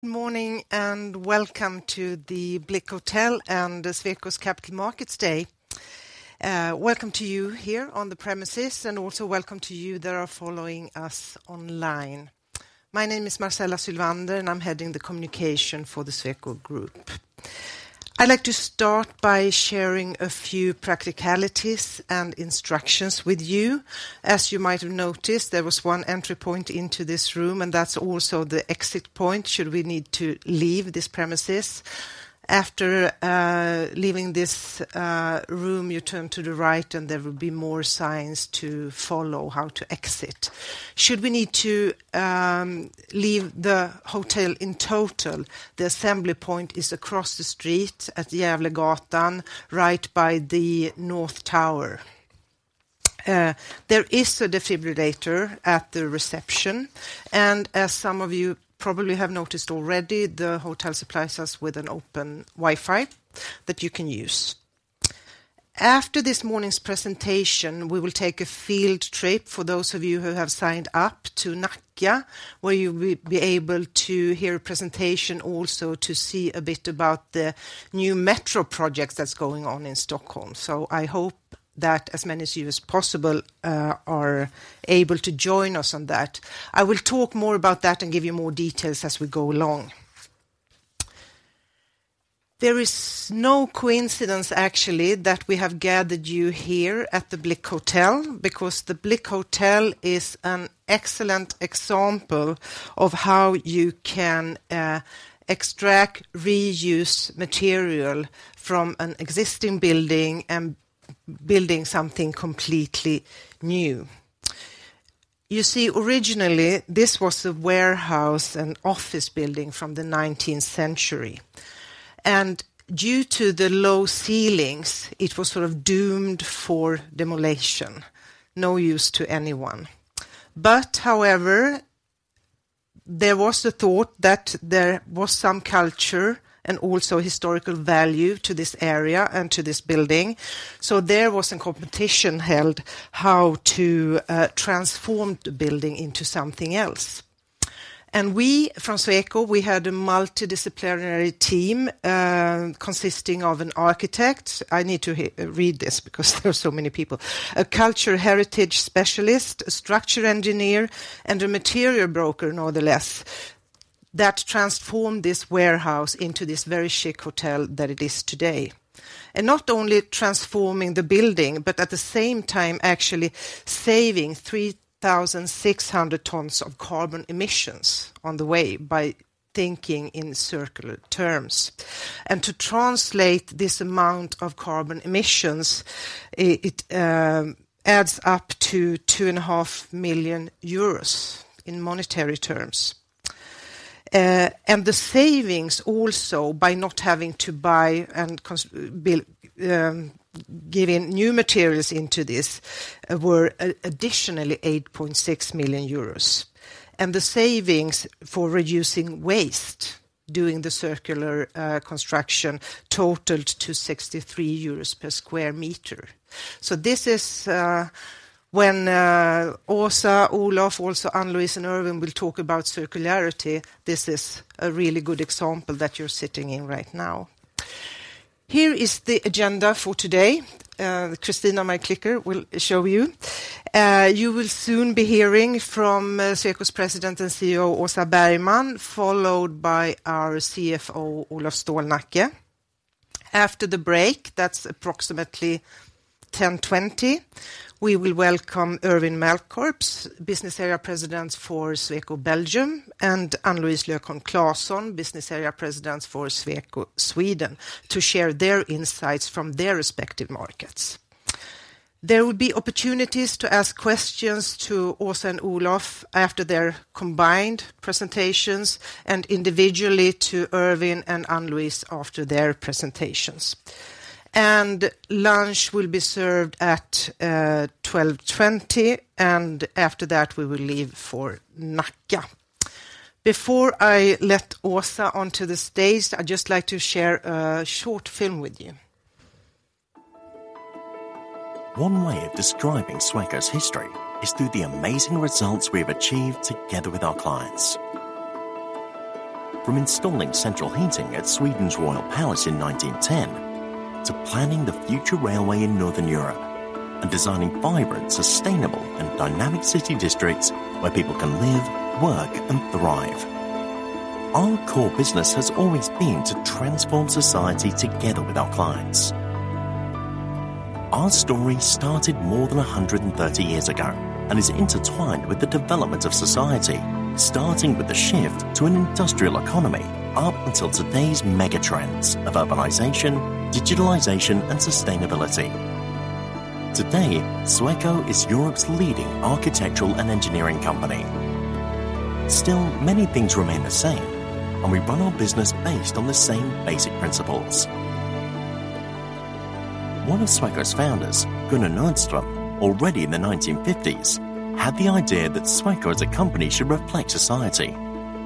Good morning, and welcome to the Blique Hotel and Sweco's Capital Markets Day. Welcome to you here on the premises, and also welcome to you that are following us online. My name is Marcela Sylvander, and I'm heading the communication for the Sweco Group. I'd like to start by sharing a few practicalities and instructions with you. As you might have noticed, there was one entry point into this room, and that's also the exit point, should we need to leave this premises. After leaving this room, you turn to the right, and there will be more signs to follow how to exit. Should we need to leave the hotel in total, the assembly point is across the street at the Gävlegatan, right by the north tower. There is a defibrillator at the reception, and as some of you probably have noticed already, the hotel supplies us with an open Wi-Fi that you can use. After this morning's presentation, we will take a field trip, for those of you who have signed up, to Nacka, where you will be able to hear a presentation, also to see a bit about the new metro project that's going on in Stockholm. So I hope that as many of you as possible are able to join us on that. I will talk more about that and give you more details as we go along. There is no coincidence, actually, that we have gathered you here at the Blique Hotel, because the Blique Hotel is an excellent example of how you can extract, reuse material from an existing building and building something completely new. You see, originally, this was a warehouse and office building from the 19th century, and due to the low ceilings, it was sort of doomed for demolition, no use to anyone. But however, there was a thought that there was some culture and also historical value to this area and to this building, so there was a competition held how to transform the building into something else. And we, from Sweco, we had a multidisciplinary team, consisting of an architect. I need to read this because there are so many people, a culture heritage specialist, a structure engineer, and a material broker, nonetheless, that transformed this warehouse into this very chic hotel that it is today. And not only transforming the building, but at the same time, actually saving 3,600 tons of carbon emissions on the way by thinking in circular terms. To translate this amount of carbon emissions, it adds up to 2.5 million euros in monetary terms. The savings also, by not having to buy and construct, getting new materials into this, were additionally 8.6 million euros, and the savings for reducing waste during the circular construction totaled to 63 euros per square meter. So this is when Åsa, Olof, also Ann-Louise and Erwin will talk about circularity, this is a really good example that you're sitting in right now. Here is the agenda for today. Christina, my clicker, will show you. You will soon be hearing from Sweco's President and CEO, Åsa Bergman, followed by our CFO, Olof Stålnacke. After the break, that's approximately 10:20 A.M., we will welcome Erwin Malcorps, Business Area President for Sweco Belgium, and Ann-Louise Lökholm Klasson, Business Area President for Sweco Sweden, to share their insights from their respective markets. There will be opportunities to ask questions to Åsa and Olof after their combined presentations, and individually to Erwin and Ann-Louise after their presentations. Lunch will be served at 12:20 P.M., and after that, we will leave for Nacka. Before I let Åsa onto the stage, I'd just like to share a short film with you. One way of describing Sweco's history is through the amazing results we have achieved together with our clients. From installing central heating at Sweden's Royal Palace in 1910, to planning the future railway in Northern Europe, and designing vibrant, sustainable, and dynamic city districts where people can live, work, and thrive. Our core business has always been to transform society together with our clients. Our story started more than 130 years ago and is intertwined with the development of society, starting with the shift to an industrial economy, up until today's mega trends of urbanization, digitalization, and sustainability. Today, Sweco is Europe's leading architectural and engineering company. Still, many things remain the same, and we run our business based on the same basic principles. One of Sweco's founders, Gunnar Nordström, already in the 1950s, had the idea that Sweco, as a company, should reflect society.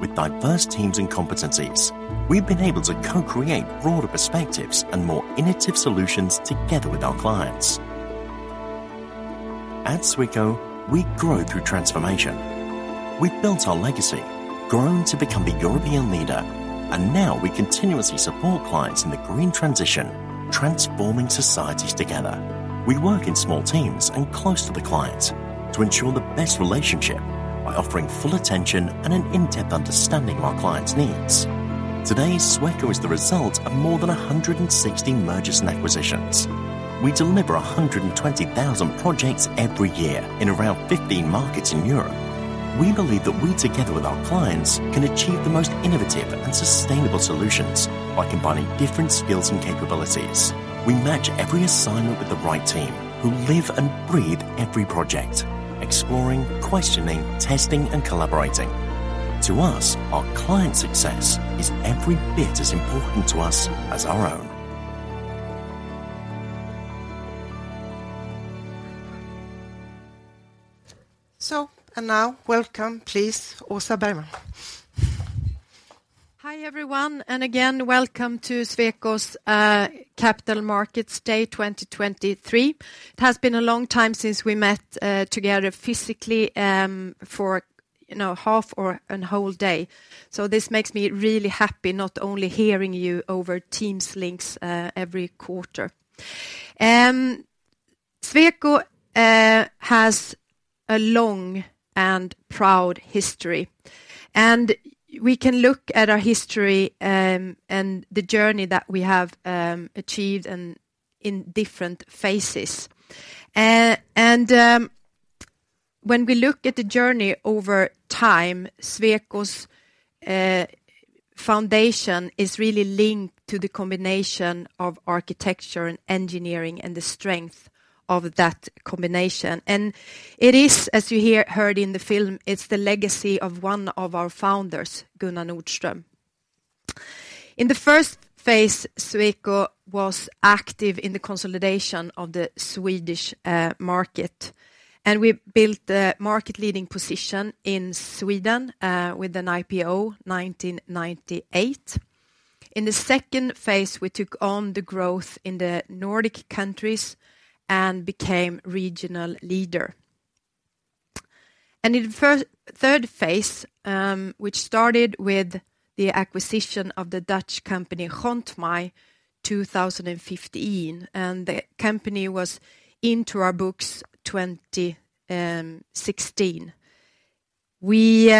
With diverse teams and competencies, we've been able to co-create broader perspectives and more innovative solutions together with our clients. At Sweco, we grow through transformation. We've built our legacy, grown to become a European leader, and now we continuously support clients in the green transition, transforming societies together. We work in small teams and close to the client to ensure the best relationship by offering full attention and an in-depth understanding of our clients' needs. Today, Sweco is the result of more than 160 mergers and acquisitions. We deliver 120,000 projects every year in around 15 markets in Europe. We believe that we, together with our clients, can achieve the most innovative and sustainable solutions by combining different skills and capabilities. We match every assignment with the right team, who live and breathe every project, exploring, questioning, testing, and collaborating. To us, our client's success is every bit as important to us as our own. So, and now, welcome, please, Åsa Bergman. Hi, everyone, and again, welcome to Sweco's Capital Markets Day 2023. It has been a long time since we met together physically for, you know, half or a whole day. So this makes me really happy, not only hearing you over Teams links every quarter. Sweco has a long and proud history, and we can look at our history and the journey that we have achieved and in different phases. When we look at the journey over time, Sweco's foundation is really linked to the combination of architecture and engineering and the strength of that combination. And it is, as you heard in the film, it's the legacy of one of our founders, Gunnar Nordström. In the first phase, Sweco was active in the consolidation of the Swedish market, and we built the market-leading position in Sweden with an IPO 1998. In the second phase, we took on the growth in the Nordic countries and became regional leader. And in the third phase, which started with the acquisition of the Dutch company, Grontmij, 2015, and the company was into our books 2016. We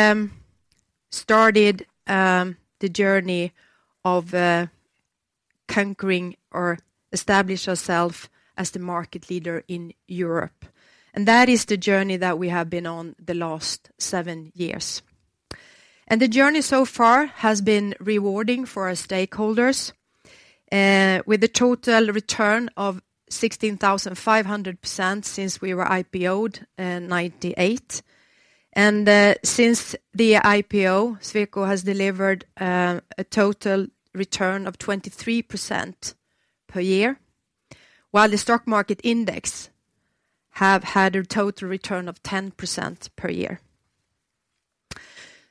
started the journey of conquering or establish ourself as the market leader in Europe, and that is the journey that we have been on the last seven years. And the journey so far has been rewarding for our stakeholders with a total return of 16,500% since we were IPO'd in 1998. Since the IPO, Sweco has delivered a total return of 23% per year, while the stock market index have had a total return of 10% per year.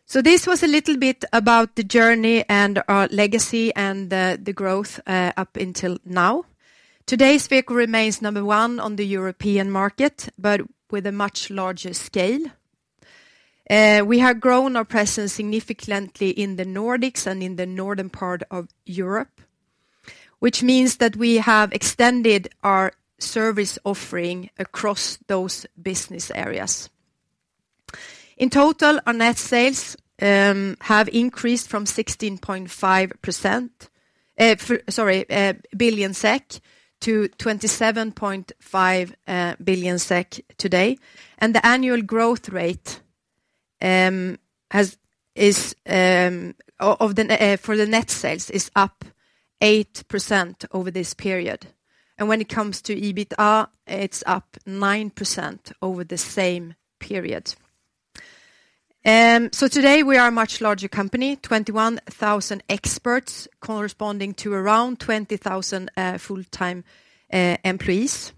So this was a little bit about the journey and our legacy and the growth up until now. Today, Sweco remains number one on the European market, but with a much larger scale. We have grown our presence significantly in the Nordics and in the Northern part of Europe, which means that we have extended our service offering across those business areas. In total, our net sales have increased from 16.5 billion SEK to 27.5 billion SEK today, and the annual growth rate for the net sales is up 8% over this period. When it comes to EBITDA, it's up 9% over the same period. So today, we are a much larger company, 21,000 experts, corresponding to around 20,000 full-time employees.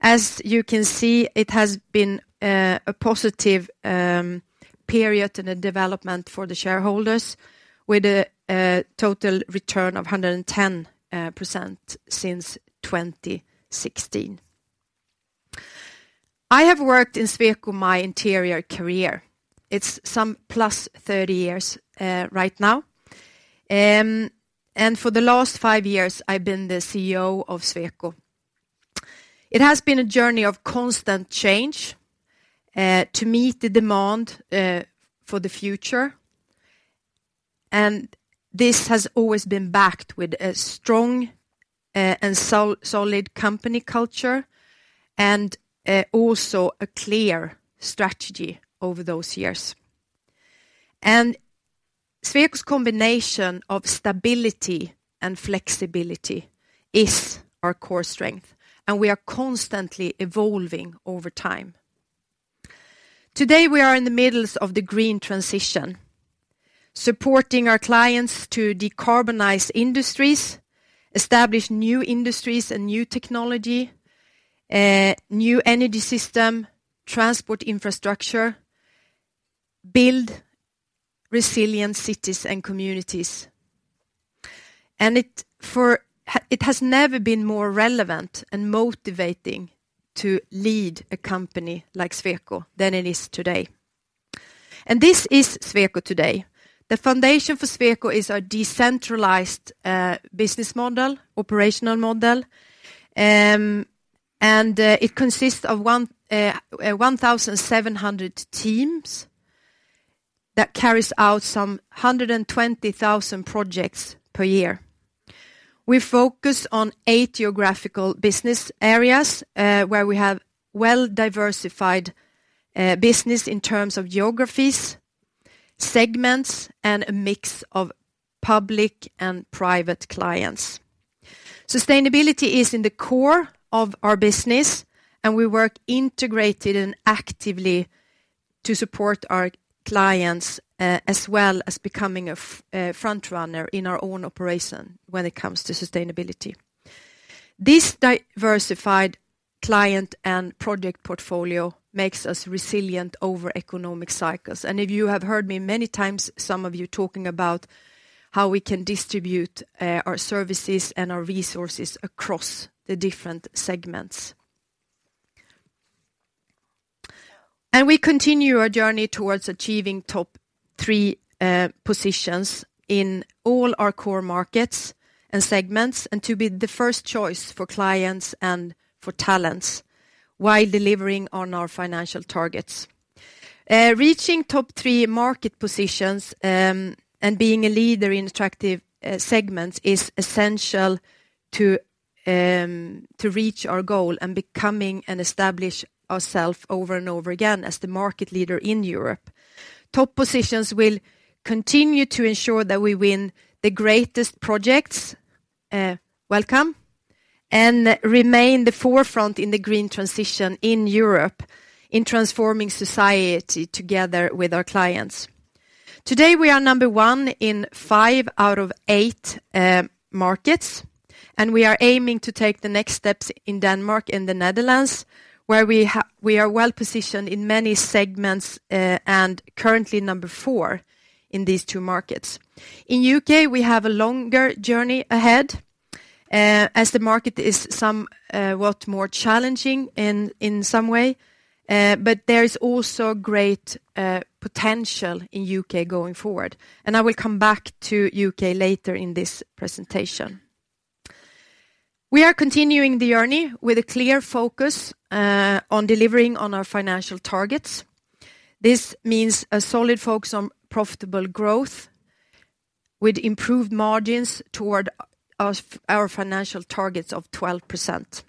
As you can see, it has been a positive period in the development for the shareholders, with a total return of 110% since 2016. I have worked in Sweco my entire career. It's some +30 years right now. And for the last five years, I've been the CEO of Sweco. It has been a journey of constant change to meet the demand for the future, and this has always been backed with a strong and solid company culture, and also a clear strategy over those years. Sweco's combination of stability and flexibility is our core strength, and we are constantly evolving over time. Today, we are in the middle of the green transition, supporting our clients to decarbonize industries, establish new industries and new technology, new energy system, transport infrastructure, build resilient cities and communities. And it has never been more relevant and motivating to lead a company like Sweco than it is today. And this is Sweco today. The foundation for Sweco is a decentralized business model, operational model. It consists of 1,700 teams that carries out some 120,000 projects per year. We focus on eight geographical business areas, where we have well-diversified business in terms of geographies, segments, and a mix of public and private clients. Sustainability is in the core of our business, and we work integrated and actively to support our clients, as well as becoming a front runner in our own operation when it comes to sustainability. This diversified client and project portfolio makes us resilient over economic cycles. If you have heard me many times, some of you talking about how we can distribute our services and our resources across the different segments. We continue our journey towards achieving top three positions in all our core markets and segments, and to be the first choice for clients and for talents, while delivering on our financial targets. Reaching top three market positions, and being a leader in attractive segments is essential to reach our goal and becoming and establish ourselves over and over again as the market leader in Europe. Top positions will continue to ensure that we win the greatest projects, welcome, and remain the forefront in the green transition in Europe, in transforming society together with our clients. Today, we are number one in five out of eight markets, and we are aiming to take the next steps in Denmark and the Netherlands, where we are well positioned in many segments, and currently number four in these two markets. In U.K., we have a longer journey ahead, as the market is somewhat more challenging in some way, but there is also great potential in U.K. going forward, and I will come back to U.K. later in this presentation. We are continuing the journey with a clear focus on delivering on our financial targets. This means a solid focus on profitable growth with improved margins toward our financial targets of 12%.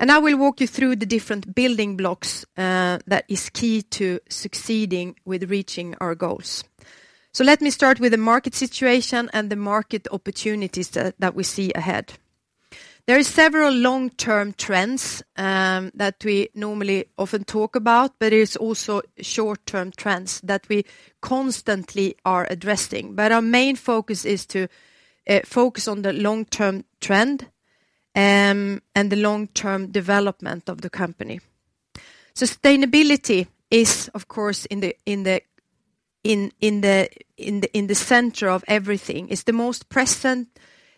I will walk you through the different building blocks that is key to succeeding with reaching our goals. Let me start with the market situation and the market opportunities that we see ahead. There are several long-term trends that we normally often talk about, but there is also short-term trends that we constantly are addressing. But our main focus is to focus on the long-term trend and the long-term development of the company. Sustainability is, of course, in the center of everything. It's the most present,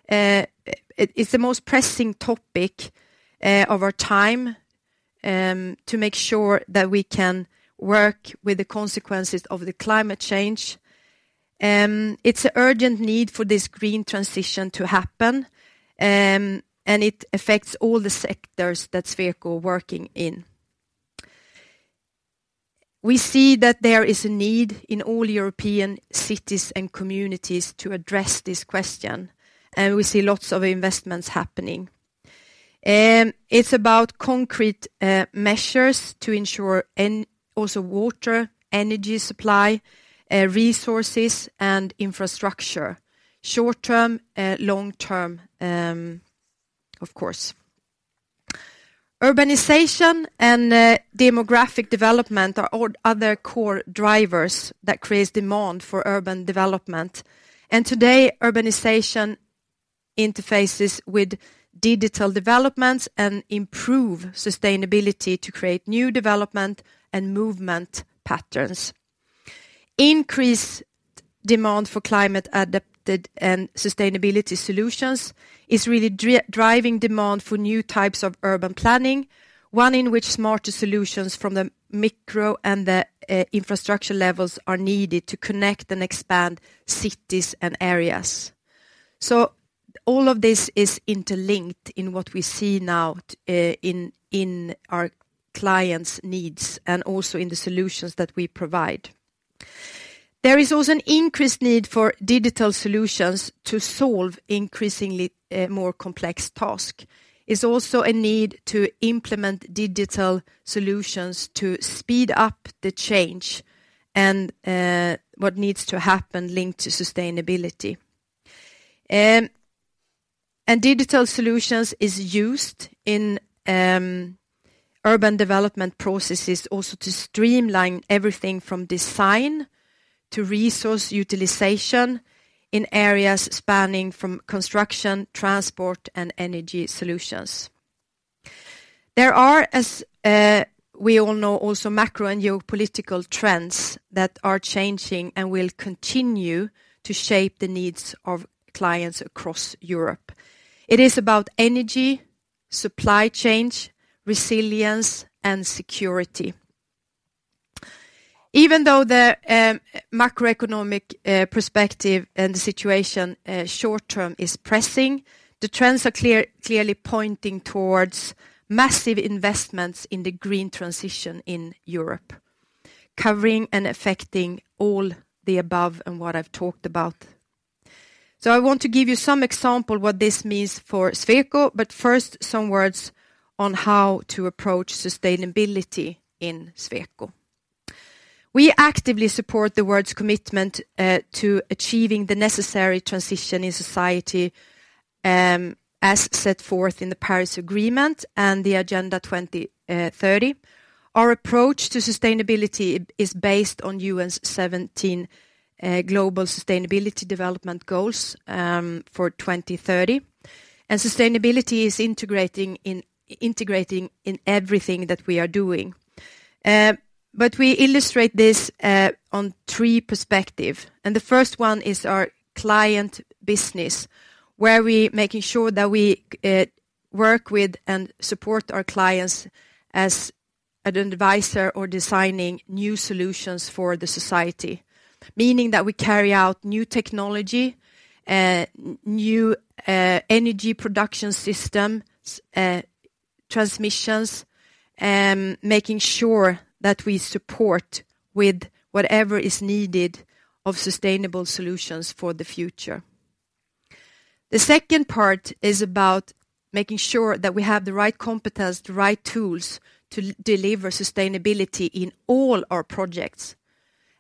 it's the most pressing topic of our time to make sure that we can work with the consequences of the climate change. It's an urgent need for this green transition to happen, and it affects all the sectors that Sweco working in. We see that there is a need in all European cities and communities to address this question, and we see lots of investments happening. It's about concrete measures to ensure also water, energy supply, resources, and infrastructure, short term, long term, of course. Urbanization and demographic development are all other core drivers that creates demand for urban development. And today, urbanization interfaces with digital developments and improve sustainability to create new development and movement patterns. Increased demand for climate-adapted and sustainability solutions is really driving demand for new types of urban planning, one in which smarter solutions from the micro and the infrastructure levels are needed to connect and expand cities and areas. So all of this is interlinked in what we see now, in our clients' needs, and also in the solutions that we provide. There is also an increased need for digital solutions to solve increasingly more complex task. It's also a need to implement digital solutions to speed up the change and what needs to happen linked to sustainability. And digital solutions is used in urban development processes also to streamline everything from design to resource utilization in areas spanning from construction, transport, and energy solutions. There are, as we all know, also macro and geopolitical trends that are changing and will continue to shape the needs of clients across Europe. It is about energy, supply chain, resilience, and security. Even though the macroeconomic perspective and the situation short term is pressing, the trends are clearly pointing towards massive investments in the green transition in Europe, covering and affecting all the above and what I've talked about. So I want to give you some example what this means for Sweco, but first, some words on how to approach sustainability in Sweco. We actively support the world's commitment to achieving the necessary transition in society as set forth in the Paris Agreement and the Agenda 2030. Our approach to sustainability is based on UN's 17 global sustainability development goals for 2030, and sustainability is integrating in everything that we are doing. But we illustrate this on three perspective, and the first one is our client business, where we making sure that we work with and support our clients as an advisor or designing new solutions for the society. Meaning that we carry out new technology, new energy production system, transmissions, making sure that we support with whatever is needed of sustainable solutions for the future. The second part is about making sure that we have the right competence, the right tools, to deliver sustainability in all our projects,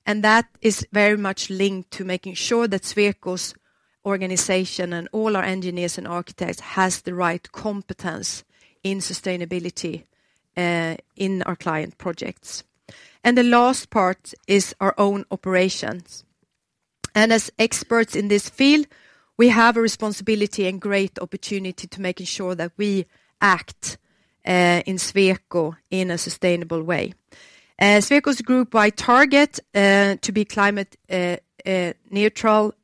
and that is very much linked to making sure that Sweco's organization and all our engineers and architects has the right competence in sustainability in our client projects. And the last part is our own operations. As experts in this field, we have a responsibility and great opportunity to making sure that we act in Sweco in a sustainable way. Sweco's group-wide target to be climate neutral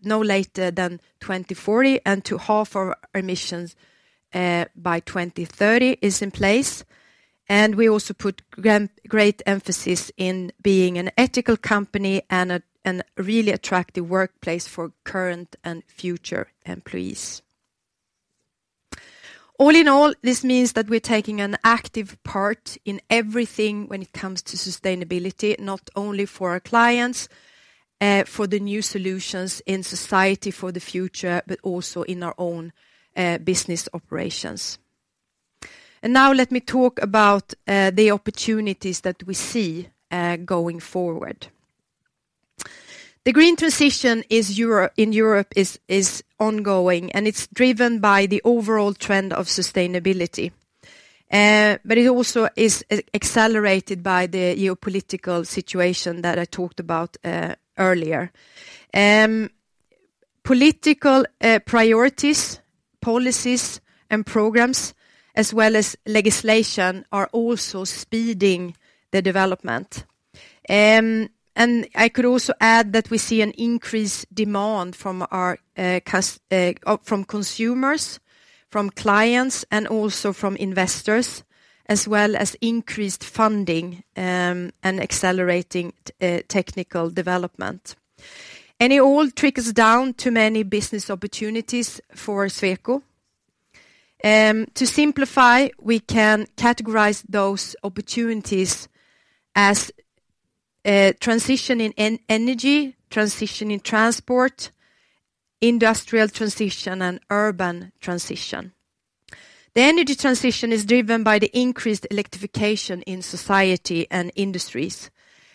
no later than 2040, and to halve our emissions by 2030, is in place. And we also put great emphasis in being an ethical company and a really attractive workplace for current and future employees. All in all, this means that we're taking an active part in everything when it comes to sustainability, not only for our clients for the new solutions in society for the future, but also in our own business operations. And now let me talk about the opportunities that we see going forward. The green transition in Europe is ongoing, and it's driven by the overall trend of sustainability, but it also is accelerated by the geopolitical situation that I talked about earlier. Political priorities, policies, and programs, as well as legislation, are also speeding the development. And I could also add that we see an increased demand from our from consumers, from clients, and also from investors, as well as increased funding, and accelerating technical development. And it all trickles down to many business opportunities for Sweco. To simplify, we can categorize those opportunities as transition in energy, transition in transport, industrial transition, and urban transition. The energy transition is driven by the increased electrification in society and industries,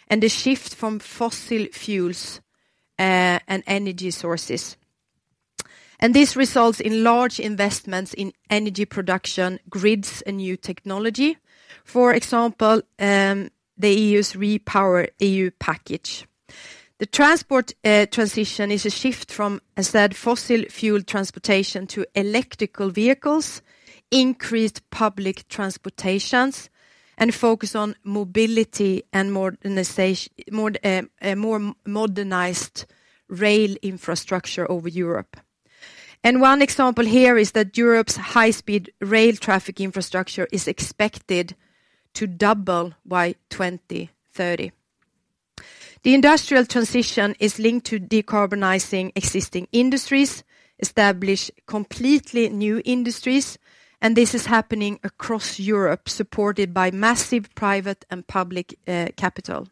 and the shift from fossil fuels and energy sources. This results in large investments in energy production, grids, and new technology. For example, the EU's REPowerEU package. The transport transition is a shift from fossil fuel transportation to electrical vehicles, increased public transportations, and focus on mobility and modernization, more modernized rail infrastructure over Europe. One example here is that Europe's high-speed rail traffic infrastructure is expected to double by 2030. The industrial transition is linked to decarbonizing existing industries, establish completely new industries, and this is happening across Europe, supported by massive private and public capital.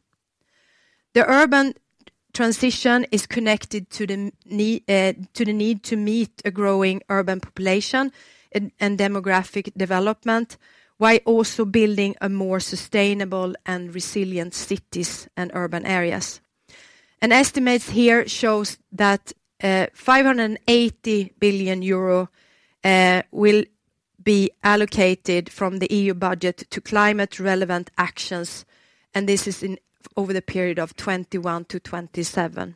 The urban transition is connected to the need to meet a growing urban population and demographic development, while also building a more sustainable and resilient cities and urban areas. Estimates here shows that 580 billion euro will be allocated from the EU budget to climate-relevant actions, and this is over the period of 2021-2027.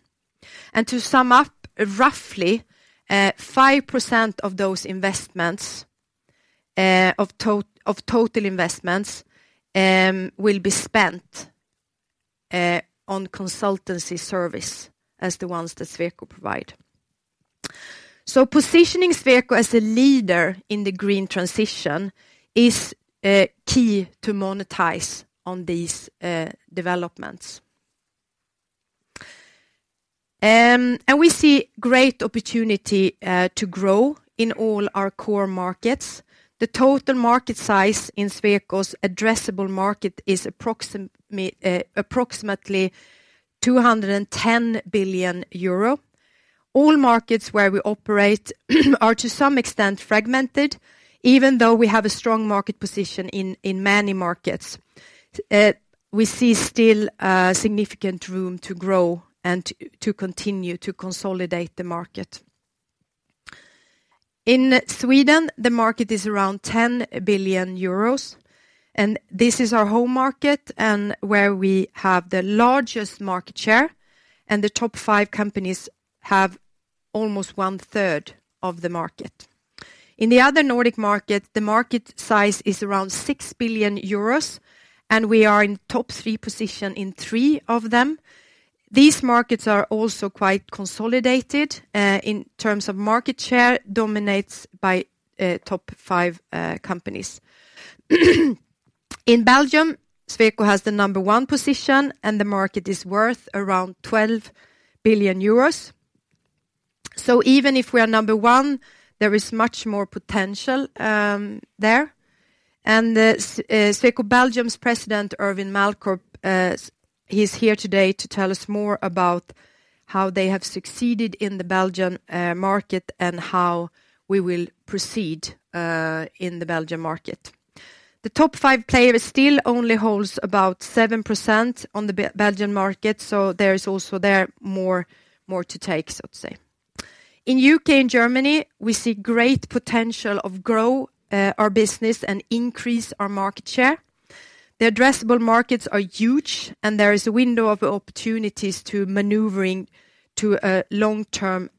To sum up, roughly, 5% of those investments, of total investments, will be spent on consultancy service as the ones that Sweco provide. So positioning Sweco as a leader in the Green transition is key to monetize on these developments. And we see great opportunity to grow in all our core markets. The total market size in Sweco's addressable market is approximately 210 billion euro. All markets where we operate are to some extent fragmented, even though we have a strong market position in many markets. We see still a significant room to grow and to continue to consolidate the market. In Sweden, the market is around 10 billion euros, and this is our home market, and where we have the largest market share, and the top five companies have almost one third of the market. In the other Nordic market, the market size is around 6 billion euros, and we are in top three position in three of them. These markets are also quite consolidated in terms of market share, dominates by top five companies. In Belgium, Sweco has the number one position, and the market is worth around 12 billion euros. So even if we are number one, there is much more potential there. Sweco Belgium's President, Erwin Malcorps, he's here today to tell us more about how they have succeeded in the Belgian market, and how we will proceed in the Belgian market. The top five player still only holds about 7% on the Belgian market, so there is also more to take, so to say. In U.K. and Germany, we see great potential of grow our business and increase our market share. The addressable markets are huge, and there is a window of opportunities to maneuvering to long-term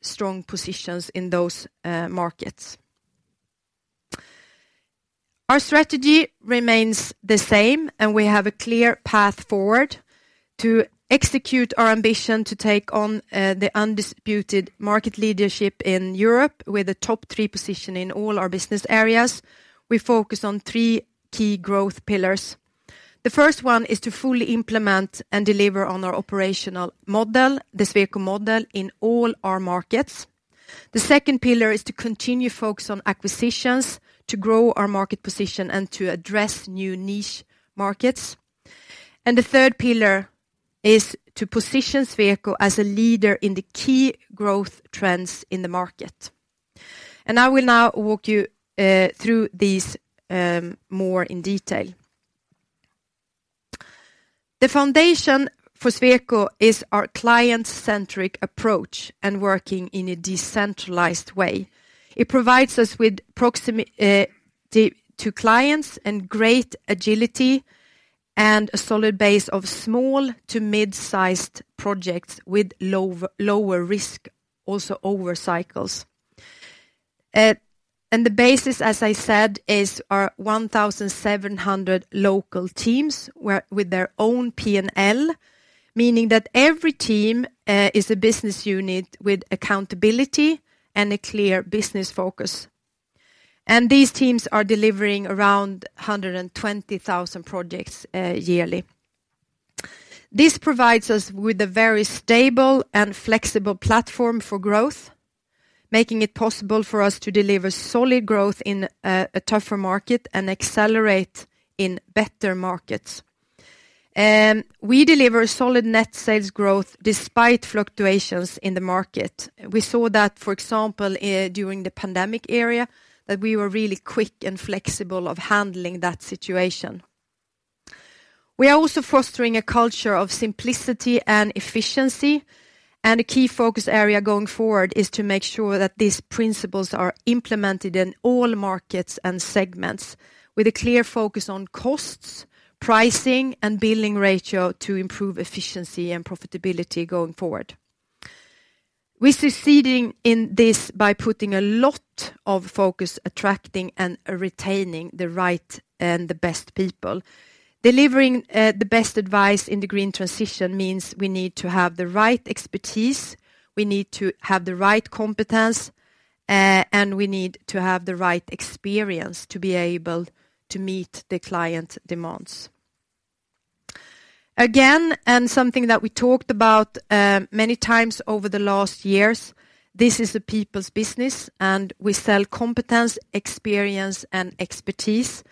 strong positions in those markets. Our strategy remains the same, and we have a clear path forward to execute our ambition to take on the undisputed market leadership in Europe with a top three position in all our business areas. We focus on three key growth pillars. The first one is to fully implement and deliver on our operational model, the Sweco model, in all our markets. The second pillar is to continue focus on acquisitions, to grow our market position and to address new niche markets. The third pillar is to position Sweco as a leader in the key growth trends in the market. I will now walk you through these more in detail. The foundation for Sweco is our client-centric approach and working in a decentralized way. It provides us with proximity to clients and great agility, and a solid base of small to mid-sized projects with lower risk, also over cycles. The basis, as I said, is our 1,700 local teams with their own P&L, meaning that every team is a business unit with accountability and a clear business focus. These teams are delivering around 120,000 projects yearly. This provides us with a very stable and flexible platform for growth, making it possible for us to deliver solid growth in a tougher market and accelerate in better markets. We deliver solid net sales growth despite fluctuations in the market. We saw that, for example, during the pandemic era, that we were really quick and flexible in handling that situation. We are also fostering a culture of simplicity and efficiency, and a key focus area going forward is to make sure that these principles are implemented in all markets and segments, with a clear focus on costs, pricing, and billing ratio to improve efficiency and profitability going forward. We're succeeding in this by putting a lot of focus, attracting and retaining the right and the best people. Delivering the best advice in the green transition means we need to have the right expertise, we need to have the right competence, and we need to have the right experience to be able to meet the client demands. Again, and something that we talked about many times over the last years, this is a people's business, and we sell competence, experience, and expertise,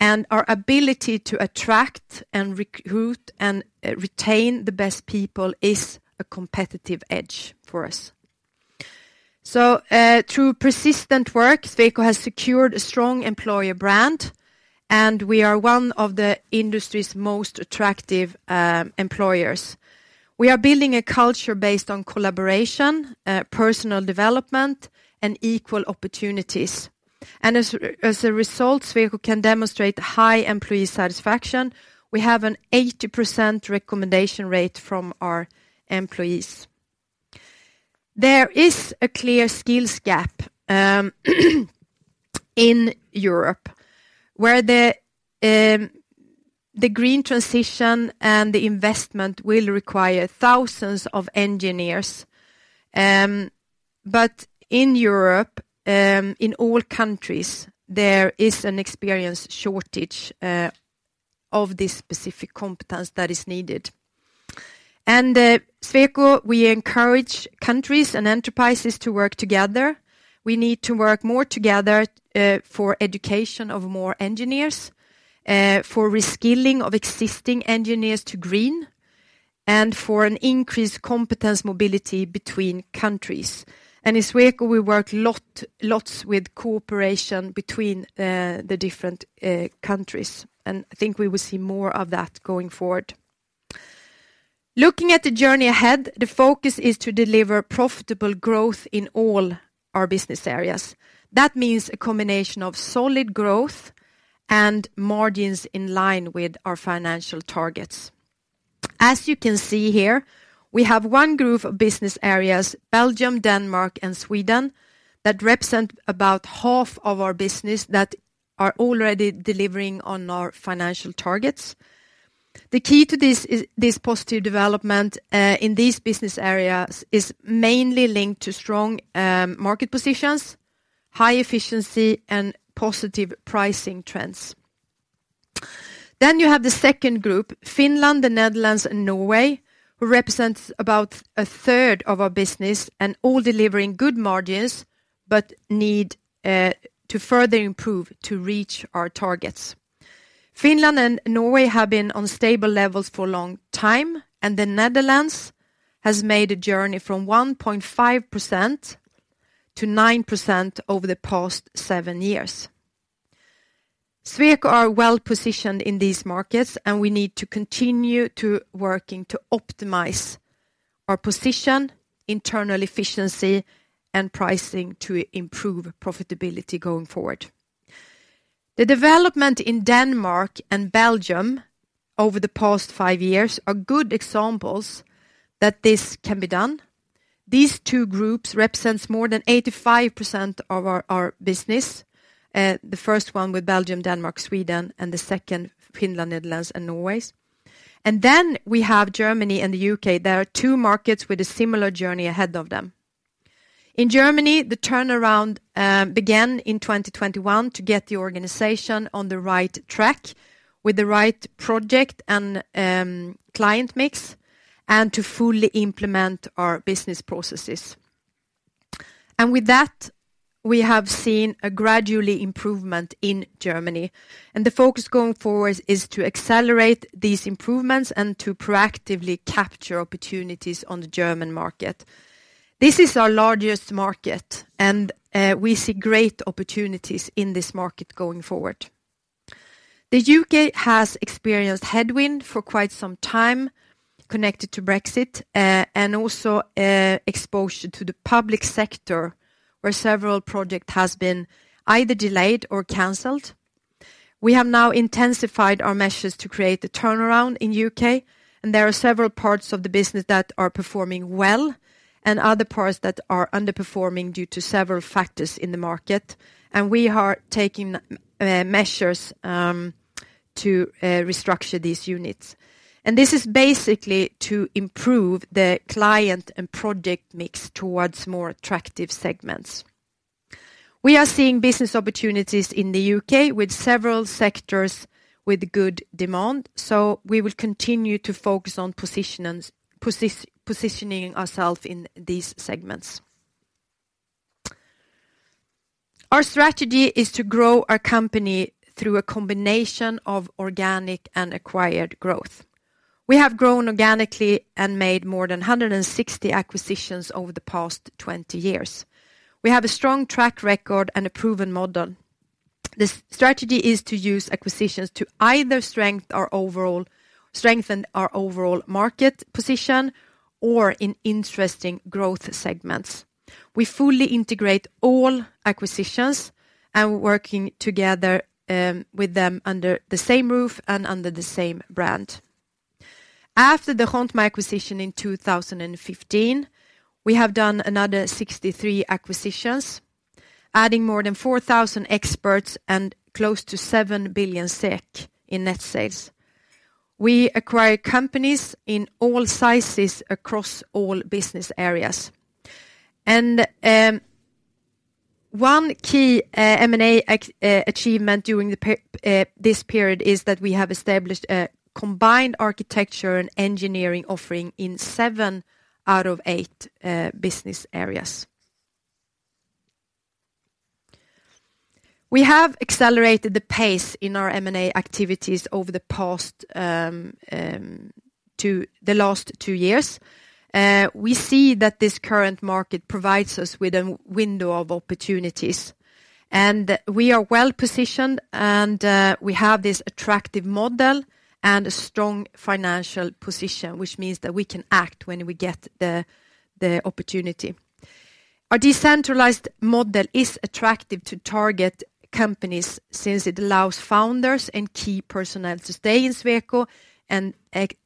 and our ability to attract and recruit and retain the best people is a competitive edge for us. So through persistent work, Sweco has secured a strong employer brand, and we are one of the industry's most attractive employers. We are building a culture based on collaboration, personal development, and equal opportunities. And as a result, Sweco can demonstrate high employee satisfaction. We have an 80% recommendation rate from our employees. There is a clear skills gap in Europe, where the green transition and the investment will require thousands of engineers. But in Europe, in all countries, there is an experience shortage of this specific competence that is needed. And Sweco, we encourage countries and enterprises to work together. We need to work more together for education of more engineers, for reskilling of existing engineers to green, and for an increased competence mobility between countries. And in Sweco, we work lots with cooperation between the different countries, and I think we will see more of that going forward. Looking at the journey ahead, the focus is to deliver profitable growth in all our business areas. That means a combination of solid growth and margins in line with our financial targets. As you can see here, we have one group of business areas, Belgium, Denmark and Sweden, that represent about half of our business that are already delivering on our financial targets. The key to this is, this positive development in these business areas is mainly linked to strong market positions, high efficiency, and positive pricing trends. Then you have the second group, Finland, the Netherlands, and Norway, who represents about a third of our business, and all delivering good margins, but need to further improve to reach our targets. Finland and Norway have been on stable levels for a long time, and the Netherlands has made a journey from 1.5% to 9% over the past seven years. Sweco are well positioned in these markets, and we need to continue to working to optimize our position, internal efficiency, and pricing to improve profitability going forward. The development in Denmark and Belgium over the past five years are good examples that this can be done. These two groups represents more than 85% of our, our business, the first one with Belgium, Denmark, Sweden, and the second, Finland, Netherlands, and Norway. And then we have Germany and the U.K. There are two markets with a similar journey ahead of them. In Germany, the turnaround, began in 2021 to get the organization on the right track with the right project and, client mix, and to fully implement our business processes. And with that, we have seen a gradual improvement in Germany, and the focus going forward is to accelerate these improvements and to proactively capture opportunities on the German market. This is our largest market, and we see great opportunities in this market going forward. The U.K. has experienced headwind for quite some time connected to Brexit, and also exposure to the public sector, where several projects have been either delayed or canceled. We have now intensified our measures to create the turnaround in U.K., and there are several parts of the business that are performing well, and other parts that are underperforming due to several factors in the market, and we are taking measures to restructure these units. And this is basically to improve the client and project mix towards more attractive segments. We are seeing business opportunities in the U.K. with several sectors with good demand, so we will continue to focus on positioning ourself in these segments. Our strategy is to grow our company through a combination of organic and acquired growth. We have grown organically and made more than 160 acquisitions over the past 20 years. We have a strong track record and a proven model. The strategy is to use acquisitions to either strengthen our overall market position or in interesting growth segments. We fully integrate all acquisitions and working together with them under the same roof and under the same brand. After the Grontmij acquisition in 2015, we have done another 63 acquisitions, adding more than 4,000 experts and close to 7 billion SEK in net sales. We acquire companies in all sizes across all business areas. One key M&A achievement during this period is that we have established a combined architecture and engineering offering in seven out of eight business areas. We have accelerated the pace in our M&A activities over the past two years. We see that this current market provides us with a window of opportunities, and we are well positioned, and we have this attractive model and a strong financial position, which means that we can act when we get the opportunity. Our decentralized model is attractive to target companies since it allows founders and key personnel to stay in Sweco and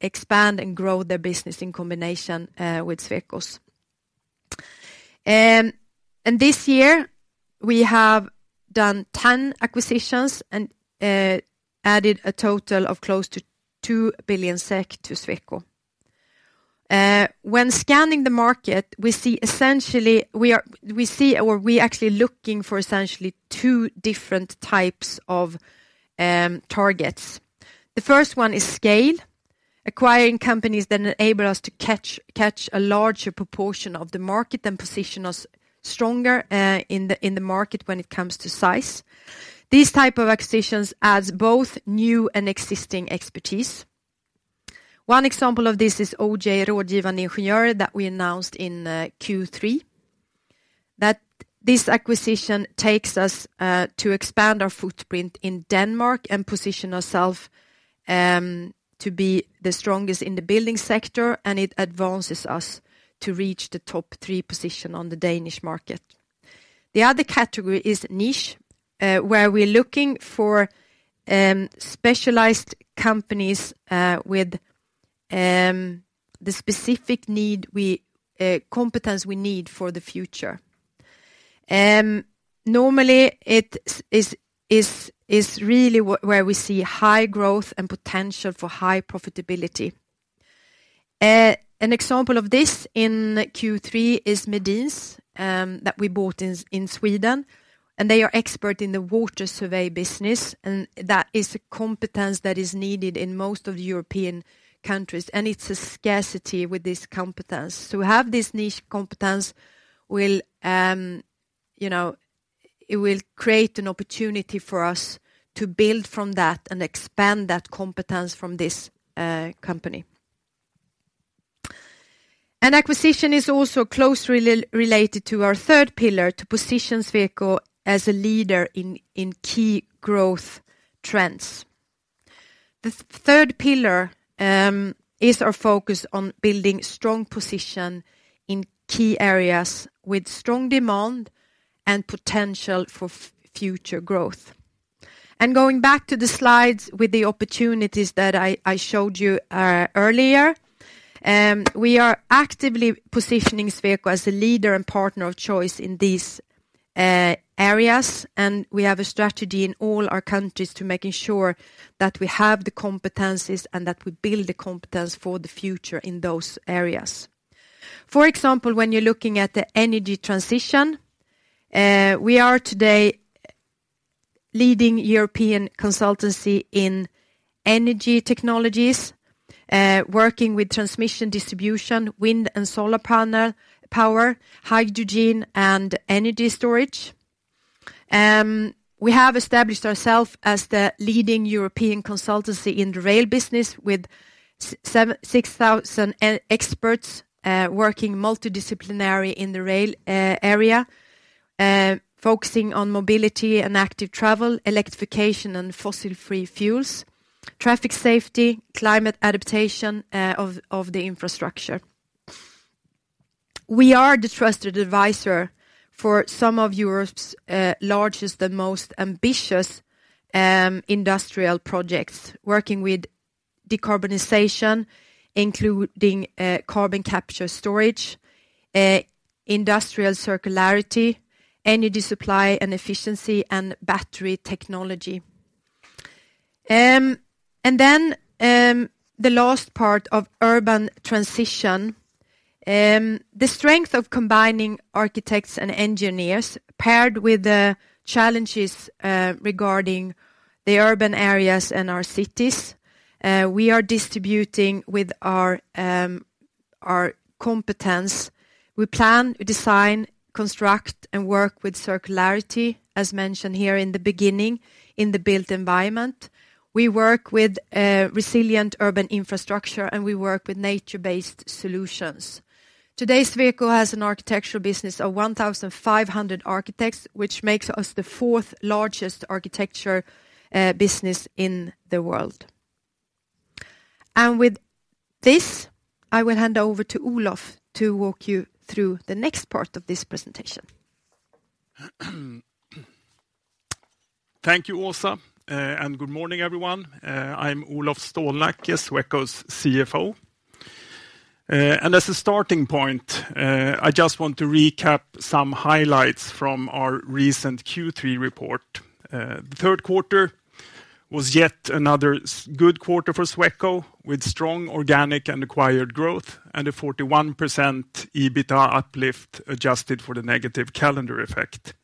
expand and grow their business in combination with Sweco's. And this year, we have done 10 acquisitions and added a total of close to 2 billion SEK to Sweco. When scanning the market, we see essentially we're actually looking for essentially two different types of targets. The first one is scale: acquiring companies that enable us to catch a larger proportion of the market and position us stronger in the market when it comes to size. These type of acquisitions adds both new and existing expertise. One example of this is OJ Rådgivende Ingeniører that we announced in Q3. This acquisition takes us to expand our footprint in Denmark and position ourself to be the strongest in the building sector, and it advances us to reach the top three position on the Danish market. The other category is niche, where we're looking for specialized companies with the specific competence we need for the future. Normally, it is really where we see high growth and potential for high profitability. An example of this in Q3 is Medins, that we bought in Sweden, and they are expert in the water survey business, and that is a competence that is needed in most of European countries, and it's a scarcity with this competence. To have this niche competence will, you know, it will create an opportunity for us to build from that and expand that competence from this company. An acquisition is also closely related to our third pillar, to position Sweco as a leader in key growth trends. The third pillar is our focus on building strong position in key areas with strong demand and potential for future growth. Going back to the slides with the opportunities that I showed you earlier, we are actively positioning Sweco as a leader and partner of choice in these areas, and we have a strategy in all our countries to making sure that we have the competencies and that we build the competence for the future in those areas. For example, when you're looking at the energy transition, we are today leading European consultancy in energy technologies, working with transmission, distribution, wind and solar panel power, hydrogen, and energy storage. We have established ourselves as the leading European consultancy in the rail business with 6,000 experts, working multidisciplinary in the rail area, focusing on mobility and active travel, electrification and fossil-free fuels, traffic safety, climate adaptation of the infrastructure. We are the trusted advisor for some of Europe's largest and most ambitious industrial projects, working with decarbonization, including carbon capture storage, industrial circularity, energy supply and efficiency, and battery technology. And then, the last part of urban transition, the strength of combining architects and engineers, paired with the challenges regarding the urban areas and our cities, we are distributing with our competence. We plan, design, construct, and work with circularity, as mentioned here in the beginning, in the built environment. We work with resilient urban infrastructure, and we work with nature-based solutions. Today, Sweco has an architectural business of 1,500 architects, which makes us the fourth largest architecture business in the world. And with this, I will hand over to Olof to walk you through the next part of this presentation. Thank you, Åsa, and good morning, everyone. I'm Olof Stålnacke, Sweco's CFO. And as a starting point, I just want to recap some highlights from our recent Q3 report. The third quarter was yet another good quarter for Sweco, with strong organic and acquired growth, and a 41% EBITDA uplift, adjusted for the negative calendar effect.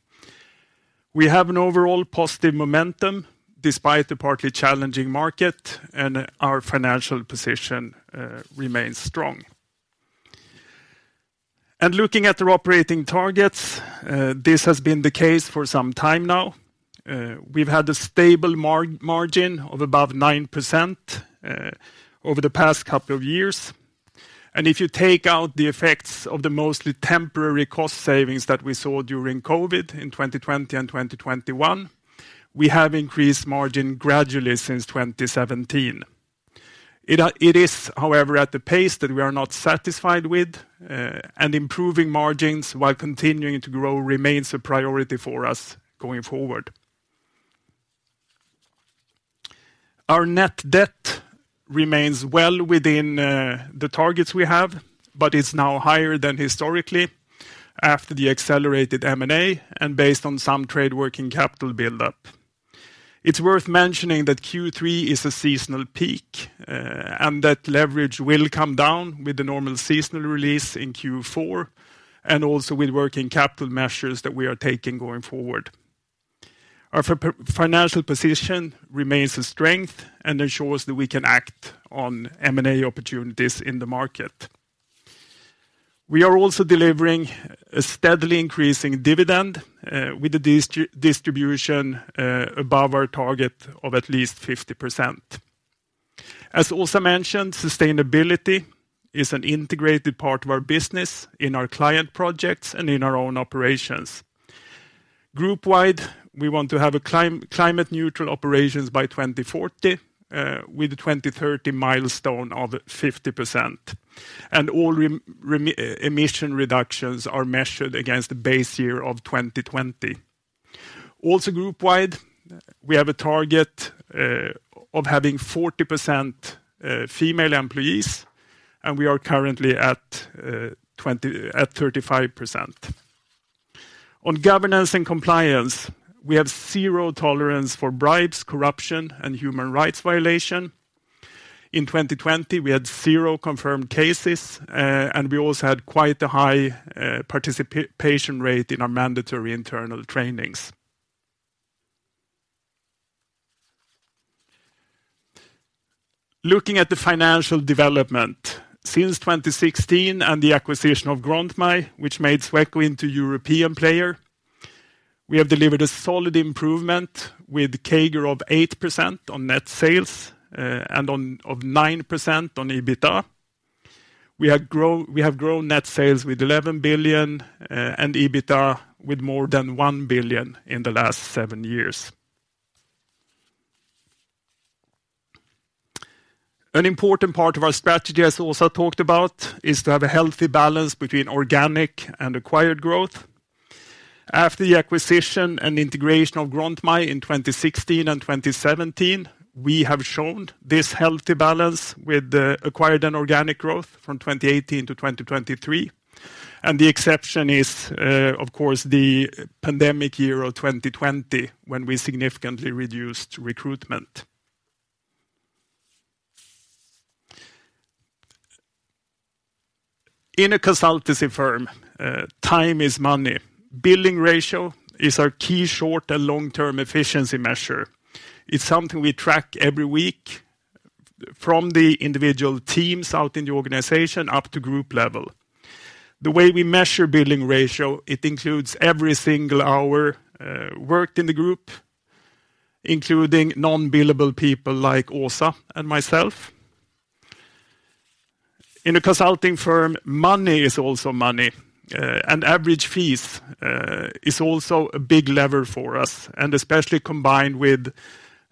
We have an overall positive momentum, despite the partly challenging market, and our financial position remains strong. Looking at our operating targets, this has been the case for some time now. We've had a stable margin of above 9%, over the past couple of years, and if you take out the effects of the mostly temporary cost savings that we saw during COVID in 2020 and 2021, we have increased margin gradually since 2017. It is, however, at the pace that we are not satisfied with, and improving margins while continuing to grow remains a priority for us going forward. Our net debt remains well within the targets we have, but is now higher than historically after the accelerated M&A and based on some trade working capital buildup. It's worth mentioning that Q3 is a seasonal peak, and that leverage will come down with the normal seasonal release in Q4, and also with working capital measures that we are taking going forward. Our financial position remains a strength and ensures that we can act on M&A opportunities in the market. We are also delivering a steadily increasing dividend with the distribution above our target of at least 50%. As also mentioned, sustainability is an integrated part of our business in our client projects and in our own operations. Group-wide, we want to have a climate neutral operations by 2040, with a 2030 milestone of 50%, and all emission reductions are measured against the base year of 2020. Also, group-wide, we have a target of having 40% female employees, and we are currently at 35%. On governance and compliance, we have zero tolerance for bribes, corruption, and human rights violation. In 2020, we had zero confirmed cases, and we also had quite a high participation rate in our mandatory internal trainings. Looking at the financial development, since 2016 and the acquisition of Grontmij, which made Sweco into a European player, we have delivered a solid improvement with CAGR of 8% on net sales, and of 9% on EBITDA. We have grown net sales with 11 billion, and EBITDA with more than 1 billion in the last seven years. An important part of our strategy, as also talked about, is to have a healthy balance between organic and acquired growth. After the acquisition and integration of Grontmij in 2016 and 2017, we have shown this healthy balance with the acquired and organic growth from 2018 to 2023, and the exception is, of course, the pandemic year of 2020, when we significantly reduced recruitment. In a consultancy firm, time is money. Billing ratio is our key short and long-term efficiency measure. It's something we track every week from the individual teams out in the organization up to group level. The way we measure billing ratio, it includes every single hour worked in the group, including non-billable people like Åsa and myself. In a consulting firm, money is also money, and average fees is also a big lever for us, and especially combined with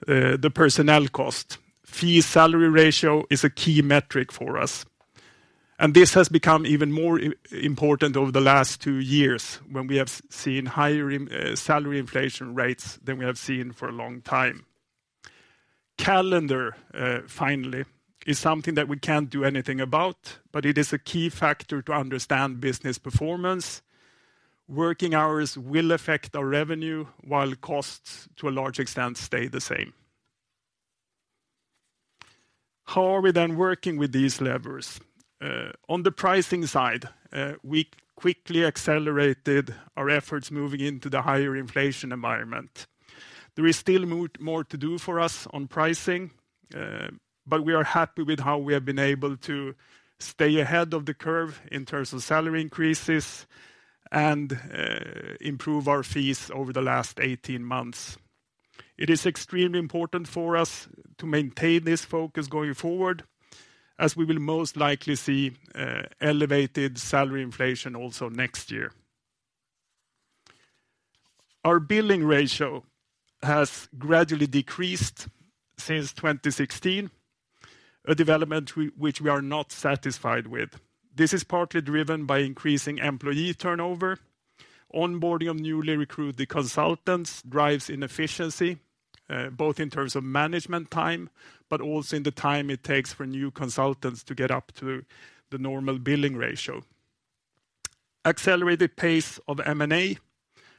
the personnel cost. Fee-salary ratio is a key metric for us, and this has become even more important over the last two years, when we have seen higher in salary inflation rates than we have seen for a long time. Calendar, finally, is something that we can't do anything about, but it is a key factor to understand business performance. Working hours will affect our revenue, while costs, to a large extent, stay the same. How are we then working with these levers? On the pricing side, we quickly accelerated our efforts moving into the higher inflation environment. There is still more to do for us on pricing, but we are happy with how we have been able to stay ahead of the curve in terms of salary increases and improve our fees over the last 18 months. It is extremely important for us to maintain this focus going forward, as we will most likely see elevated salary inflation also next year. Our billing ratio has gradually decreased since 2016, a development we, which we are not satisfied with. This is partly driven by increasing employee turnover. Onboarding of newly recruited consultants drives inefficiency, both in terms of management time, but also in the time it takes for new consultants to get up to the normal billing ratio. Accelerated pace of M&A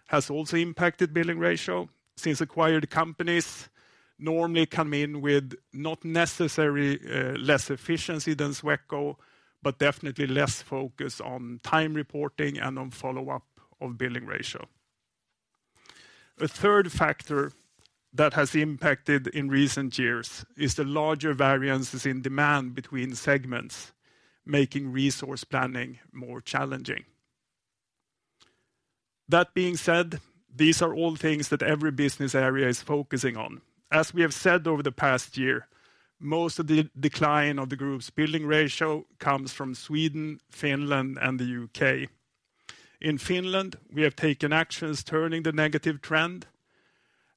has also impacted billing ratio, since acquired companies normally come in with not necessary, less efficiency than Sweco, but definitely less focus on time reporting and on follow-up of billing ratio. A third factor that has impacted in recent years is the larger variances in demand between segments, making resource planning more challenging. That being said, these are all things that every business area is focusing on. As we have said over the past year, most of the decline of the group's billing ratio comes from Sweden, Finland, and the U.K. In Finland, we have taken actions turning the negative trend,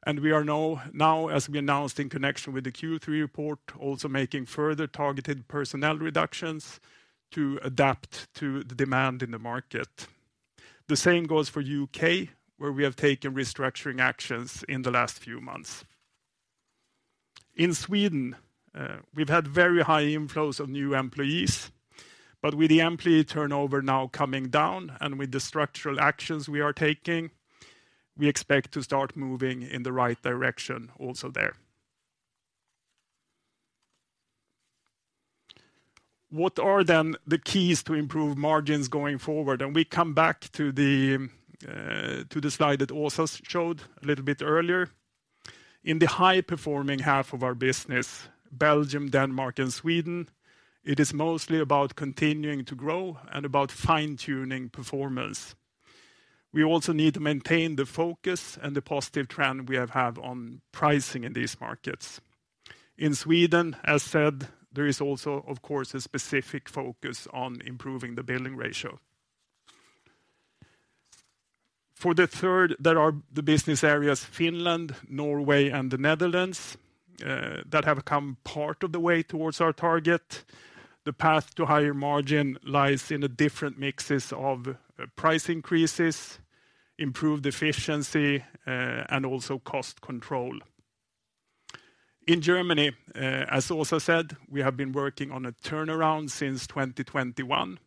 and we are now, as we announced in connection with the Q3 report, also making further targeted personnel reductions to adapt to the demand in the market. The same goes for U.K., where we have taken restructuring actions in the last few months. In Sweden, we've had very high inflows of new employees, but with the employee turnover now coming down and with the structural actions we are taking, we expect to start moving in the right direction also there. What are then the keys to improve margins going forward? We come back to the slide that also showed a little bit earlier. In the high-performing half of our business, Belgium, Denmark, and Sweden, it is mostly about continuing to grow and about fine-tuning performance. We also need to maintain the focus and the positive trend we have had on pricing in these markets. In Sweden, as said, there is also, of course, a specific focus on improving the billing ratio. For the third, there are the business areas, Finland, Norway, and the Netherlands, that have come part of the way towards our target. The path to higher margin lies in the different mixes of price increases, improved efficiency, and also cost control. In Germany, as also said, we have been working on a turnaround since 2021,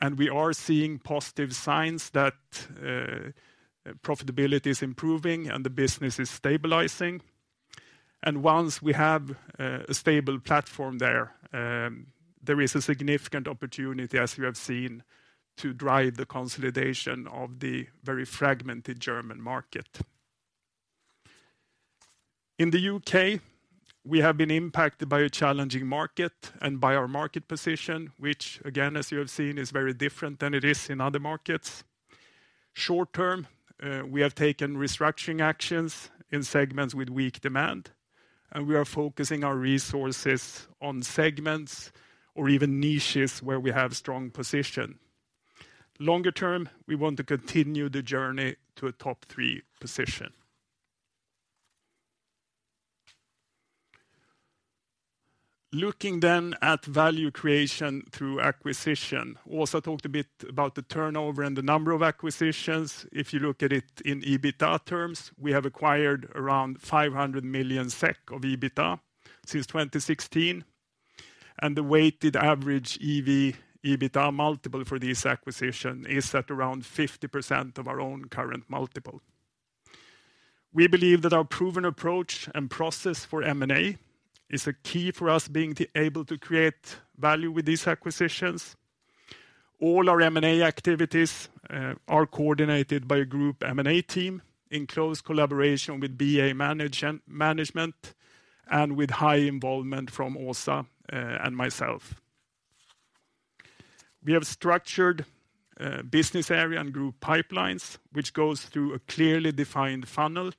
and we are seeing positive signs that profitability is improving and the business is stabilizing. And once we have a stable platform there, there is a significant opportunity, as you have seen, to drive the consolidation of the very fragmented German market. In the U.K., we have been impacted by a challenging market and by our market position, which again, as you have seen, is very different than it is in other markets. Short term, we have taken restructuring actions in segments with weak demand, and we are focusing our resources on segments or even niches where we have strong position. Longer term, we want to continue the journey to a top three position. Looking then at value creation through acquisition. Also talked a bit about the turnover and the number of acquisitions. If you look at it in EBITDA terms, we have acquired around 500 million SEK of EBITDA since 2016, and the weighted average EV/EBITDA multiple for this acquisition is at around 50% of our own current multiple. We believe that our proven approach and process for M&A is a key for us being able to create value with these acquisitions. All our M&A activities are coordinated by a group M&A team in close collaboration with BA management and with high involvement from Åsa and myself. We have structured business area and group pipelines, which goes through a clearly defined funnel.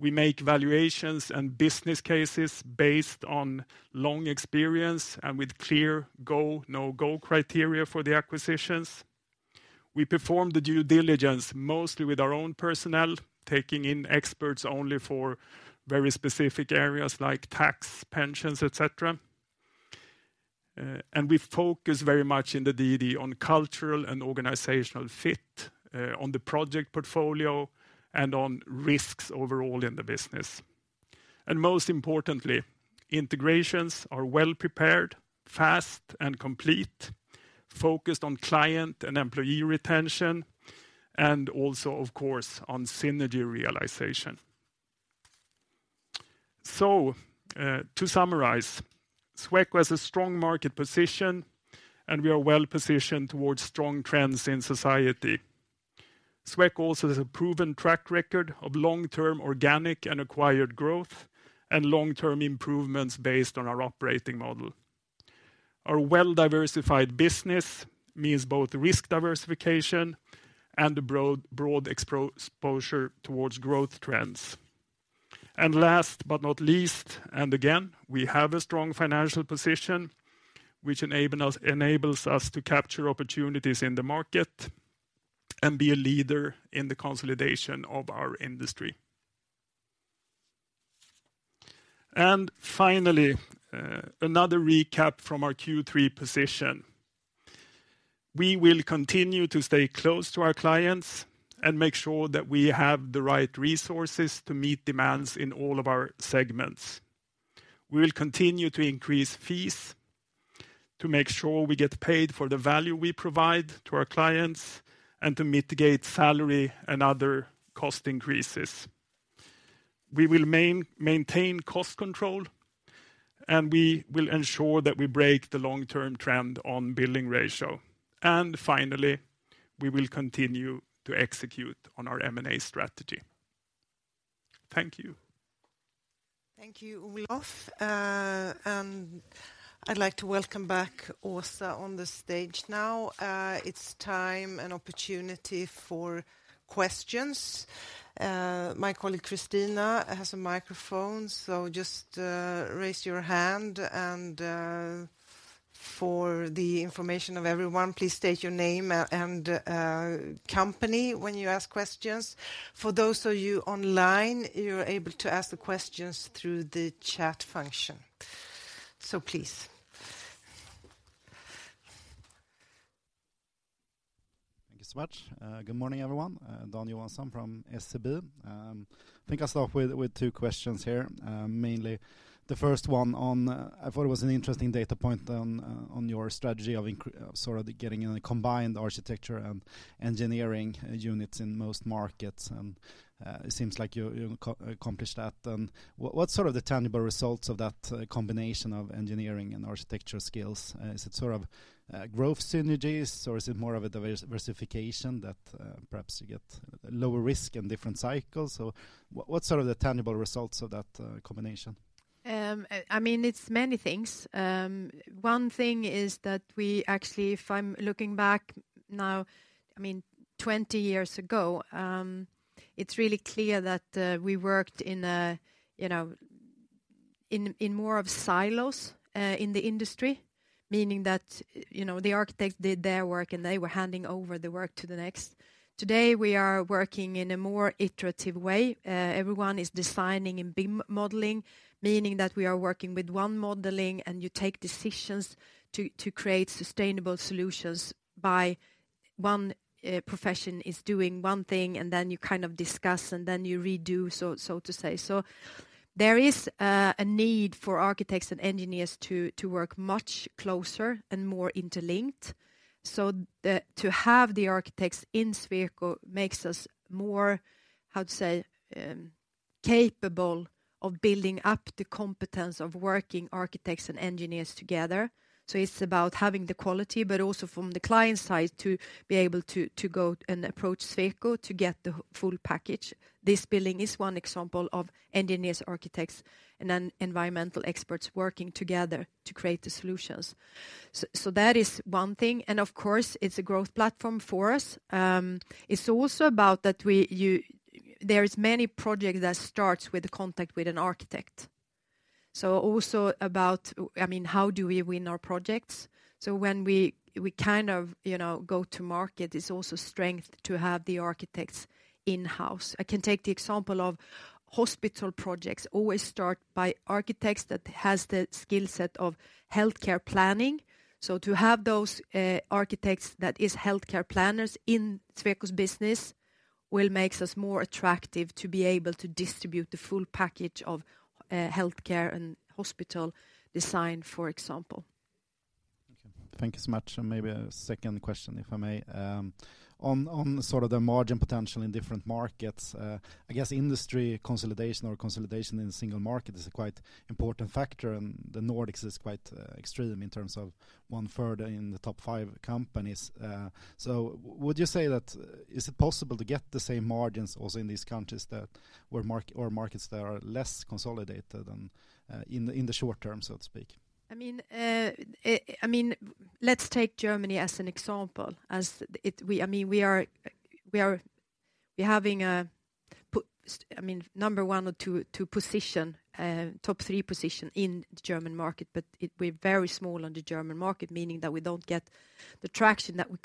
We make valuations and business cases based on long experience and with clear go, no-go criteria for the acquisitions. We perform the due diligence, mostly with our own personnel, taking in experts only for very specific areas like tax, pensions, et cetera. And we focus very much in the DD on cultural and organizational fit on the project portfolio, and on risks overall in the business. Most importantly, integrations are well prepared, fast and complete, focused on client and employee retention, and also, of course, on synergy realization. So, to summarize, Sweco has a strong market position, and we are well positioned towards strong trends in society. Sweco also has a proven track record of long-term organic and acquired growth and long-term improvements based on our operating model. Our well-diversified business means both risk diversification and a broad, broad exposure towards growth trends. And last but not least, and again, we have a strong financial position, which enables us to capture opportunities in the market and be a leader in the consolidation of our industry. And finally, another recap from our Q3 position. We will continue to stay close to our clients and make sure that we have the right resources to meet demands in all of our segments. We will continue to increase fees to make sure we get paid for the value we provide to our clients and to mitigate salary and other cost increases. We will maintain cost control, and we will ensure that we break the long-term trend on billing ratio. And finally, we will continue to execute on our M&A strategy. Thank you. Thank you, Olof. And I'd like to welcome back Åsa on the stage now. It's time and opportunity for questions. My colleague, Christina, has a microphone, so just raise your hand and for the information of everyone, please state your name and company when you ask questions. For those of you online, you're able to ask the questions through the chat function. So please. Thank you so much. Good morning, everyone, Dan Johansson from SEB. I think I'll start with two questions here. Mainly the first one on, I thought it was an interesting data point on your strategy of sort of getting in a combined architecture and engineering units in most markets, and it seems like you accomplished that. What, what's sort of the tangible results of that combination of engineering and architecture skills? Is it sort of growth synergies, or is it more of a diversification that perhaps you get lower risk and different cycles? So what, what's sort of the tangible results of that combination? I mean, it's many things. One thing is that we actually, if I'm looking back now, I mean, 20 years ago, it's really clear that we worked in a, you know, in more silos in the industry, meaning that, you know, the architect did their work, and they were handing over the work to the next. Today, we are working in a more iterative way. Everyone is designing and BIM modeling, meaning that we are working with one modeling, and you take decisions to create sustainable solutions by one profession is doing one thing, and then you kind of discuss, and then you redo, so to say. So there is a need for architects and engineers to work much closer and more interlinked. So to have the architects in Sweco makes us more, how to say, capable of building up the competence of working architects and engineers together. So it's about having the quality, but also from the client side, to be able to, to go and approach Sweco to get the full package. This building is one example of engineers, architects and environmental experts working together to create the solutions. So that is one thing, and of course, it's a growth platform for us. It's also about that there is many projects that starts with the contact with an architect. So also about, I mean, how do we win our projects? So when we kind of, you know, go to market, it's also strength to have the architects in-house. I can take the example of hospital projects always start by architects that has the skill set of healthcare planning. So to have those, architects that is healthcare planners in Sweco's business, will makes us more attractive to be able to distribute the full package of, healthcare and hospital design, for example. Okay. Thank you so much. And maybe a second question, if I may. On sort of the margin potential in different markets, I guess industry consolidation or consolidation in a single market is a quite important factor, and the Nordics is quite extreme in terms of one third in the top five companies. So would you say that is it possible to get the same margins also in these countries where markets that are less consolidated and in the short term, so to speak? I mean, let's take Germany as an example. I mean, we're having a number one or two position, top three position in the German market, but we're very small on the German market, meaning that we don't get the traction that we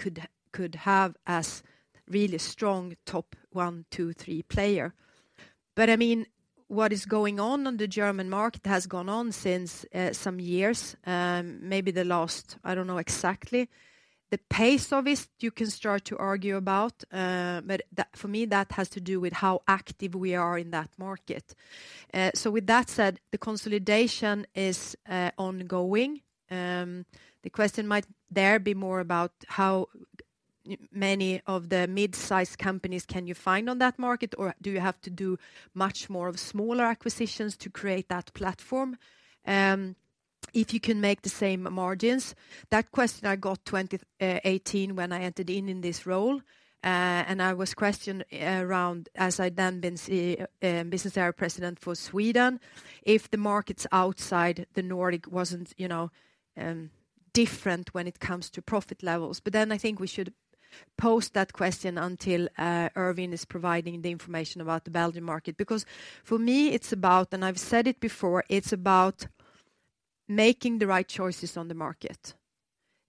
could have as really strong top one, two, three player. But I mean, what is going on on the German market has gone on since some years, maybe the last, I don't know exactly. The pace of it, you can start to argue about, but that, for me, that has to do with how active we are in that market. So with that said, the consolidation is ongoing. The question might there be more about how many of the mid-size companies can you find on that market, or do you have to do much more of smaller acquisitions to create that platform? If you can make the same margins, that question I got 2018 when I entered in this role, and I was questioned around as I'd then been business area president for Sweden, if the markets outside the Nordic wasn't, you know, different when it comes to profit levels. But then I think we should pose that question until Erwin is providing the information about the Belgium market. Because for me, it's about and I've said it before, it's about making the right choices on the market.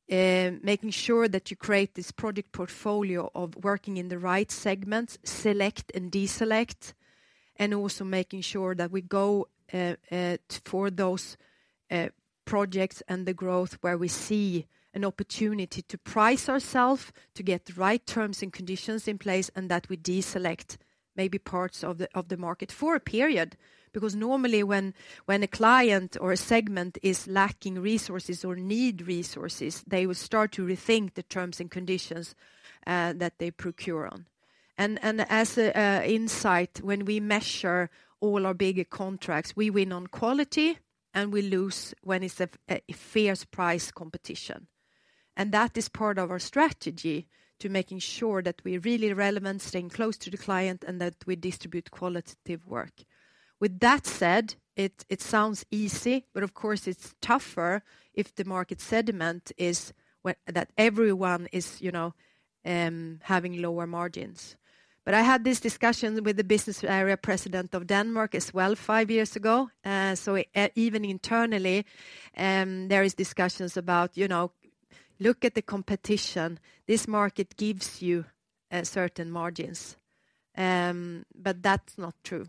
Making sure that you create this project portfolio of working in the right segments, select and deselect, and also making sure that we go for those projects and the growth where we see an opportunity to price ourself, to get the right terms and conditions in place, and that we deselect maybe parts of the market for a period. Because normally when a client or a segment is lacking resources or need resources, they will start to rethink the terms and conditions that they procure on. And as a insight, when we measure all our bigger contracts, we win on quality, and we lose when it's a fierce price competition. And that is part of our strategy to making sure that we're really relevant, staying close to the client, and that we distribute qualitative work. With that said, it sounds easy, but of course it's tougher if the market segment is that everyone is, you know, having lower margins. But I had this discussion with the business area president of Denmark as well five years ago. So even internally, there is discussions about, you know— Look at the competition. This market gives you certain margins. But that's not true.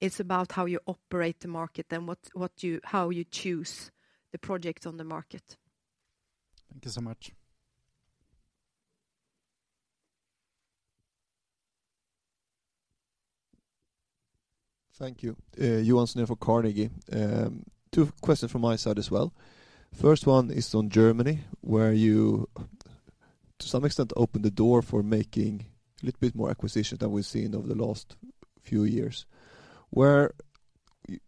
It's about how you operate the market, and what, what you— how you choose the projects on the market. Thank you so much. Thank you. Johan Sundén for Carnegie. Two questions from my side as well. First one is on Germany, where you, to some extent, opened the door for making a little bit more acquisition than we've seen over the last few years. Where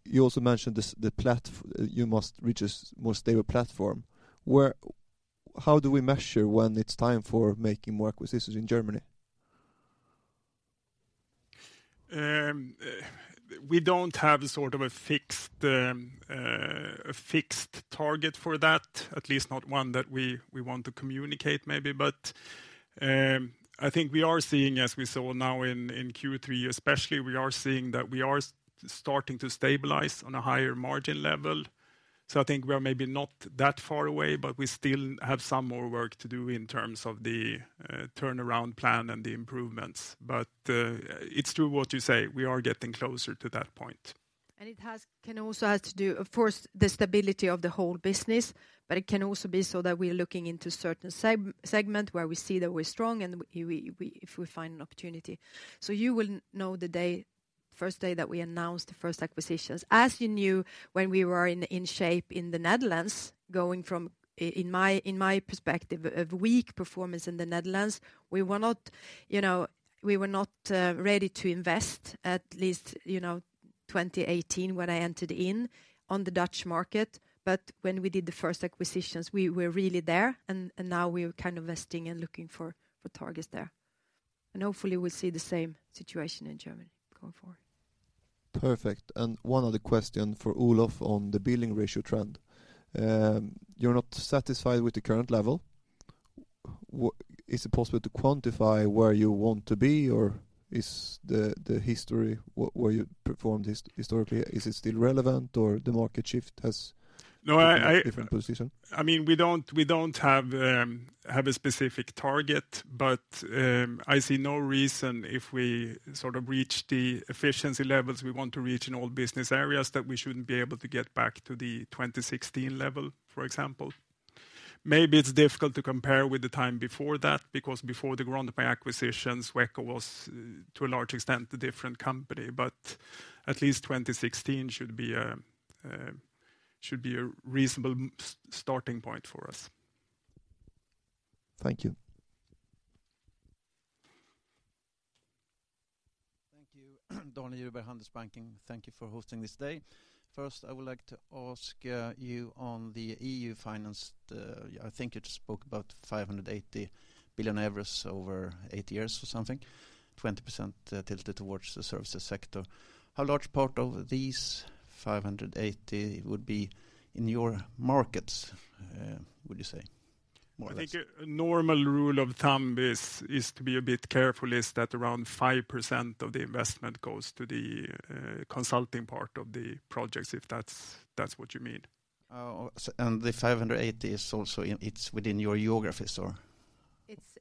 you also mentioned this, you must reach a more stable platform. Where - How do we measure when it's time for making more acquisitions in Germany? We don't have sort of a fixed target for that, at least not one that we want to communicate, maybe. But I think we are seeing, as we saw now in Q3 especially, we are seeing that we are starting to stabilize on a higher margin level. So I think we are maybe not that far away, but we still have some more work to do in terms of the turnaround plan and the improvements. But it's true what you say, we are getting closer to that point. And it can also have to do, of course, with the stability of the whole business, but it can also be so that we're looking into certain segment, where we see that we're strong, and we, if we find an opportunity. So you will know the day, first day that we announce the first acquisitions, as you knew when we were in shape in the Netherlands, going from, in my perspective, weak performance in the Netherlands. We were not, you know, we were not ready to invest, at least, you know, 2018, when I entered in on the Dutch market. But when we did the first acquisitions, we were really there, and now we're kind of investing and looking for targets there. And hopefully we'll see the same situation in Germany going forward. Perfect. And one other question for Olof on the billing ratio trend. You're not satisfied with the current level. What-- Is it possible to quantify where you want to be, or is the history, where you performed historically, still relevant, or the market shift has different position? No, I mean, we don't have a specific target, but I see no reason if we sort of reach the efficiency levels we want to reach in all business areas, that we shouldn't be able to get back to the 2016 level, for example. Maybe it's difficult to compare with the time before that, because before the Grontmij acquisitions, Sweco was, to a large extent, a different company. But at least 2016 should be a reasonable starting point for us. Thank you. Thank you. Daniel Djurberg, Handelsbanken. Thank you for hosting this day. First, I would like to ask, you on the EU finance, I think you just spoke about 580 billion euros over eight years or something, 20% tilted towards the services sector. How large part of these 580 billion would be in your markets, would you say, more or less? I think a normal rule of thumb is to be a bit careful, that around 5% of the investment goes to the consulting part of the projects, if that's what you mean. Oh, and the 580 billion is also in, it's within your geographies, or?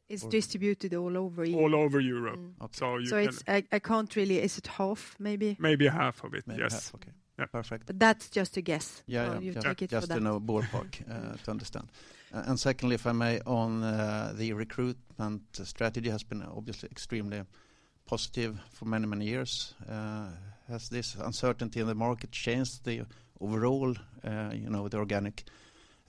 It's distributed all over Europe. All over Europe. So it's-- I can't really-- Is it half, maybe? Maybe half of it, yes. Maybe half, okay. Perfect. But that's just a guess-- Yeah, yeah. You take it from there. Just to know ballpark, to understand. And secondly, if I may, on, the recruitment strategy has been obviously extremely positive for many, many years. Has this uncertainty in the market changed the overall, you know, the organic,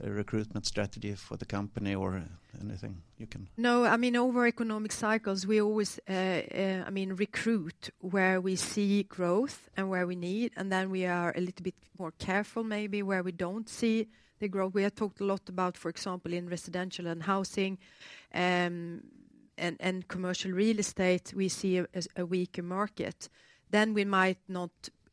recruitment strategy for the company or anything you can- No, I mean, over economic cycles, we always, I mean, recruit where we see growth and where we need, and then we are a little bit more careful, maybe, where we don't see the growth. We have talked a lot about, for example, in residential and housing, and, and commercial real estate, we see a, a weaker market. Then we might not,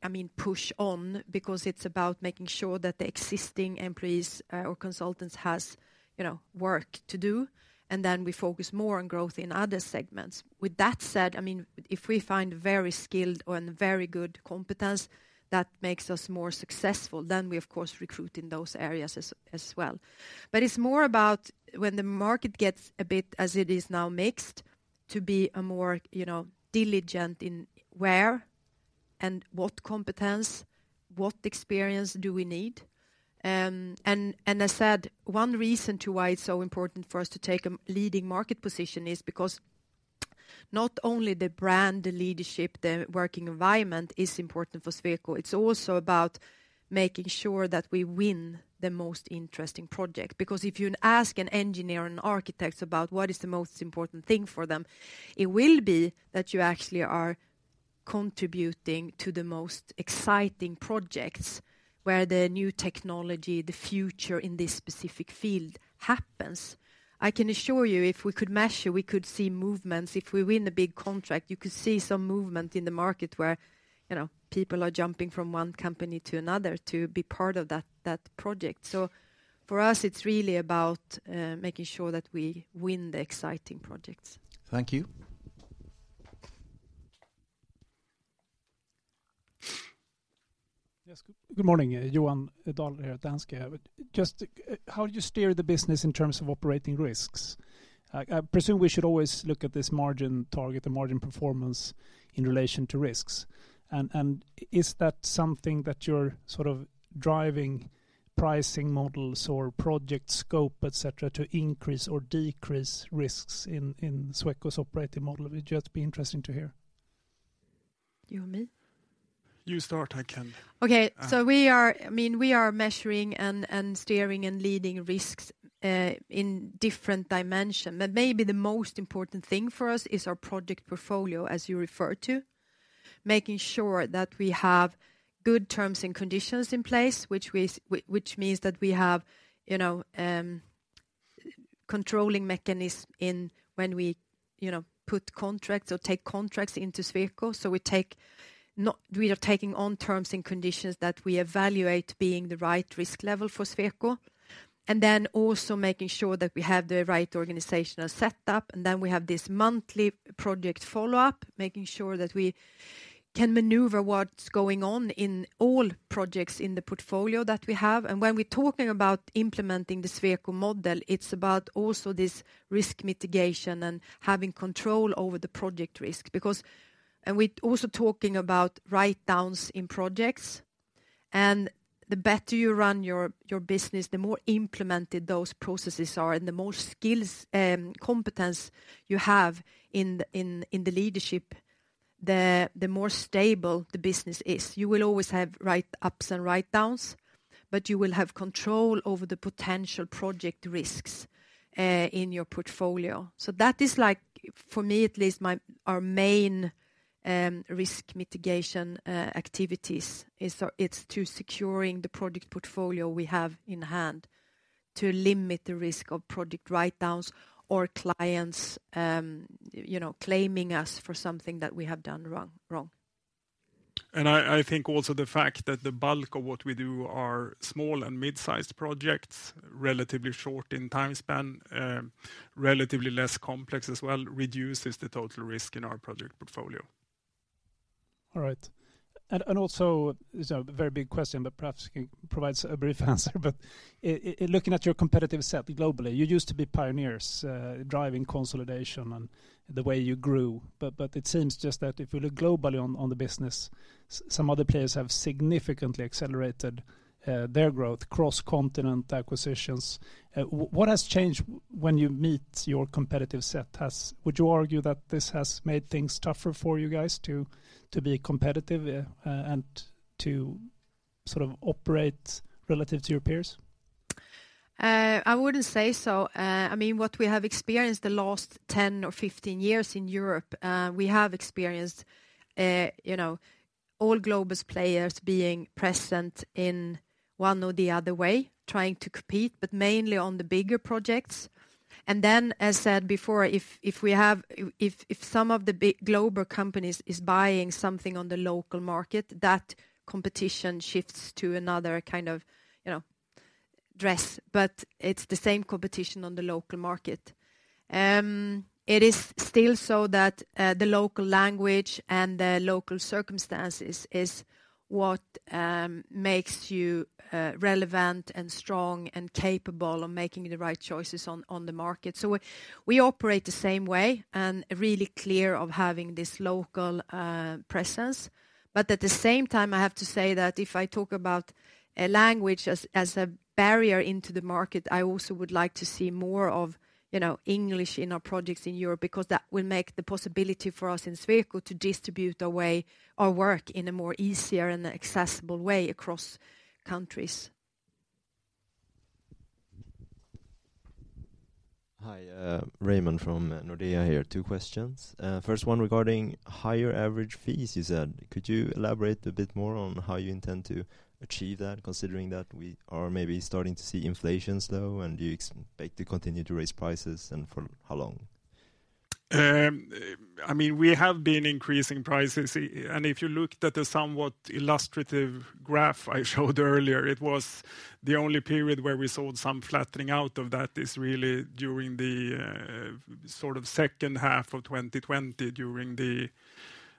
I mean, push on, because it's about making sure that the existing employees or consultants has, you know, work to do, and then we focus more on growth in other segments. With that said, I mean, if we find very skilled or, and very good competence, that makes us more successful, then we of course, recruit in those areas as, as well. But it's more about when the market gets a bit, as it is now, mixed, to be a more, you know, diligent in where and what competence, what experience do we need? I said, one reason to why it's so important for us to take a leading market position is because not only the brand, the leadership, the working environment is important for Sweco, it's also about making sure that we win the most interesting project. Because if you ask an engineer and architects about what is the most important thing for them, it will be that you actually are contributing to the most exciting projects, where the new technology, the future in this specific field happens. I can assure you, if we could measure, we could see movements. If we win a big contract, you could see some movement in the market where, you know, people are jumping from one company to another to be part of that, that project. So for us, it's really about, making sure that we win the exciting projects. Thank you. Yes, good morning, Johan Dahl at Danske. But just, how do you steer the business in terms of operating risks? I presume we should always look at this margin target, the margin performance, in relation to risks. And is that something that you're sort of driving pricing models or project scope, et cetera, to increase or decrease risks in Sweco's operating model? It'd just be interesting to hear. You or me? You start, I can-- Okay. So we are—I mean, we are measuring and steering and leading risks in different dimension. But maybe the most important thing for us is our project portfolio, as you refer to. Making sure that we have good terms and conditions in place, which means that we have, you know, controlling mechanism in when we, you know, put contracts or take contracts into Sweco. So we are taking on terms and conditions that we evaluate being the right risk level for Sweco, and then also making sure that we have the right organizational set up, and then we have this monthly project follow-up, making sure that we can maneuver what's going on in all projects in the portfolio that we have. When we're talking about implementing the Sweco model, it's about also this risk mitigation and having control over the project risk. Because-- And we're also talking about writedowns in projects, and the better you run your business, the more implemented those processes are, and the more skills, competence you have in the leadership, the more stable the business is. You will always have write-ups and writedowns, but you will have control over the potential project risks in your portfolio. So that is like, for me at least, our main risk mitigation activities. It's to securing the project portfolio we have in hand to limit the risk of project writedowns or clients, you know, claiming us for something that we have done wrong. I think also the fact that the bulk of what we do are small and mid-sized projects, relatively short in time span, relatively less complex as well, reduces the total risk in our project portfolio. All right. And also, it's a very big question, but perhaps can provide a brief answer. But in looking at your competitive set globally, you used to be pioneers, driving consolidation and the way you grew. But it seems just that if you look globally on the business, some other players have significantly accelerated their growth, cross-continent acquisitions. What has changed when you meet your competitive set? Would you argue that this has made things tougher for you guys to be competitive, and to sort of operate relative to your peers? I wouldn't say so. I mean, what we have experienced the last 10 or 15 years in Europe, we have experienced, you know, all global players being present in one or the other way, trying to compete, but mainly on the bigger projects. And then, as said before, if some of the big global companies is buying something on the local market, that competition shifts to another kind of, you know, guise, but it's the same competition on the local market. It is still so that the local language and the local circumstances is what makes you relevant and strong and capable of making the right choices on the market. So we operate the same way and really clear of having this local presence. But at the same time, I have to say that if I talk about a language as a barrier into the market, I also would like to see more of, you know, English in our projects in Europe, because that will make the possibility for us in Sweco to distribute away our work in a more easier and accessible way across countries. Hi, Raymond from Nordea here. Two questions. First one regarding higher average fees, you said. Could you elaborate a bit more on how you intend to achieve that, considering that we are maybe starting to see inflation slow, and do you expect to continue to raise prices, and for how long? I mean, we have been increasing prices. And if you looked at the somewhat illustrative graph I showed earlier, it was the only period where we saw some flattening out of that is really during the sort of second half of 2020, during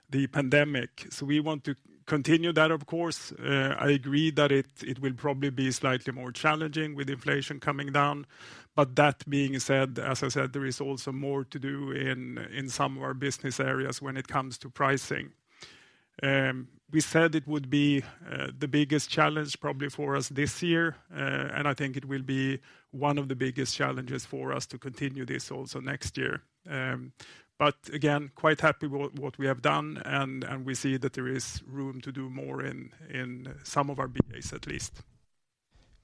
the pandemic. So we want to continue that, of course. I agree that it will probably be slightly more challenging with inflation coming down. But that being said, as I said, there is also more to do in some of our business areas when it comes to pricing. We said it would be the biggest challenge probably for us this year, and I think it will be one of the biggest challenges for us to continue this also next year. But again, quite happy with what we have done, and we see that there is room to do more in some of our business, at least.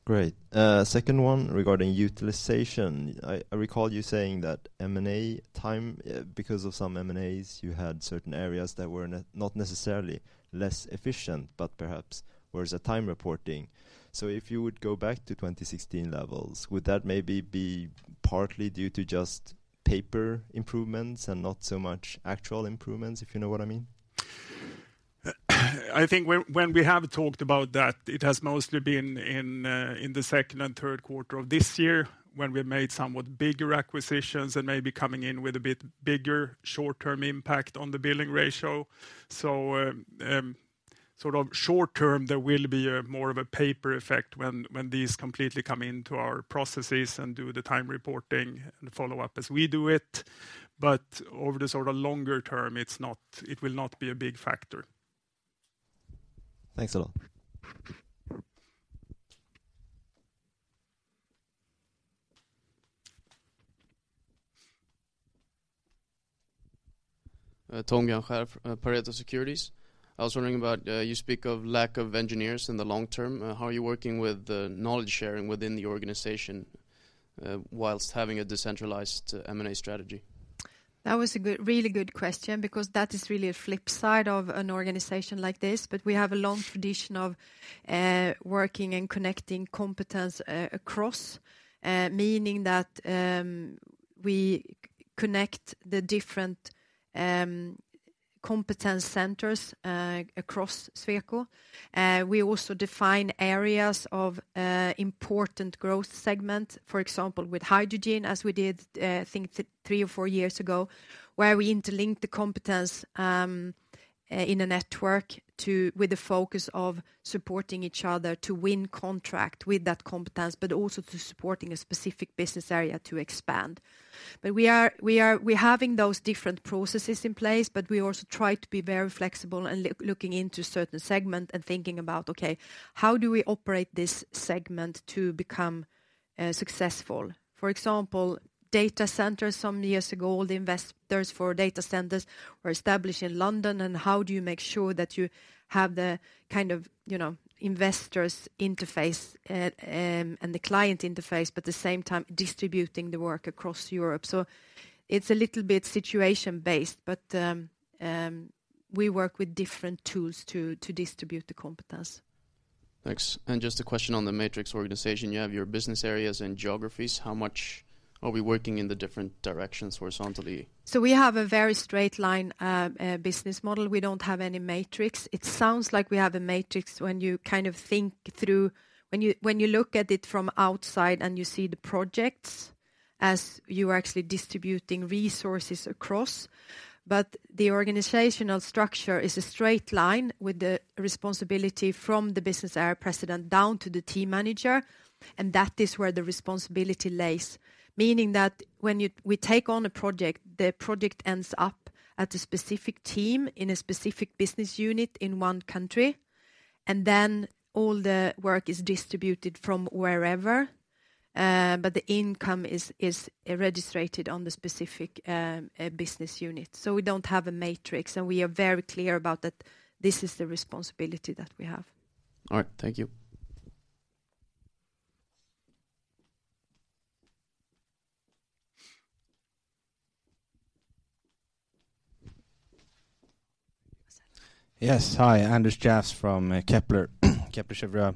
Great. Second one, regarding utilization. I recall you saying that M&A time, because of some M&As, you had certain areas that were not necessarily less efficient, but perhaps where it's a time reporting. So if you would go back to 2016 levels, would that maybe be partly due to just paper improvements and not so much actual improvements, if you know what I mean? I think when we have talked about that, it has mostly been in the second and third quarter of this year, when we made somewhat bigger acquisitions and maybe coming in with a bit bigger short-term impact on the billing ratio. So, sort of short term, there will be a more of a paper effect when these completely come into our processes and do the time reporting and follow up as we do it. But over the sort of longer term, it will not be a big factor. Thanks a lot. Tom Guinchard, Pareto Securities. I was wondering about you speak of lack of engineers in the long term. How are you working with the knowledge sharing within the organization, whilst having a decentralized M&A strategy? That was a good, really good question, because that is really a flip side of an organization like this. But we have a long tradition of working and connecting competence across, meaning that we connect the different competence centers across Sweco. We also define areas of important growth segment, for example, with hydrogen, as we did, I think three or four years ago, where we interlink the competence in a network with the focus of supporting each other to win contract with that competence, but also to supporting a specific business area to expand. But we are having those different processes in place, but we also try to be very flexible and looking into certain segment and thinking about, okay, how do we operate this segment to become successful? For example, data centers, some years ago, the investors for data centers were established in London, and how do you make sure that you have the kind of, you know, investors interface and the client interface, but at the same time, distributing the work across Europe? So it's a little bit situation based, but we work with different tools to distribute the competence. Thanks. Just a question on the matrix organization. You have your business areas and geographies. How much are we working in the different directions horizontally? So we have a very straight line business model. We don't have any matrix. It sounds like we have a matrix when you kind of think through, when you look at it from outside and you see the projects as you are actually distributing resources across. But the organizational structure is a straight line with the responsibility from the business area president down to the team manager, and that is where the responsibility lies. Meaning that we take on a project, the project ends up at a specific team, in a specific business unit, in one country, and then all the work is distributed from wherever, but the income is registered on the specific business unit. So we don't have a matrix, and we are very clear about that this is the responsibility that we have. All right. Thank you. Yes. Hi, Anders Jåfs from Kepler Cheuvreux.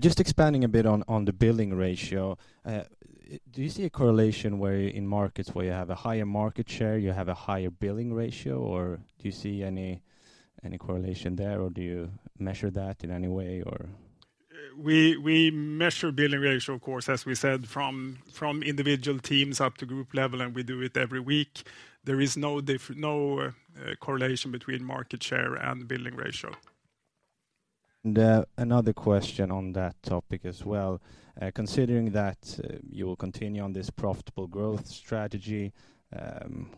Just expanding a bit on the billing ratio. Do you see a correlation where in markets where you have a higher market share, you have a higher billing ratio? Or do you see any correlation there, or do you measure that in any way, or? We measure billing ratio, of course, as we said, from individual teams up to group level, and we do it every week. There is no correlation between market share and billing ratio. Another question on that topic as well. Considering that you will continue on this profitable growth strategy,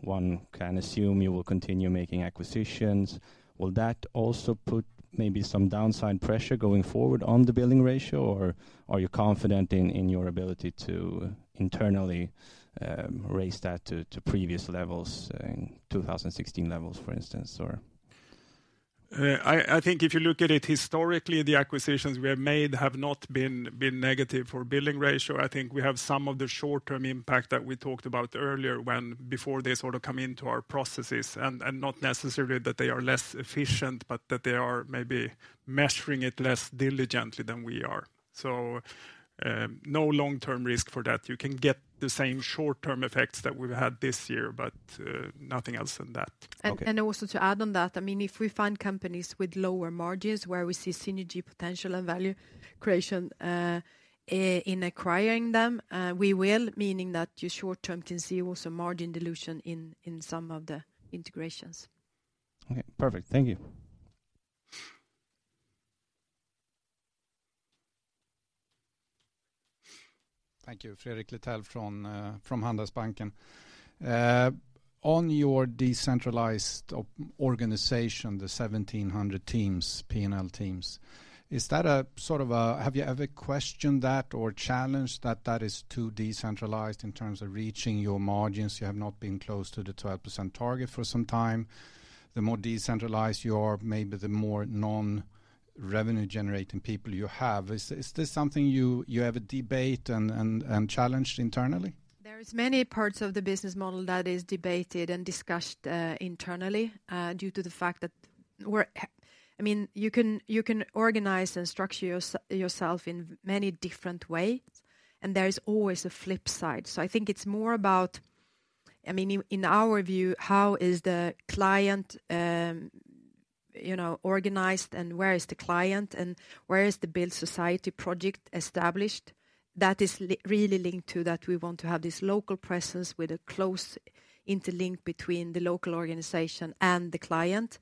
one can assume you will continue making acquisitions. Will that also put maybe some downside pressure going forward on the billing ratio, or are you confident in your ability to internally raise that to previous levels, in 2016 levels, for instance, or? I think if you look at it historically, the acquisitions we have made have not been negative for billing ratio. I think we have some of the short-term impact that we talked about earlier, when before they sort of come into our processes, and not necessarily that they are less efficient, but that they are maybe measuring it less diligently than we are. So, no long-term risk for that. You can get the same short-term effects that we've had this year, but, nothing else than that. Okay. Also, to add to that, I mean, if we find companies with lower margins where we see synergy, potential, and value creation in acquiring them, we will, meaning that in the short term you can see also margin dilution in some of the integrations. Okay, perfect. Thank you. Thank you. Fredrik Lithell from Handelsbanken. On your decentralized organization, the 1,700 teams, P&L teams, is that a sort of—have you ever questioned that or challenged that that is too decentralized in terms of reaching your margins? You have not been close to the 12% target for some time. The more decentralized you are, maybe the more non-revenue generating people you have. Is this something you have a debate and challenged internally? There is many parts of the business model that is debated and discussed internally due to the fact that we're-- I mean, you can, you can organize and structure yourself in many different ways, and there is always a flip side. So I think it's more about-- I mean, in, in our view, how is the client, you know, organized, and where is the client, and where is the build society project established? That is really linked to that we want to have this local presence with a close interlink between the local organization and the client.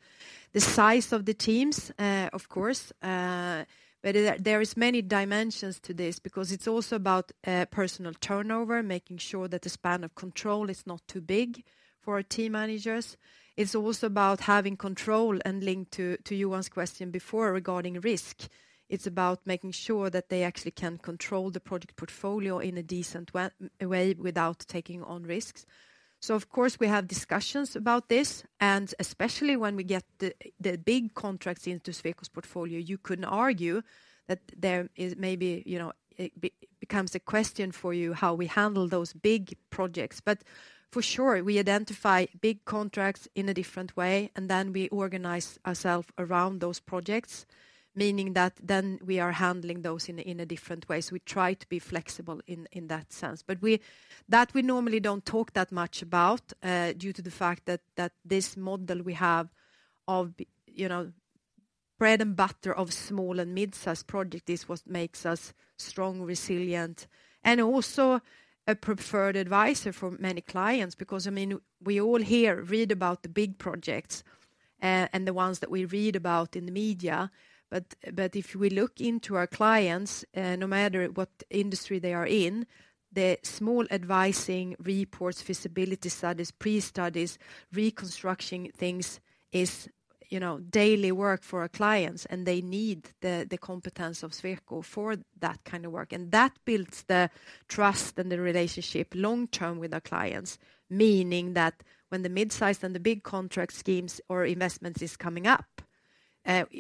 The size of the teams, of course, but there, there is many dimensions to this because it's also about personal turnover, making sure that the span of control is not too big for our team managers. It's also about having control, and linked to Johan's question before regarding risk, it's about making sure that they actually can control the project portfolio in a decent way without taking on risks. So of course, we have discussions about this, and especially when we get the big contracts into Sweco's portfolio, you can argue that there is maybe, you know, it becomes a question for you, how we handle those big projects. But for sure, we identify big contracts in a different way, and then we organize ourselves around those projects, meaning that then we are handling those in a different way. So we try to be flexible in that sense. But that we normally don't talk that much about, due to the fact that this model we have of, you know, bread and butter of small and midsize project is what makes us strong, resilient, and also a preferred advisor for many clients. Because, I mean, we all here read about the big projects, and the ones that we read about in the media, but if we look into our clients, no matter what industry they are in, the small advising reports, feasibility studies, pre-studies, reconstruction things is, you know, daily work for our clients, and they need the competence of Sweco for that kind of work, and that builds the trust and the relationship long-term with our clients. Meaning that when the midsize and the big contract schemes or investments is coming up,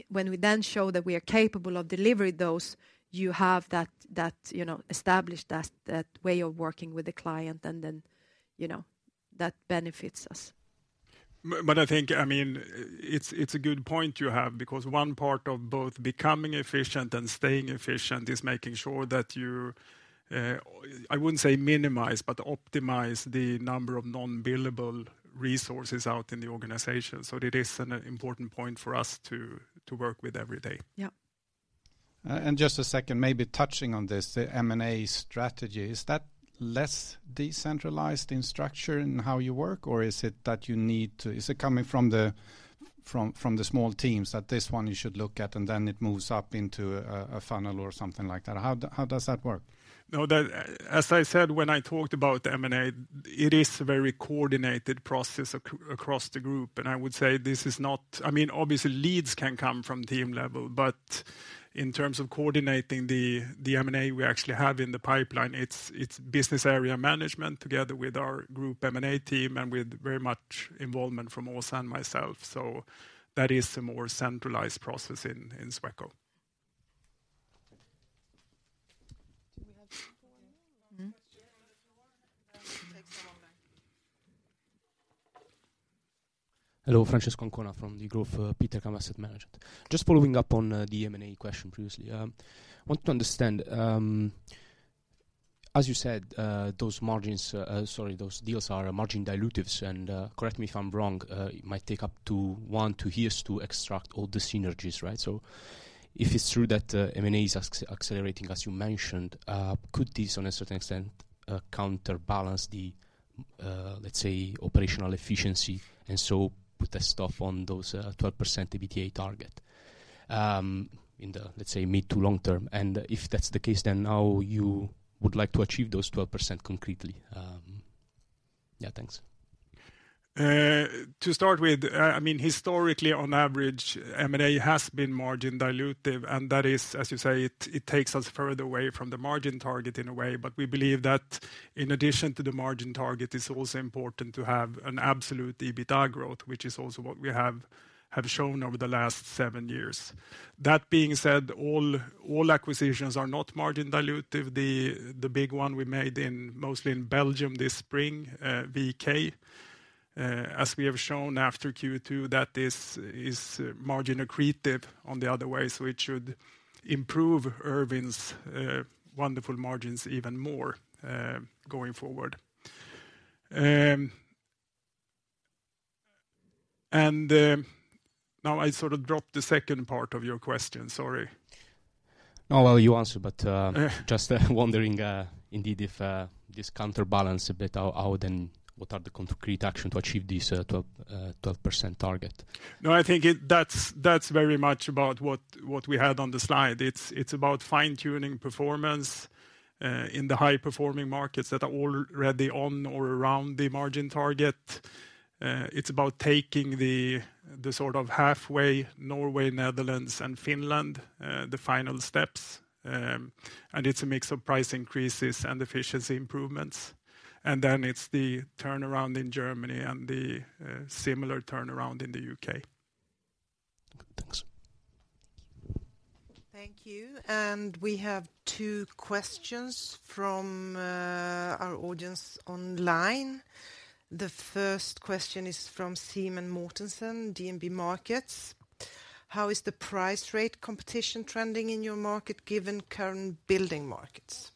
when we then show that we are capable of delivering those, you have that established way of working with the client, and then, you know, that benefits us. But I think, I mean, it's a good point you have, because one part of both becoming efficient and staying efficient is making sure that you, I wouldn't say minimize, but optimize the number of non-billable resources out in the organization. So it is an important point for us to, to work with every day. Yeah. And just a second, maybe touching on this, the M&A strategy, is that less decentralized in structure in how you work, or is it that you need to-- Is it coming from the small teams, that this one you should look at, and then it moves up into a funnel or something like that? How does that work? No, the, as I said, when I talked about M&A, it is a very coordinated process across the group, and I would say this is not-- I mean, obviously, leads can come from team level, but in terms of coordinating the M&A we actually have in the pipeline, it's business area management together with our group M&A team, and with very much involvement from Åsa and myself. So that is a more centralized process in Sweco. Do we have time for one more question? Yes, we have time. Take some more then. Hello, Francesco Ancona from Degroof Petercam Asset Management. Just following up on the M&A question previously. I want to understand, as you said, those margins, sorry, those deals are margin dilutives, and correct me if I'm wrong, it might take up to one-two years to extract all the synergies, right? So if it's true that M&A is accelerating, as you mentioned, could this, on a certain extent, counterbalance the, let's say, operational efficiency, and so put the stuff on those 12% EBITDA target, in the, let's say, mid to long term? And if that's the case, then how you would like to achieve those 12% concretely? Yeah, thanks. To start with, I mean, historically, on average, M&A has been margin dilutive, and that is, as you say, it takes us further away from the margin target in a way. But we believe that in addition to the margin target, it's also important to have an absolute EBITDA growth, which is also what we have shown over the last seven years. That being said, all acquisitions are not margin dilutive. The big one we made in, mostly in Belgium this spring, VK, as we have shown after Q2, that this is margin accretive on the other way, so it should improve Erwin's wonderful margins even more going forward. And now I sort of dropped the second part of your question, sorry. No, well, you answered, but just wondering indeed if this counterbalance a bit, how then, what are the concrete action to achieve this 12% target? No, I think that's very much about what we had on the slide. It's about fine-tuning performance in the high-performing markets that are already on or around the margin target. It's about taking the sort of halfway, Norway, Netherlands, and Finland, the final steps. And it's a mix of price increases and efficiency improvements. And then it's the turnaround in Germany and the similar turnaround in the U.K. Thanks. Thank you. We have two questions from our audience online. The first question is from Simen Mortensen, DNB Markets. How is the price rate competition trending in your market, given current building markets?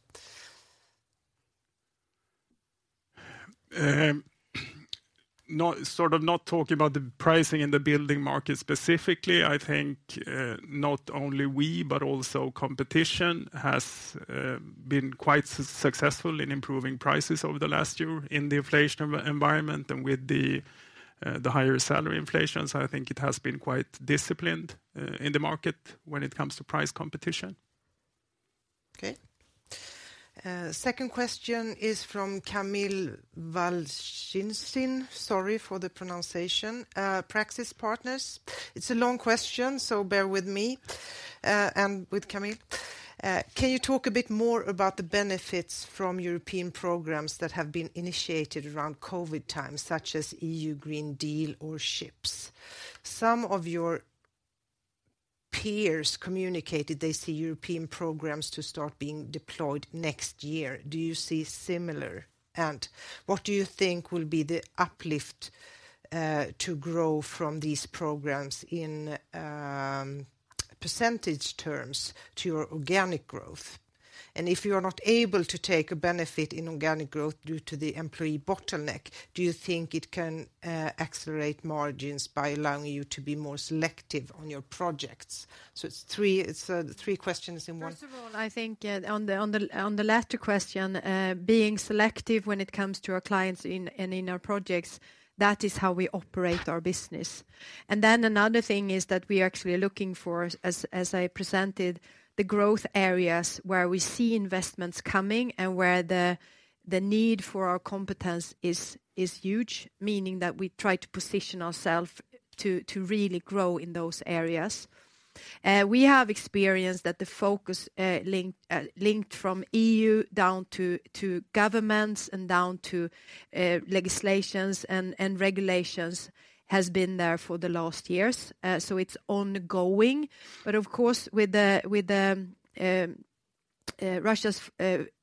Not sort of talking about the pricing in the building market specifically, I think, not only we, but also competition has been quite successful in improving prices over the last year in the inflation environment and with the higher salary inflation. So I think it has been quite disciplined in the market when it comes to price competition. Okay. Second question is from Kamil Vlčinský. Sorry for the pronunciation. Praxis Partners. It's a long question, so bear with me, and with Kamil. Can you talk a bit more about the benefits from European programs that have been initiated around COVID times, such as EU Green Deal or Chips? Some of your peers communicated they see European programs to start being deployed next year. Do you see similar, and what do you think will be the uplift to grow from these programs in percentage terms to your organic growth? And if you are not able to take a benefit in organic growth due to the employee bottleneck, do you think it can accelerate margins by allowing you to be more selective on your projects? So it's three, it's three questions in one. First of all, I think, on the latter question, being selective when it comes to our clients in, and in our projects, that is how we operate our business. And then another thing is that we are actually looking for, as I presented, the growth areas where we see investments coming and where the need for our competence is huge, meaning that we try to position ourselves to really grow in those areas. We have experienced that the focus, linked from EU down to governments and down to legislations and regulations, has been there for the last years. So it's ongoing. But of course, with the Russia's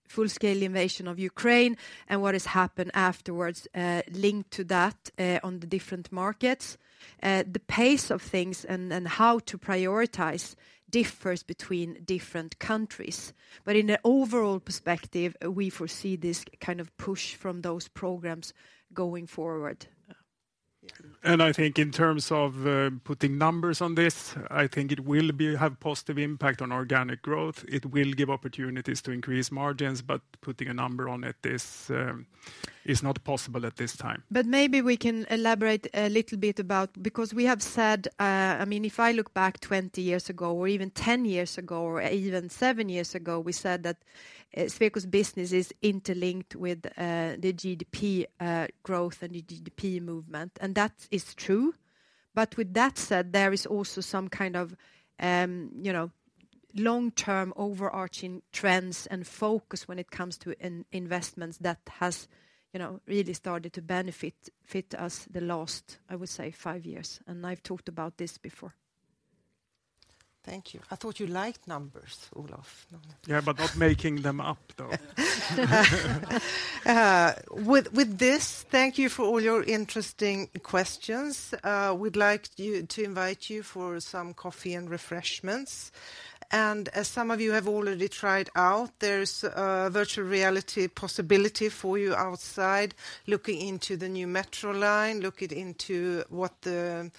full scale invasion of Ukraine and what has happened afterwards, linked to that, on the different markets, the pace of things and how to prioritize differs between different countries. But in a overall perspective, we foresee this kind of push from those programs going forward. I think in terms of putting numbers on this, I think it will have positive impact on organic growth. It will give opportunities to increase margins, but putting a number on it is not possible at this time. But maybe we can elaborate a little bit about- Because we have said, I mean, if I look back 20 years ago, or even 10 years ago, or even seven years ago, we said that, Sweco's business is interlinked with, the GDP growth and the GDP movement, and that is true. But with that said, there is also some kind of, you know, long-term, overarching trends and focus when it comes to investments that has, you know, really started to benefit us the last, I would say, five years, and I've talked about this before. Thank you. I thought you liked numbers, Olof. Yeah, but not making them up, though. With this, thank you for all your interesting questions. We'd like to invite you for some coffee and refreshments. And as some of you have already tried out, there's a virtual reality possibility for you outside, looking into the new metro line, looking into what the,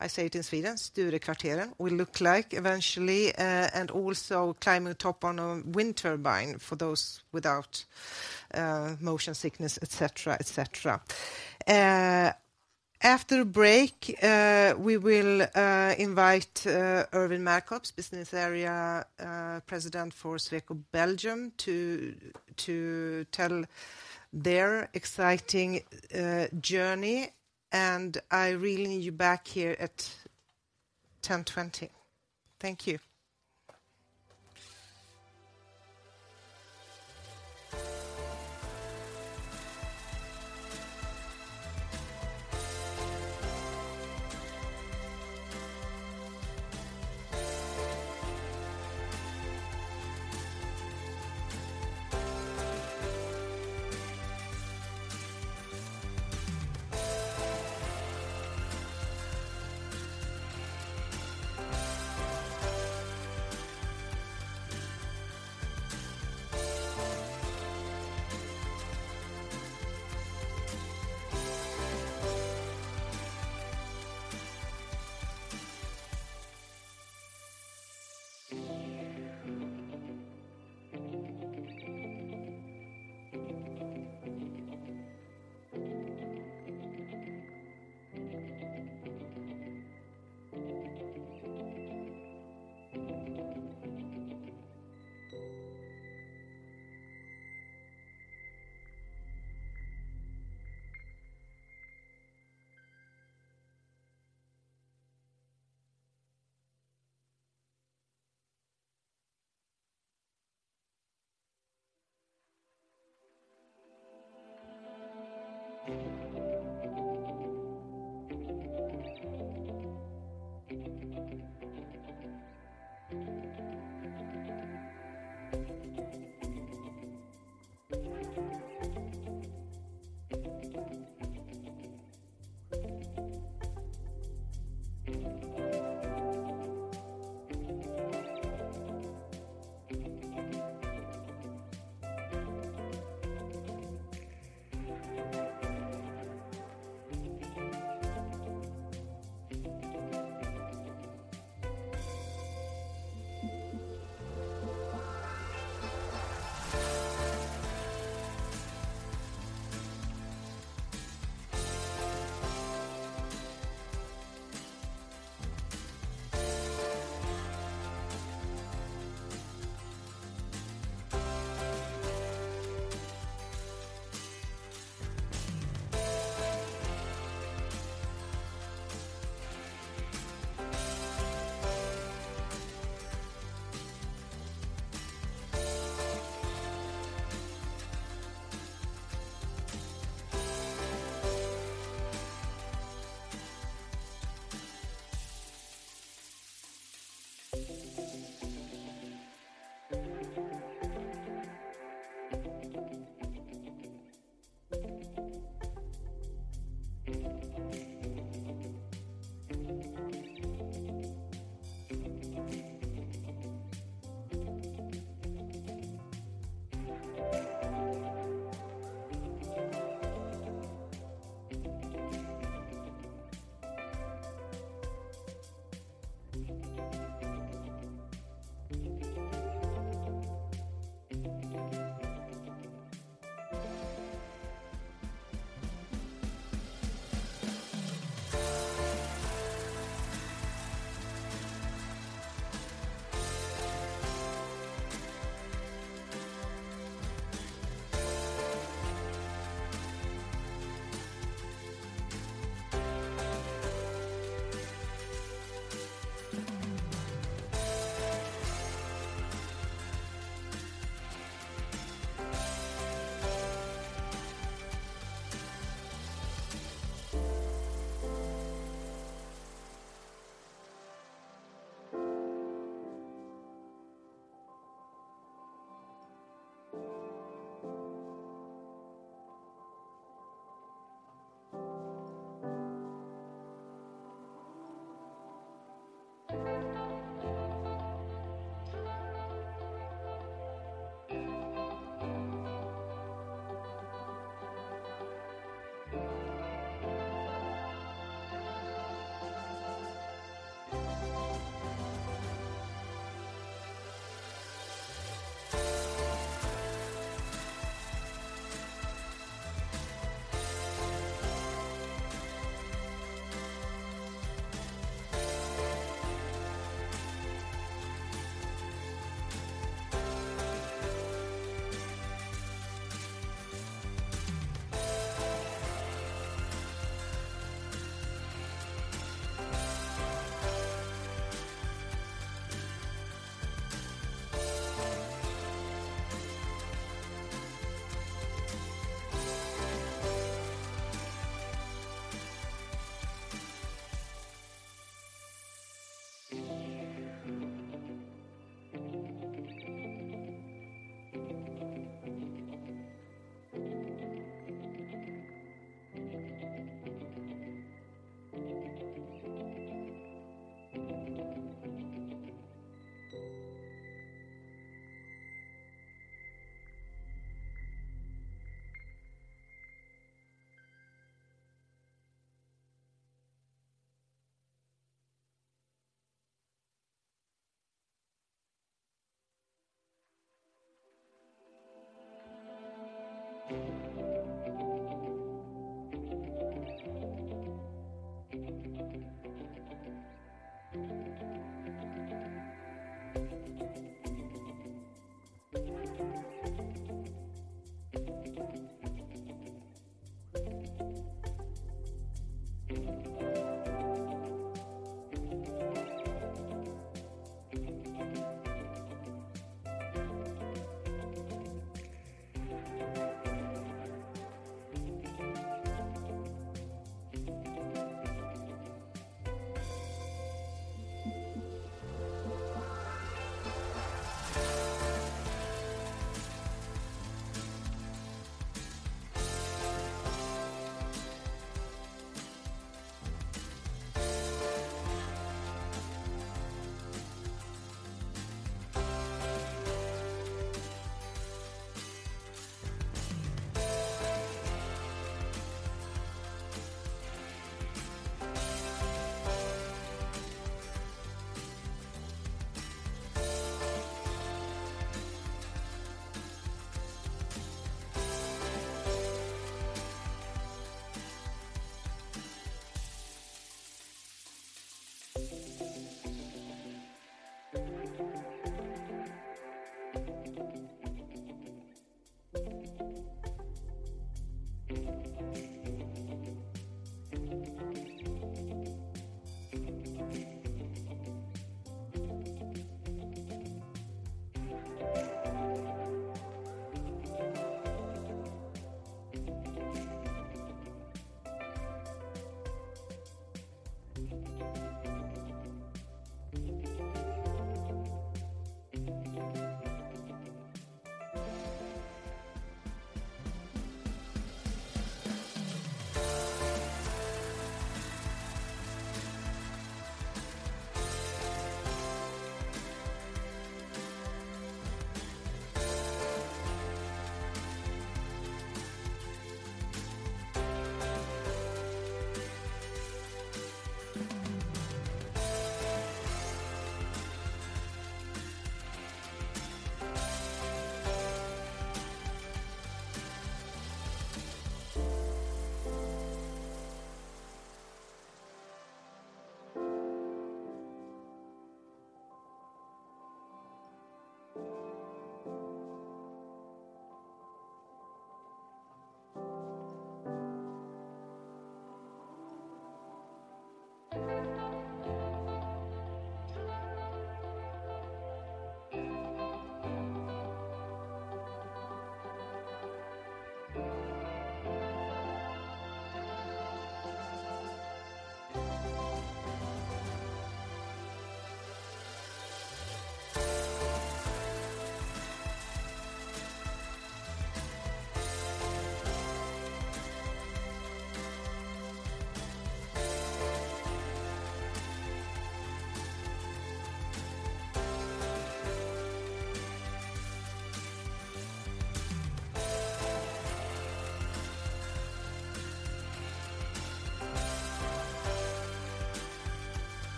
I say it in Sweden, Sturekvarteret, will look like eventually. And also climbing on top on a wind turbine for those without motion sickness, et cetera, et cetera. After the break, we will invite Erwin Malcorps, Business Area President for Sweco Belgium, to tell their exciting journey, and I really need you back here at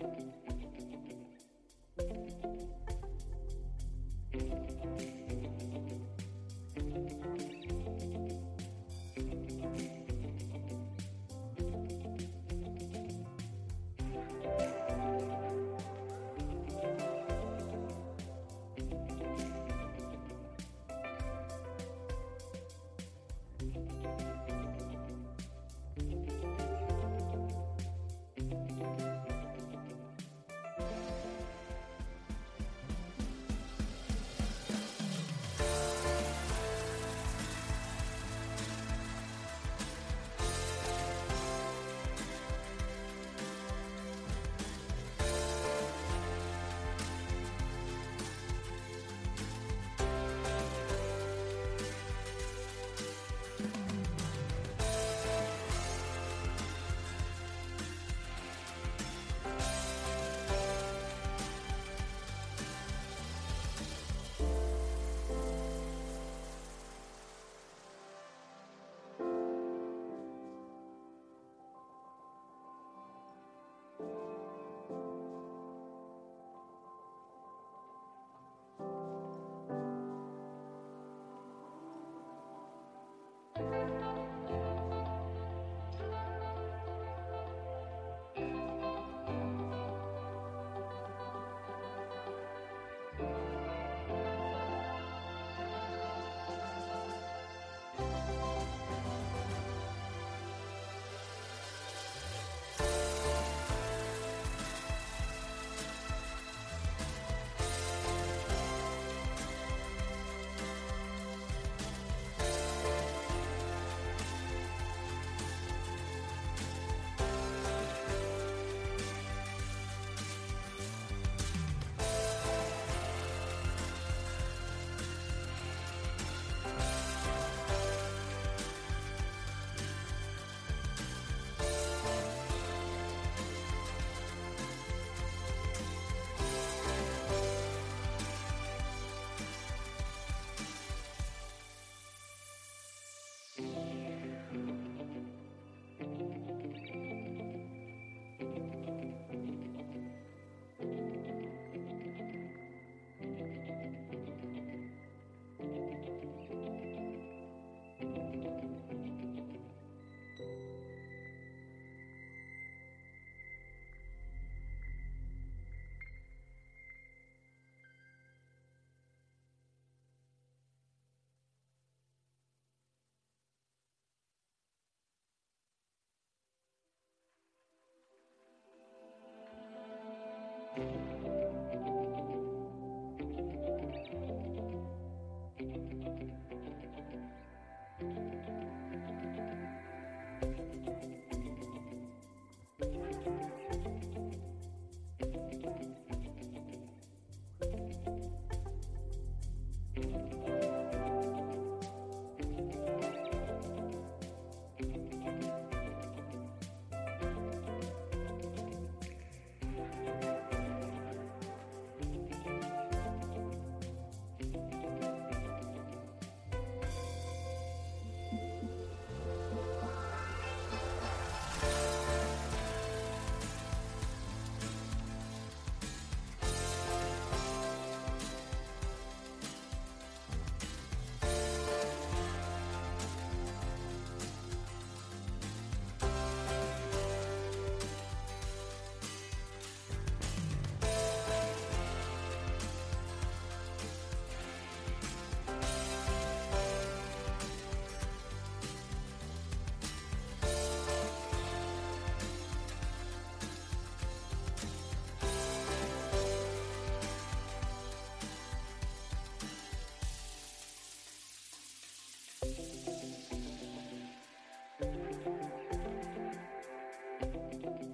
A.M. Thank you.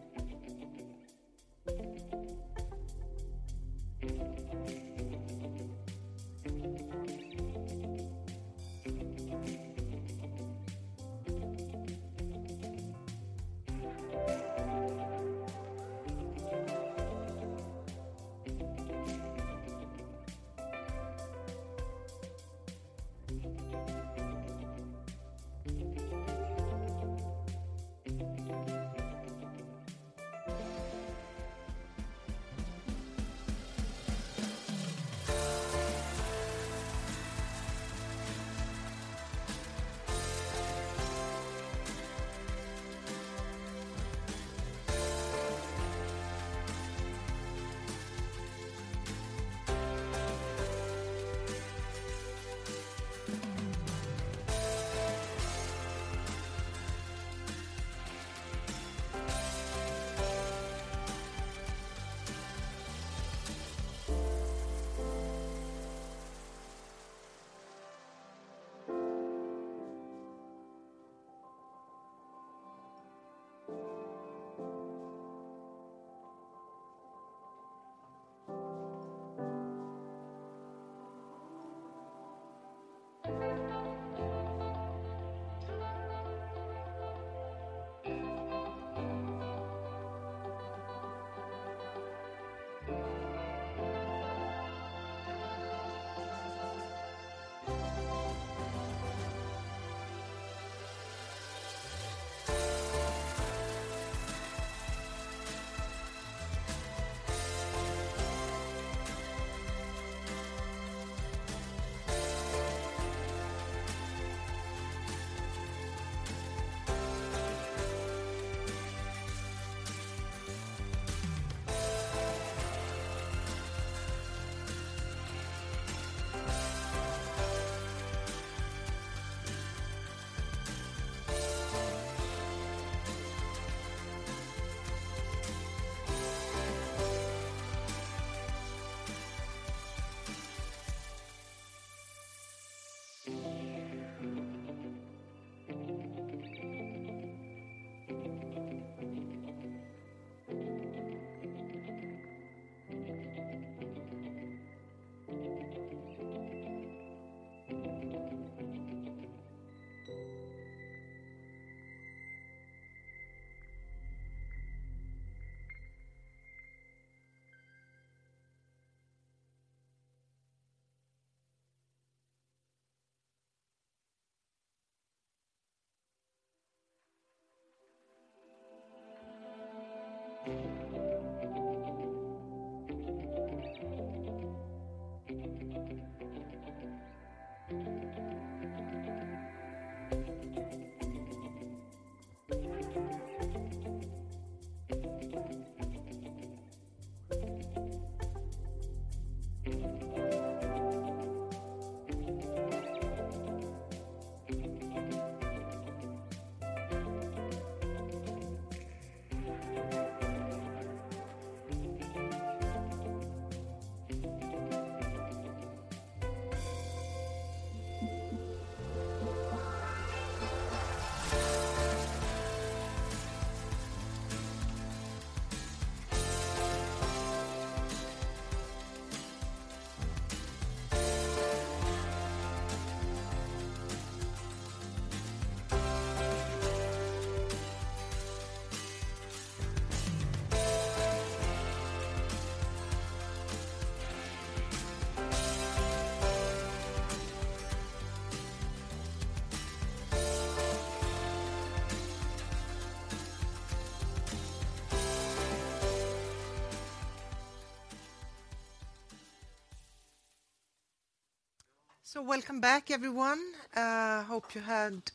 Welcome back, everyone. Hope you had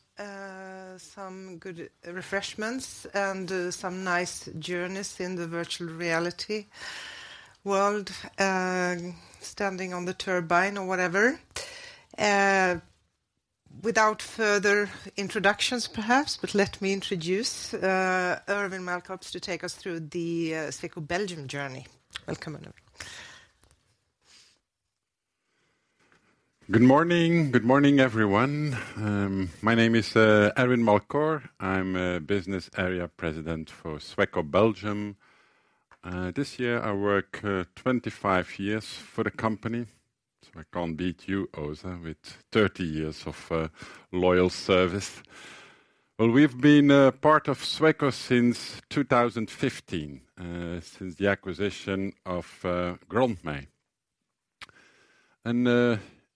some good refreshments and some nice journeys in the virtual reality world, standing on the turbine or whatever. Without further introductions, perhaps, but let me introduce Erwin Malcorps to take us through the Sweco Belgium journey. Welcome, Erwin. Good morning. Good morning, everyone. My name is Erwin Malcorps. I'm a business area president for Sweco Belgium. This year, I work 25 years for the company, so I can't beat you, Åsa, with 30 years of loyal service. Well, we've been part of Sweco since 2015, since the acquisition of Grontmij.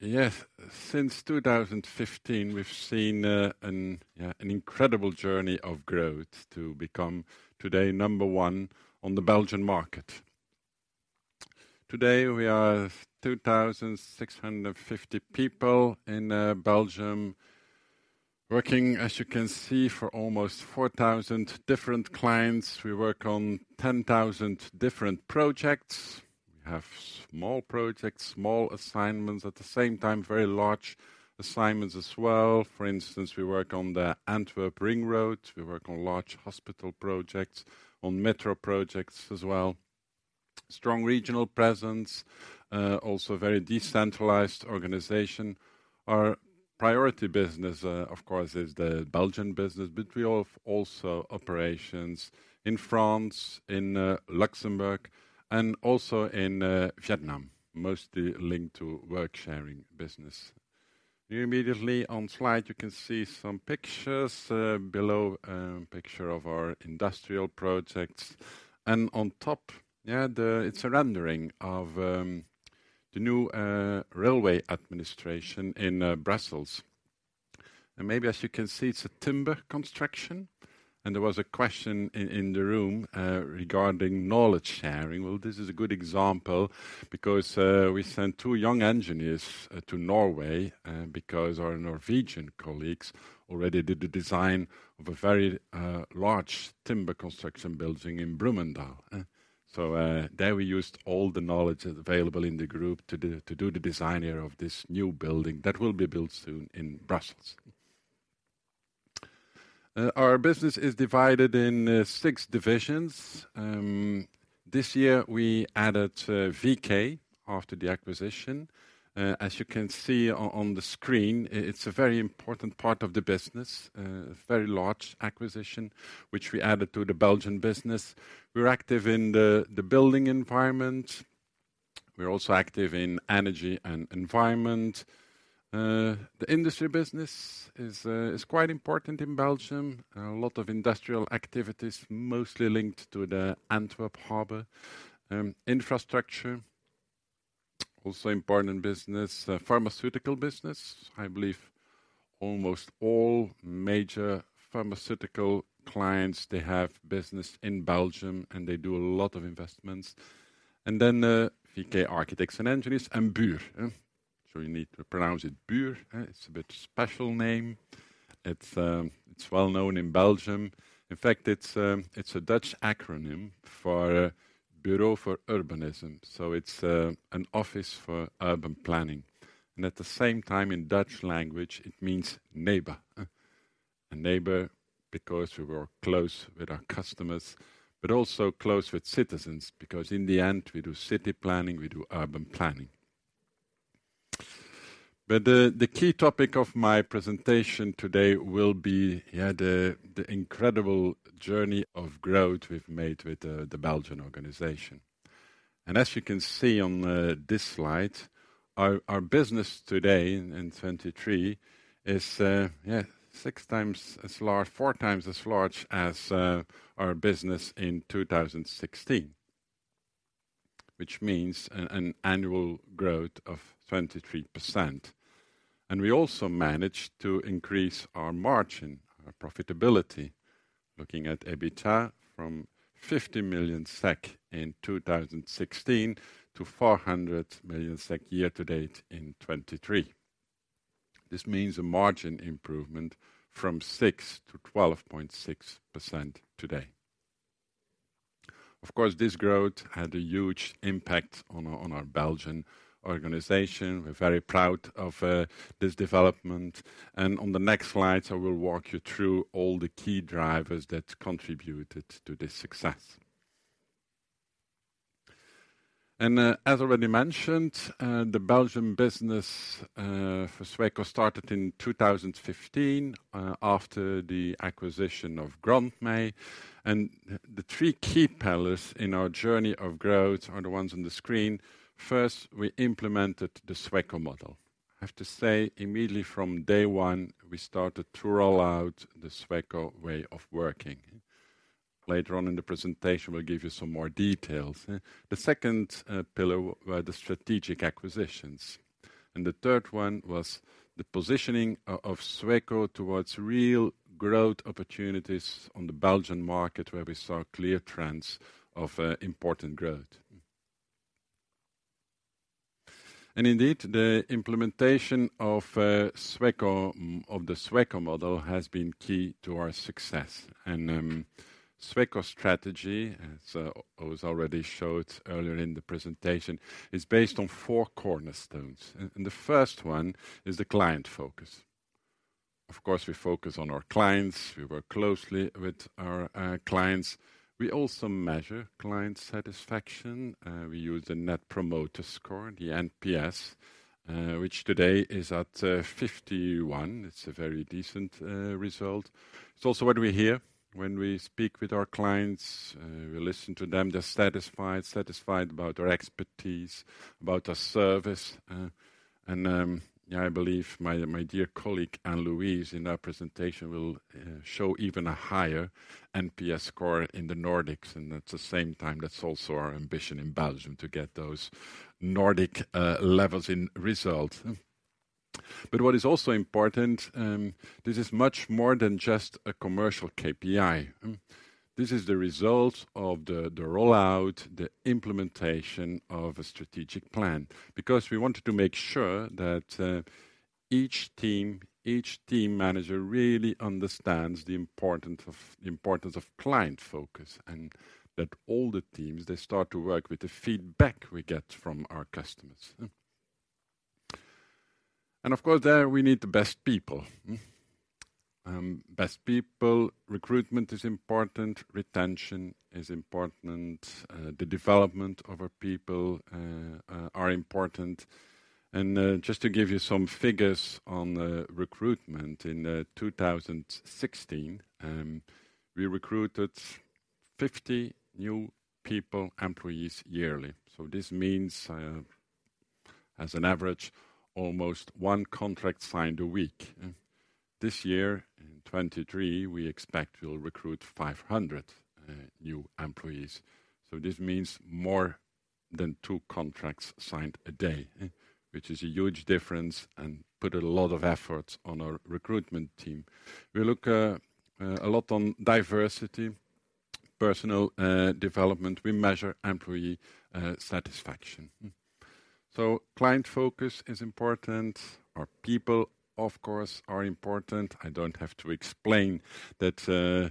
Yes, since 2015, we've seen an incredible journey of growth to become today number one on the Belgian market. Today, we are 2,650 people in Belgium, working, as you can see, for almost 4,000 different clients. We work on 10,000 different projects. We have small projects, small assignments, at the same time, very large assignments as well. For instance, we work on the Antwerp Ring Road, we work on large hospital projects, on metro projects as well. Strong regional presence, also very decentralized organization. Our priority business, of course, is the Belgian business, but we have also operations in France, in Luxembourg, and also in Vietnam, mostly linked to work sharing business. You immediately on slide, you can see some pictures. Below, picture of our industrial projects, and on top, It's a rendering of the new railway administration in Brussels. And maybe as you can see, it's a timber construction, and there was a question in the room regarding knowledge sharing. Well, this is a good example because we sent two young engineers to Norway because our Norwegian colleagues already did the design of a very large timber construction building in Brumunddal. So, there we used all the knowledge available in the group to do the design here of this new building that will be built soon in Brussels. Our business is divided in 6 divisions. This year we added VK after the acquisition. As you can see on the screen, it's a very important part of the business. Very large acquisition, which we added to the Belgian business. We're active in the building environment. We're also active in energy and environment. The industry business is quite important in Belgium. A lot of industrial activities, mostly linked to the Antwerp Harbor. Infrastructure, also important business. Pharmaceutical business. I believe almost all major pharmaceutical clients, they have business in Belgium, and they do a lot of investments. And then, VK Architects Engineers and BUUR. So you need to pronounce it BUUR. It's a bit special name. It's well known in Belgium. In fact, it's a Dutch acronym for Bureau for Urbanism, so it's an office for urban planning. And at the same time, in Dutch language, it means neighbor. A neighbor, because we work close with our customers, but also close with citizens, because in the end, we do city planning, we do urban planning. But the key topic of my presentation today will be the incredible journey of growth we've made with the Belgian organization. As you can see on this slide, our business today in 2023 is, yeah, 6x as large - four times as large as our business in 2016, which means an annual growth of 23%. And we also managed to increase our margin, our profitability, looking at EBITDA from 50 million SEK in 2016 to 400 million SEK year to date in 2023. This means a margin improvement from 6% to 12.6% today. Of course, this growth had a huge impact on our Belgian organization. We're very proud of this development, and on the next slide, I will walk you through all the key drivers that contributed to this success. As already mentioned, the Belgian business for Sweco started in 2015 after the acquisition of Grontmij. The three key pillars in our journey of growth are the ones on the screen. First, we implemented the Sweco model. I have to say, immediately from day one, we started to roll out the Sweco way of working. Later on in the presentation, we'll give you some more details. The second pillar were the strategic acquisitions, and the third one was the positioning of Sweco towards real growth opportunities on the Belgian market, where we saw clear trends of important growth. And indeed, the implementation of the Sweco model has been key to our success. Sweco strategy, as I was already showed earlier in the presentation, is based on four cornerstones. And the first one is the client focus. Of course, we focus on our clients. We work closely with our clients. We also measure client satisfaction. We use the Net Promoter Score, the NPS, which today is at 51. It's a very decent result. It's also what we hear when we speak with our clients. We listen to them. They're satisfied, satisfied about our expertise, about our service, and yeah, I believe my dear colleague, Ann-Louise, in her presentation, will show even a higher NPS score in the Nordics. And at the same time, that's also our ambition in Belgium, to get those Nordic levels in result. But what is also important, this is much more than just a commercial KPI. This is the result of the rollout, the implementation of a strategic plan. Because we wanted to make sure that each team, each team manager, really understands the importance of client focus, and that all the teams, they start to work with the feedback we get from our customers. Of course, we need the best people. Recruitment is important, retention is important, the development of our people are important. Just to give you some figures on the recruitment. In 2016, we recruited 50 new employees yearly. So this means, as an average, almost one contract signed a week. This year, in 2023, we expect we'll recruit 500 new employees, so this means more than two contracts signed a day, which is a huge difference and put a lot of efforts on our recruitment team. We look a lot on diversity, personal development. We measure employee satisfaction. So client focus is important. Our people, of course, are important. I don't have to explain that.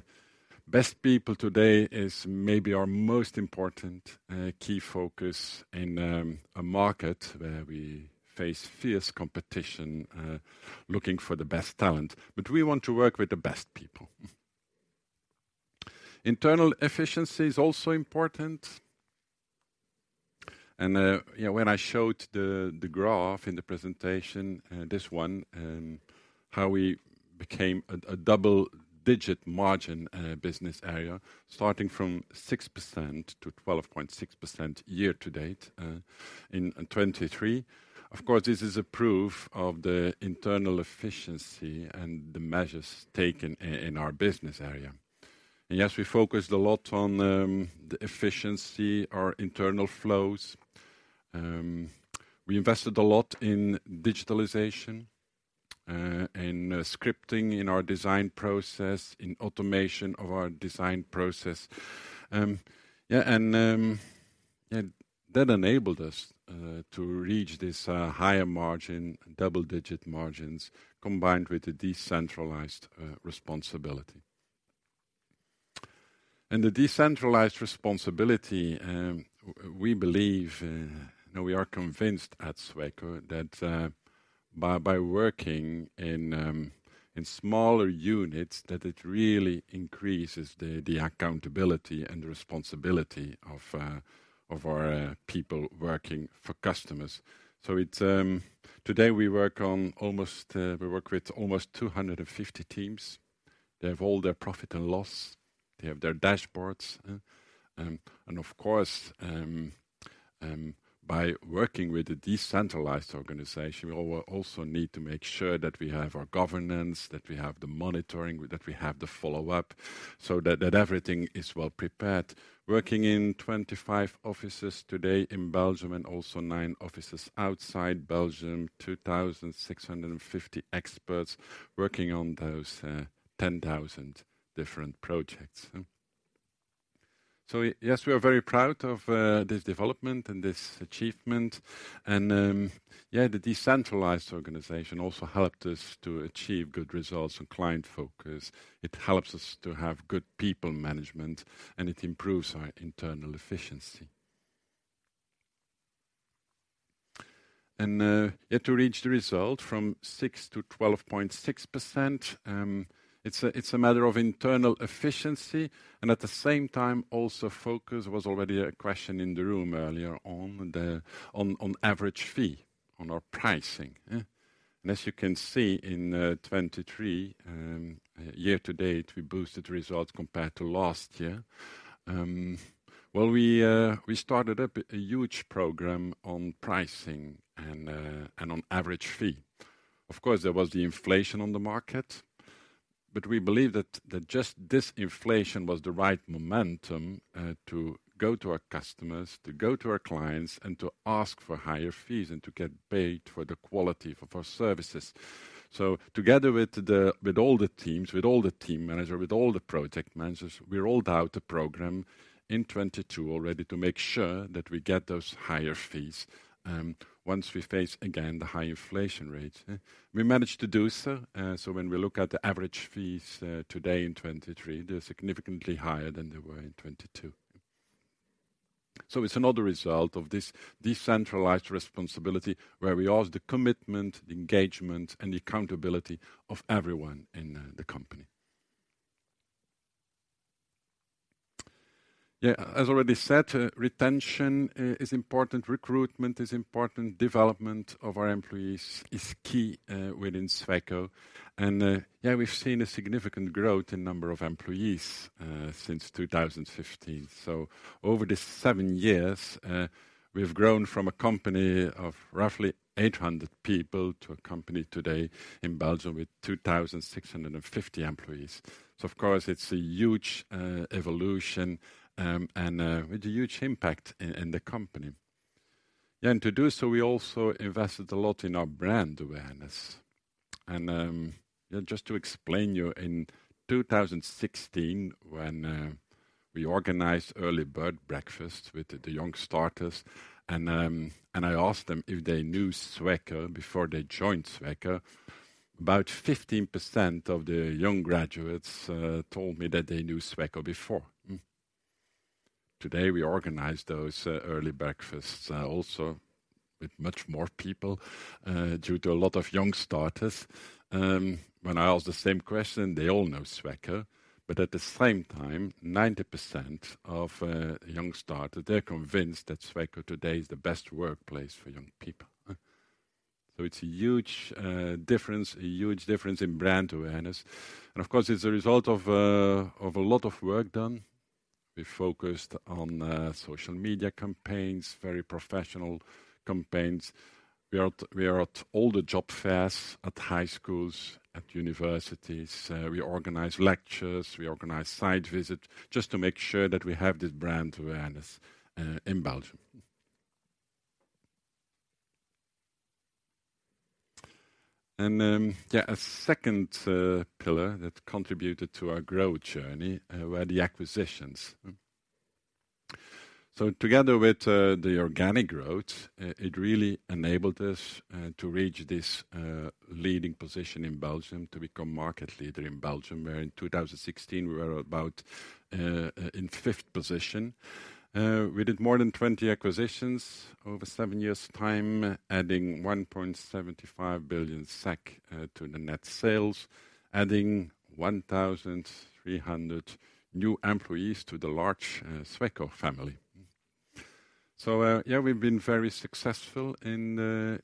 Best people today is maybe our most important key focus in a market where we face fierce competition, looking for the best talent, but we want to work with the best people. Internal efficiency is also important. You know, when I showed the graph in the presentation, this one, how we became a double-digit margin business area, starting from 6%-12.6% year to date in 2023. Of course, this is a proof of the internal efficiency and the measures taken in our business area. Yes, we focused a lot on the efficiency, our internal flows. We invested a lot in digitalization, in scripting, in our design process, in automation of our design process. That enabled us to reach this higher margin, double-digit margins, combined with the decentralized responsibility. The decentralized responsibility, we are convinced at Sweco that by working in smaller units, that it really increases the accountability and the responsibility of our people working for customers. So it's today we work with almost 250 teams. They have all their profit and loss. They have their dashboards, and, and of course, by working with a decentralized organization, we also need to make sure that we have our governance, that we have the monitoring, that we have the follow-up, so that, that everything is well prepared. Working in 25 offices today in Belgium and also nine offices outside Belgium, 2,650 experts working on those, 10,000 different projects. So yes, we are very proud of, this development and this achievement. And, yeah, the decentralized organization also helped us to achieve good results and client focus. It helps us to have good people management, and it improves our internal efficiency. Yet to reach the result from 6%-12.6%, it's a matter of internal efficiency, and at the same time, also focus was already a question in the room earlier on, the average fee on our pricing. As you can see, in 2023 year to date, we boosted results compared to last year. Well, we started up a huge program on pricing and on average fee. Of course, there was the inflation on the market, but we believe that just this inflation was the right momentum to go to our customers, to go to our clients, and to ask for higher fees and to get paid for the quality of our services. So together with all the teams, with all the team manager, with all the project managers, we rolled out a program in 2022 already to make sure that we get those higher fees, once we face again the high inflation rates. We managed to do so. So when we look at the average fees, today in 2023, they're significantly higher than they were in 2022. So it's another result of this decentralized responsibility, where we ask the commitment, engagement, and accountability of everyone in the company. Yeah, as already said, retention is important, recruitment is important, development of our employees is key, within Sweco. And yeah, we've seen a significant growth in number of employees, since 2015. So over the seven years, we've grown from a company of roughly 800 people to a company today in Belgium with 2,650 employees. So of course, it's a huge evolution and with a huge impact in the company. And to do so, we also invested a lot in our brand awareness. And just to explain you, in 2016, when we organized early bird breakfast with the young starters, and I asked them if they knew Sweco before they joined Sweco, about 15% of the young graduates told me that they knew Sweco before. Today, we organized those early breakfasts also with much more people due to a lot of young starters. When I asked the same question, they all know Sweco, but at the same time, 90% of young starter, they're convinced that Sweco today is the best workplace for young people. So it's a huge difference, a huge difference in brand awareness, and of course, it's a result of a lot of work done. We focused on social media campaigns, very professional campaigns. We are at all the job fairs, at high schools, at universities. We organize lectures, we organize site visits, just to make sure that we have this brand awareness in Belgium. And yeah, a second pillar that contributed to our growth journey were the acquisitions. So together with the organic growth, it really enabled us to reach this leading position in Belgium, to become market leader in Belgium, where in 2016, we were about in 5th position. We did more than 20 acquisitions over seven years time, adding 1.75 billion SEK to the net sales, adding 1,300 new employees to the large Sweco family. So yeah, we've been very successful in the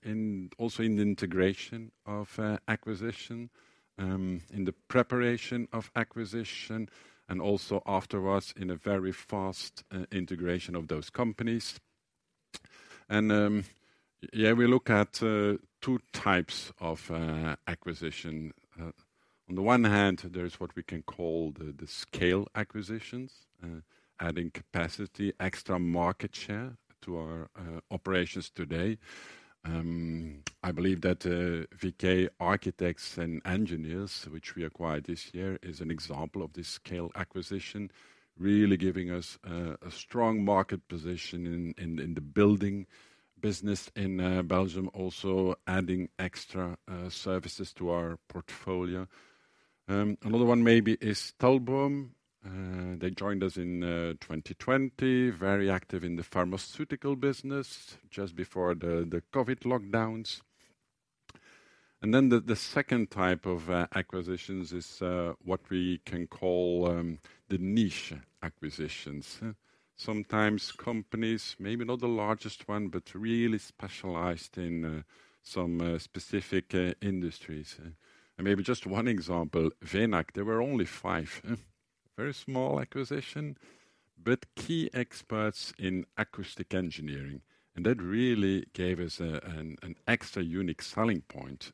integration of acquisition in the preparation of acquisition, and also afterwards in a very fast integration of those companies. And yeah, we look at two types of acquisition. On the one hand, there's what we can call the scale acquisitions, adding capacity, extra market share to our operations today. I believe that VK Architects and Engineers, which we acquired this year, is an example of this scale acquisition, really giving us a strong market position in the building business in Belgium, also adding extra services to our portfolio. Another one maybe is Talboom. They joined us in 2020, very active in the pharmaceutical business just before the COVID lockdowns. Then the second type of acquisitions is what we can call the niche acquisitions. Sometimes companies, maybe not the largest one, but really specialized in some specific industries. Maybe just one example, Venac, there were only five, very small acquisition, but key experts in acoustic engineering, and that really gave us an extra unique selling point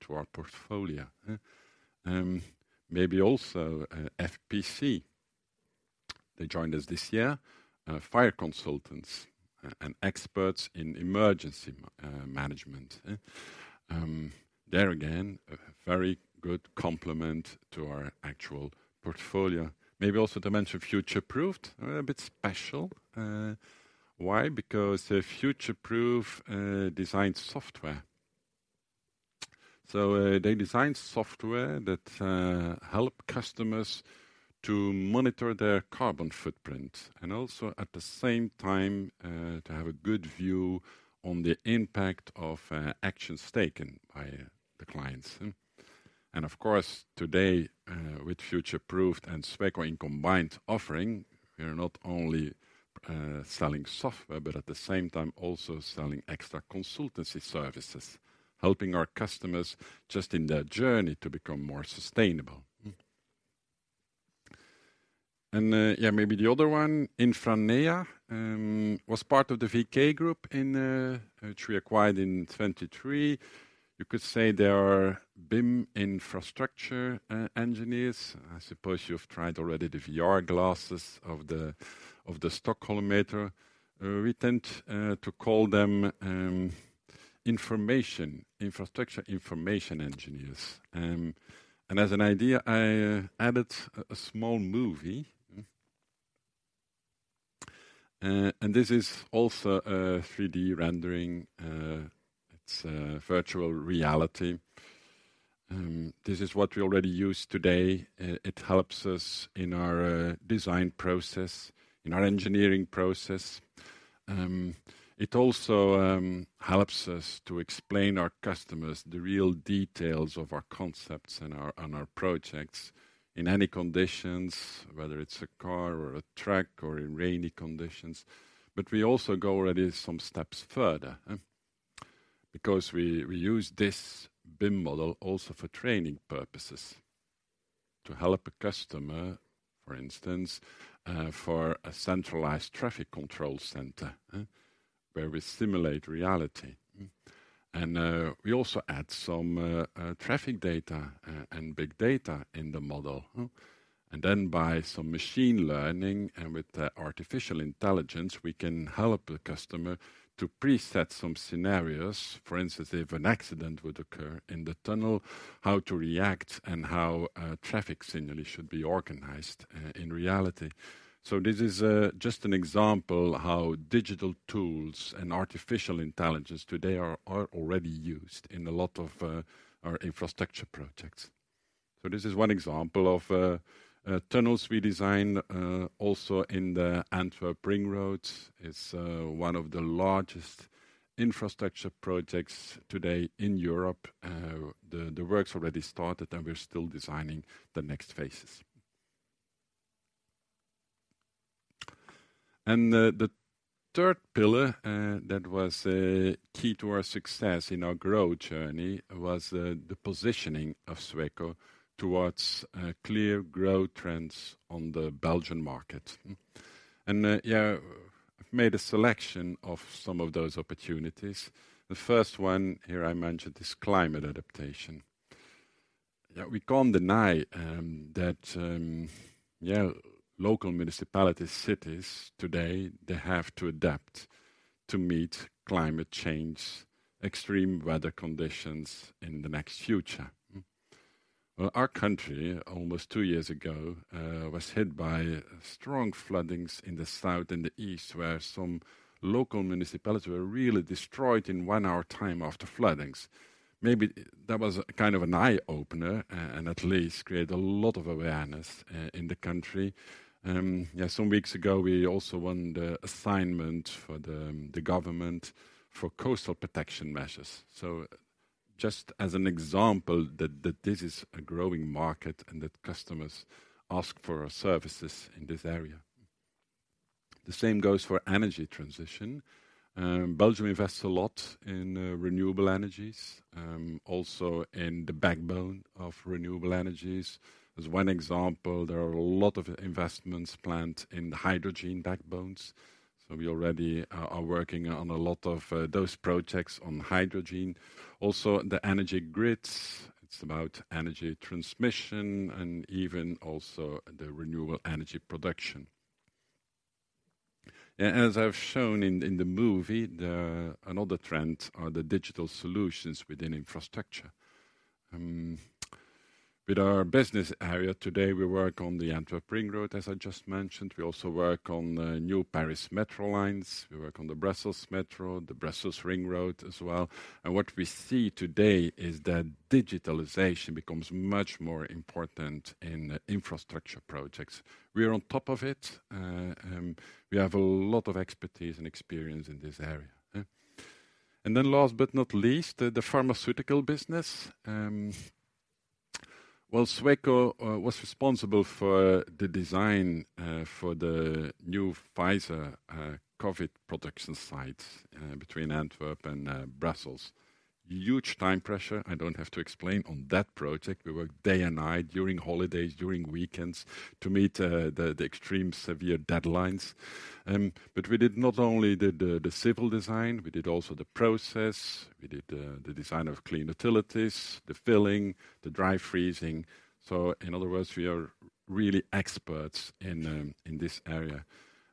to our portfolio. Maybe also, FPC, they joined us this year. Fire consultants and experts in emergency management. There again, a very good complement to our actual portfolio. Maybe also to mention Futureproofed, a bit special. Why? Because, Futureproofed designs software. So, they design software that help customers to monitor their carbon footprint, and also at the same time, to have a good view on the impact of actions taken by the clients. And of course, today, with Futureproofed and Sweco in combined offering, we are not only selling software, but at the same time also selling extra consultancy services, helping our customers just in their journey to become more sustainable. Yeah, maybe the other one, Infranea, was part of the VK group in, which we acquired in 2023. You could say they are BIM infrastructure engineers. I suppose you've tried already the VR glasses of the, of the Stockholm metro. We tend to call them, information infrastructure information engineers. And as an idea, I added a small movie. And this is also a 3D rendering. It's a virtual reality. This is what we already use today. It helps us in our design process, in our engineering process. It also helps us to explain our customers the real details of our concepts and our projects in any conditions, whether it's a car or a truck or in rainy conditions. But we also go already some steps further, because we, we use this BIM model also for training purposes. To help a customer, for instance, for a centralized traffic control center, where we simulate reality. And we also add some traffic data and big data in the model. And then by some machine learning and with the artificial intelligence, we can help the customer to preset some scenarios. For instance, if an accident would occur in the tunnel, how to react and how traffic similarly should be organized in reality. So this is just an example how digital tools and artificial intelligence today are already used in a lot of our infrastructure projects. So this is one example of tunnels we design also in the Antwerp Ring Road. It's one of the largest infrastructure projects today in Europe. The work's already started, and we're still designing the next phases. The third pillar that was a key to our success in our growth journey was the positioning of Sweco towards clear growth trends on the Belgian market. Yeah, I've made a selection of some of those opportunities. The first one here I mentioned is climate adaptation. Yeah, we can't deny that, yeah, local municipalities, cities today, they have to adapt to meet climate change, extreme weather conditions in the next future. Well, our country, almost two years ago, was hit by strong floodings in the south and the east, where some local municipalities were really destroyed in one hour time after floodings. Maybe that was kind of an eye-opener and at least created a lot of awareness in the country. Yeah, some weeks ago, we also won the assignment for the government for coastal protection measures. So just as an example, that this is a growing market and that customers ask for our services in this area. The same goes for energy transition. Belgium invests a lot in renewable energies, also in the backbone of renewable energies. As one example, there are a lot of investments planned in hydrogen backbones, so we already are working on a lot of those projects on hydrogen. Also, the energy grids, it's about energy transmission and even also the renewable energy production. As I've shown in the movie, another trend are the digital solutions within infrastructure. With our business area today, we work on the Antwerp Ring Road, as I just mentioned. We also work on the new Paris Metro lines. We work on the Brussels Metro, the Brussels Ring Road as well. And what we see today is that digitalization becomes much more important in infrastructure projects. We are on top of it, we have a lot of expertise and experience in this area. And then last but not least, the pharmaceutical business. Well, Sweco was responsible for the design for the new Pfizer COVID production sites between Antwerp and Brussels. Huge time pressure, I don't have to explain. On that project, we worked day and night during holidays, during weekends, to meet the extreme severe deadlines. But we did not only the civil design, we did also the process, we did the design of clean utilities, the filling, the dry freezing. So in other words, we are really experts in this area.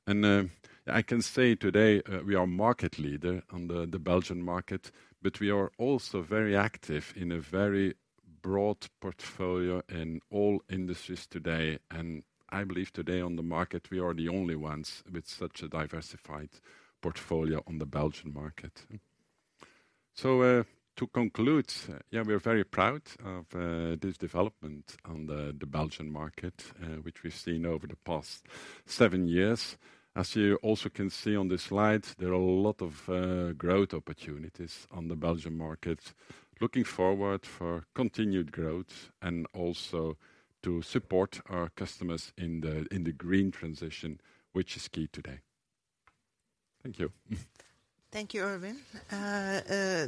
And I can say today, we are market leader on the Belgian market, but we are also very active in a very broad portfolio in all industries today. And I believe today on the market, we are the only ones with such a diversified portfolio on the Belgian market. So to conclude, yeah, we are very proud of this development on the Belgian market, which we've seen over the past seven years. As you also can see on this slide, there are a lot of growth opportunities on the Belgian market. Looking forward for continued growth and also to support our customers in the green transition, which is key today. Thank you. Thank you, Erwin.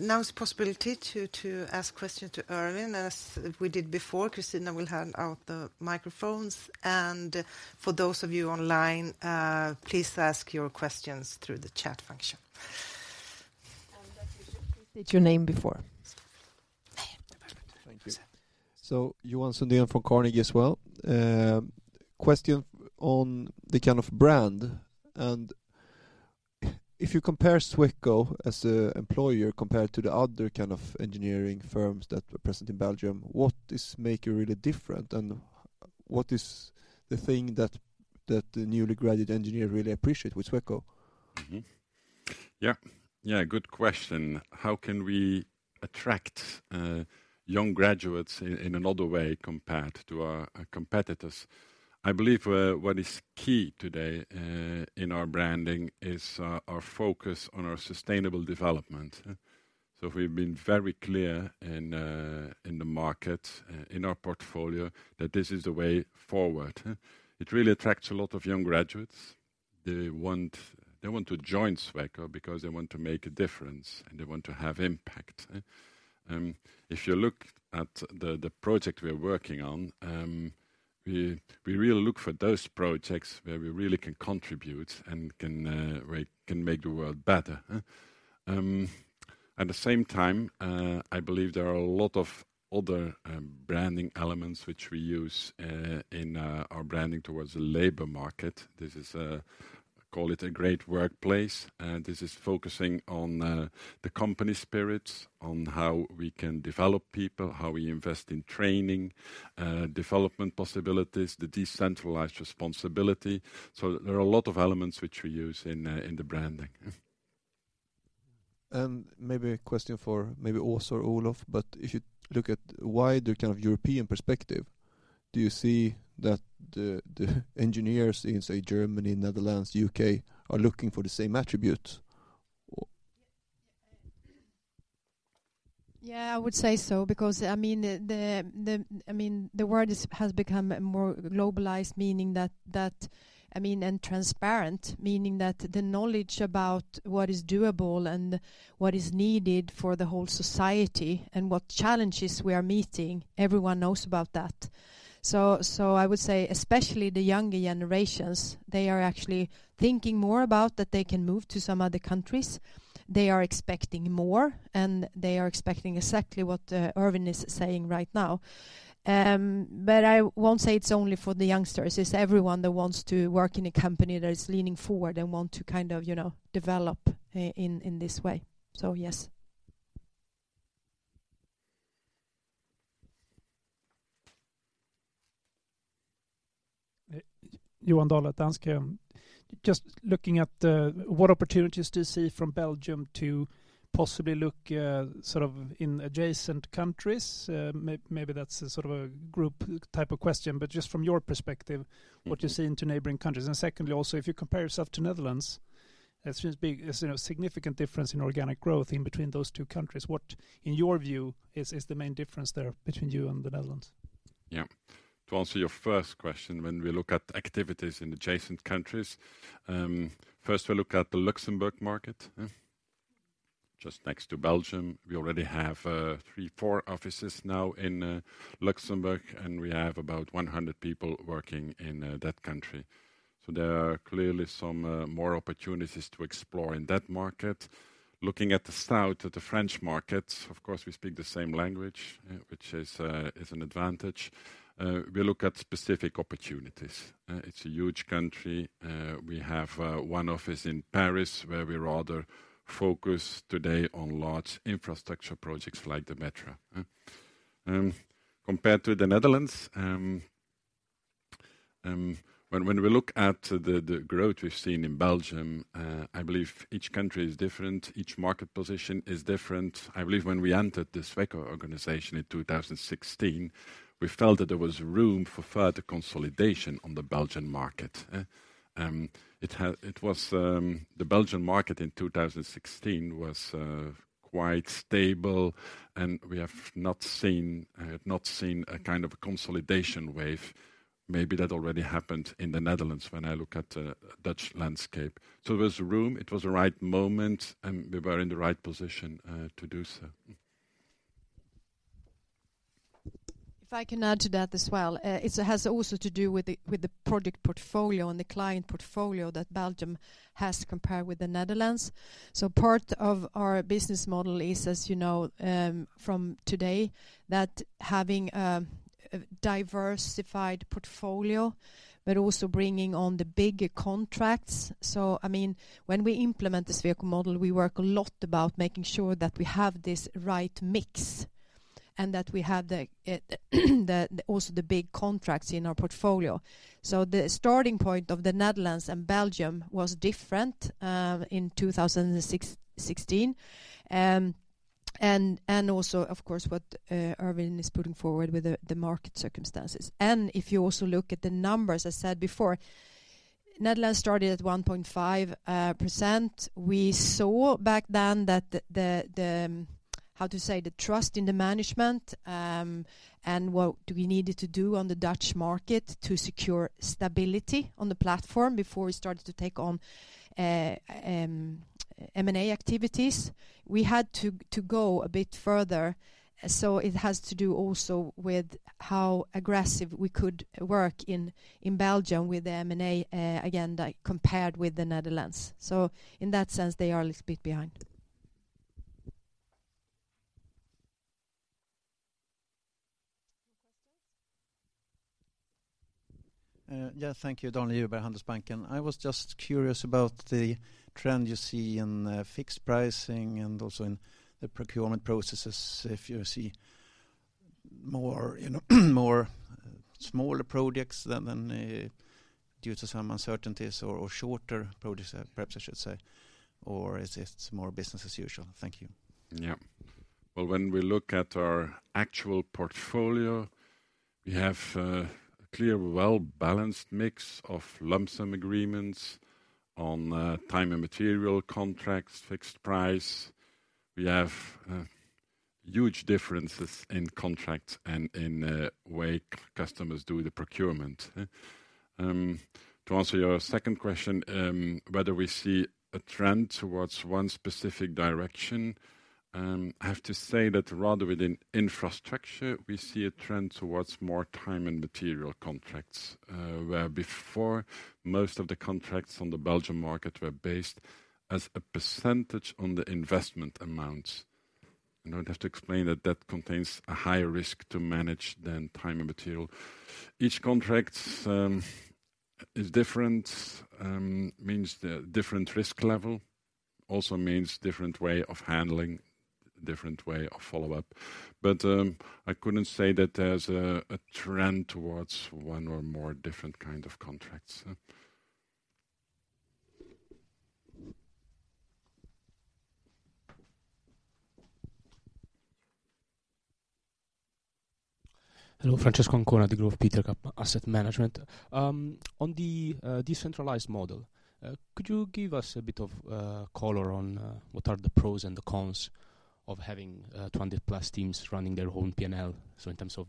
Now it's possibility to, to ask questions to Erwin, as we did before. Christina will hand out the microphones, and for those of you online, please ask your questions through the chat function. State your name before. Thank you. So Johan Sundén from Carnegie as well. Question on the kind of brand, and if you compare Sweco as a employer compared to the other kind of engineering firms that are present in Belgium, what is make you really different, and what is the thing that the newly graduate engineer really appreciate with Sweco? Yeah, good question. How can we attract young graduates in another way compared to our competitors? I believe what is key today in our branding is our focus on our sustainable development. So we've been very clear in the market in our portfolio that this is the way forward. It really attracts a lot of young graduates. They want, they want to join Sweco because they want to make a difference, and they want to have impact. If you look at the project we are working on, we really look for those projects where we really can contribute and can make the world better. At the same time, I believe there are a lot of other branding elements which we use in our branding towards the labor market. This is a call it a great workplace, and this is focusing on the company spirits, on how we can develop people, how we invest in training, development possibilities, the decentralized responsibility. So there are a lot of elements which we use in the branding. Maybe a question for maybe also Olof, but if you look at wider kind of European perspective, do you see that the engineers in, say, Germany, Netherlands, U.K., are looking for the same attributes? Yeah, yeah, yeah, I would say so because, I mean, the world has become more globalized, meaning that, I mean, and transparent, meaning that the knowledge about what is doable and what is needed for the whole society and what challenges we are meeting, everyone knows about that. So, I would say especially the younger generations, they are actually thinking more about that they can move to some other countries. They are expecting more, and they are expecting exactly what Erwin is saying right now. But I won't say it's only for the youngsters. It's everyone that wants to work in a company that is leaning forward and want to kind of, you know, develop in this way. So yes. Johan Dahl at Danske. Just looking at what opportunities do you see from Belgium to possibly look sort of in adjacent countries? Maybe that's a sort of a group type of question, but just from your perspective- What you see into neighboring countries. And secondly, also, if you compare yourself to Netherlands, it seems big, as you know, significant difference in organic growth in between those two countries. What, in your view, is, is the main difference there between you and the Netherlands? Yeah. To answer your first question, when we look at activities in adjacent countries, first, we look at the Luxembourg market, just next to Belgium. We already have three, four offices now in Luxembourg, and we have about 100 people working in that country. So there are clearly some more opportunities to explore in that market. Looking at the south, at the French market, of course, we speak the same language, which is an advantage. We look at specific opportunities. It's a huge country. We have one office in Paris, where we rather focus today on large infrastructure projects like the Metro. Compared to the Netherlands, when we look at the growth we've seen in Belgium, I believe each country is different, each market position is different. I believe when we entered the Sweco organization in 2016, we felt that there was room for further consolidation on the Belgian market. It was the Belgian market in 2016 was quite stable, and we have not seen a kind of consolidation wave. Maybe that already happened in the Netherlands when I look at the Dutch landscape. So there was room, it was the right moment, and we were in the right position to do so. If I can add to that as well. It has also to do with the project portfolio and the client portfolio that Belgium has compared with the Netherlands. So part of our business model is, as you know, from today, that having a diversified portfolio, but also bringing on the bigger contracts. So I mean, when we implement the Sweco model, we work a lot about making sure that we have this right mix and that we have the also the big contracts in our portfolio. So the starting point of the Netherlands and Belgium was different in 2016. And also, of course, what Erwin is putting forward with the market circumstances. And if you also look at the numbers, I said before, Netherlands started at 1.5%. We saw back then that the trust in the management, and what do we needed to do on the Dutch market to secure stability on the platform before we started to take on M&A activities. We had to go a bit further, so it has to do also with how aggressive we could work in Belgium with the M&A, again, like, compared with the Netherlands. So in that sense, they are a little bit behind. Yeah. Thank you, Daniel Djurberg, Handelsbanken. I was just curious about the trend you see in fixed pricing and also in the procurement processes. If you see more, you know, more smaller projects than due to some uncertainties or shorter projects, perhaps I should say, or is it more business as usual? Thank you. Yeah. Well, when we look at our actual portfolio, we have a clear well-balanced mix of lump sum agreements on time and material contracts, fixed price. We have huge differences in contracts and in way customers do the procurement. To answer your second question, whether we see a trend towards one specific direction, I have to say that rather within infrastructure, we see a trend towards more time and material contracts. Where before most of the contracts on the Belgian market were based as a percentage on the investment amount. I don't have to explain that that contains a higher risk to manage than time and material. Each contract is different, means the different risk level, also means different way of handling, different way of follow-up. But, I couldn't say that there's a trend towards one or more different kind of contracts. Hello, Francesco Ancona, the Degroof Petercam Asset Management. On the decentralized model, could you give us a bit of color on what are the pros and the cons of having 200+ teams running their own P&L, so in terms of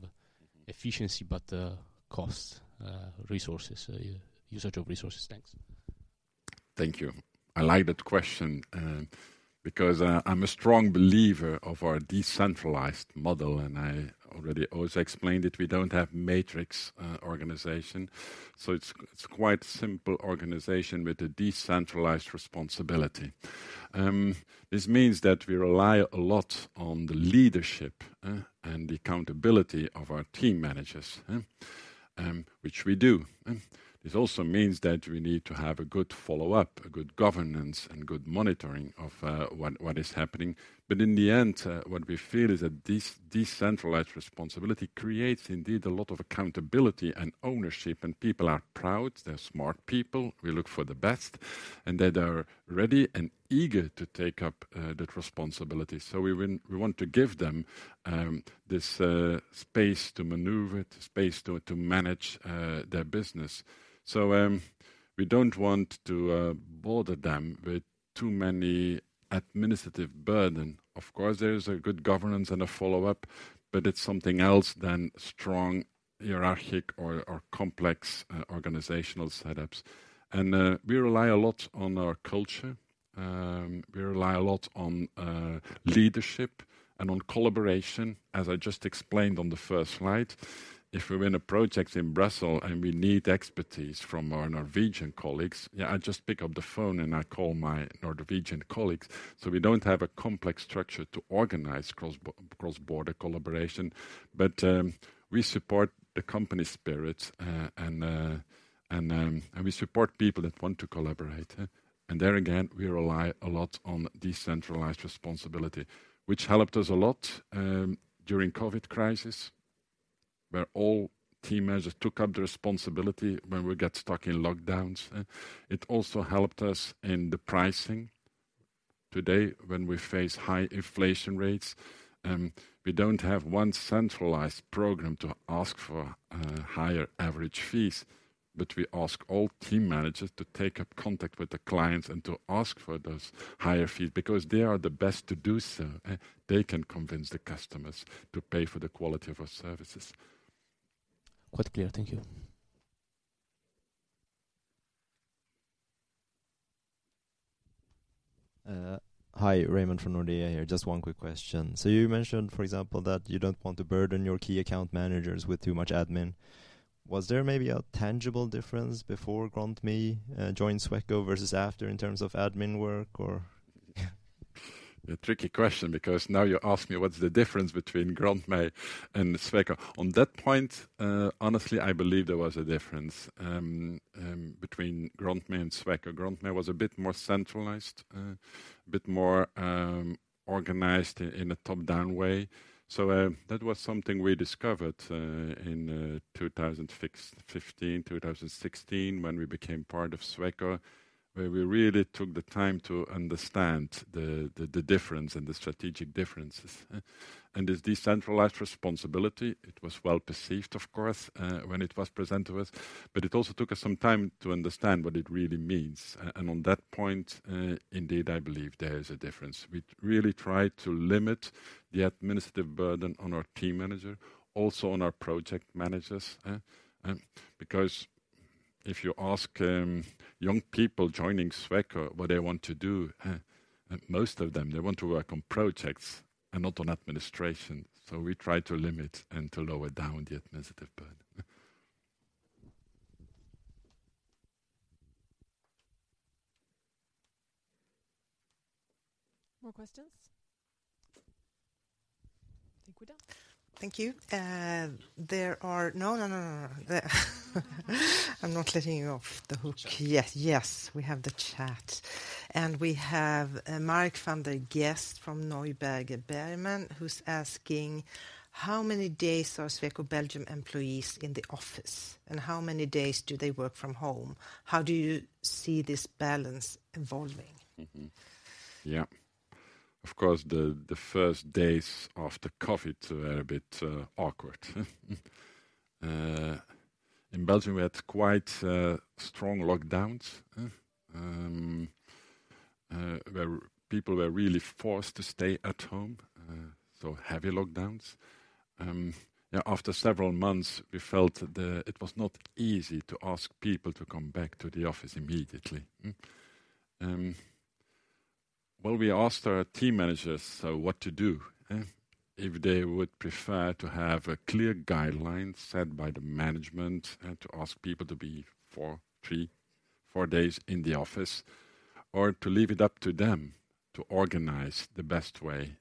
efficiency, but costs, resources, usage of resources? Thanks. Thank you. I like that question, because, I'm a strong believer of our decentralized model, and I already also explained it. We don't have matrix organization, so it's quite simple organization with a decentralized responsibility. This means that we rely a lot on the leadership, and the accountability of our team managers, which we do. This also means that we need to have a good follow-up, a good governance, and good monitoring of, what is happening. But in the end, what we feel is that this decentralized responsibility creates indeed a lot of accountability and ownership, and people are proud. They're smart people. We look for the best, and that they are ready and eager to take up, that responsibility. So we want, we want to give them this space to maneuver, the space to manage their business. So we don't want to bother them with too many administrative burden. Of course, there is a good governance and a follow-up, but it's something else than strong hierarchic or complex organizational setups. We rely a lot on our culture. We rely a lot on leadership and on collaboration. As I just explained on the first slide, if we win a project in Brussels and we need expertise from our Norwegian colleagues, yeah, I just pick up the phone and I call my Norwegian colleagues. So we don't have a complex structure to organize cross-border collaboration, but we support the company spirit, and we support people that want to collaborate. And there again, we rely a lot on decentralized responsibility, which helped us a lot during COVID crisis, where all team managers took up the responsibility when we get stuck in lockdowns. It also helped us in the pricing. Today, when we face high inflation rates, we don't have one centralized program to ask for higher average fees, but we ask all team managers to take up contact with the clients and to ask for those higher fees because they are the best to do so. They can convince the customers to pay for the quality of our services. Quite clear. Thank you. Hi, Raymond from Nordea here. Just one quick question. So you mentioned, for example, that you don't want to burden your key account managers with too much admin. Was there maybe a tangible difference before Grontmij joined Sweco versus after, in terms of admin work or? A tricky question, because now you ask me what's the difference between Grontmij and Sweco? On that point, honestly, I believe there was a difference between Grontmij and Sweco. Grontmij was a bit more centralized, a bit more organized in a top-down way. So, that was something we discovered in 2015, 2016, when we became part of Sweco, where we really took the time to understand the difference and the strategic differences. And this decentralized responsibility, it was well perceived, of course, when it was presented to us, but it also took us some time to understand what it really means. And on that point, indeed, I believe there is a difference. We really tried to limit the administrative burden on our team manager, also on our project managers, if you ask young people joining Sweco what they want to do, most of them, they want to work on projects and not on administration. So we try to limit and to lower down the administrative burden. More questions? I think we're done. Thank you. There, I'm not letting you off the hook. Yes, yes, we have the chat. And we have Mark van der Geest from Neuberger Berman, who's asking: How many days are Sweco Belgium employees in the office, and how many days do they work from home? How do you see this balance evolving? Yeah. Of course, the first days after COVID were a bit awkward. In Belgium, we had quite strong lockdowns where people were really forced to stay at home, so heavy lockdowns. Yeah, after several months, we felt that it was not easy to ask people to come back to the office immediately. Well, we asked our team managers, so what to do? If they would prefer to have a clear guideline set by the management to ask people to be four, three, four days in the office, or to leave it up to them to organize the best way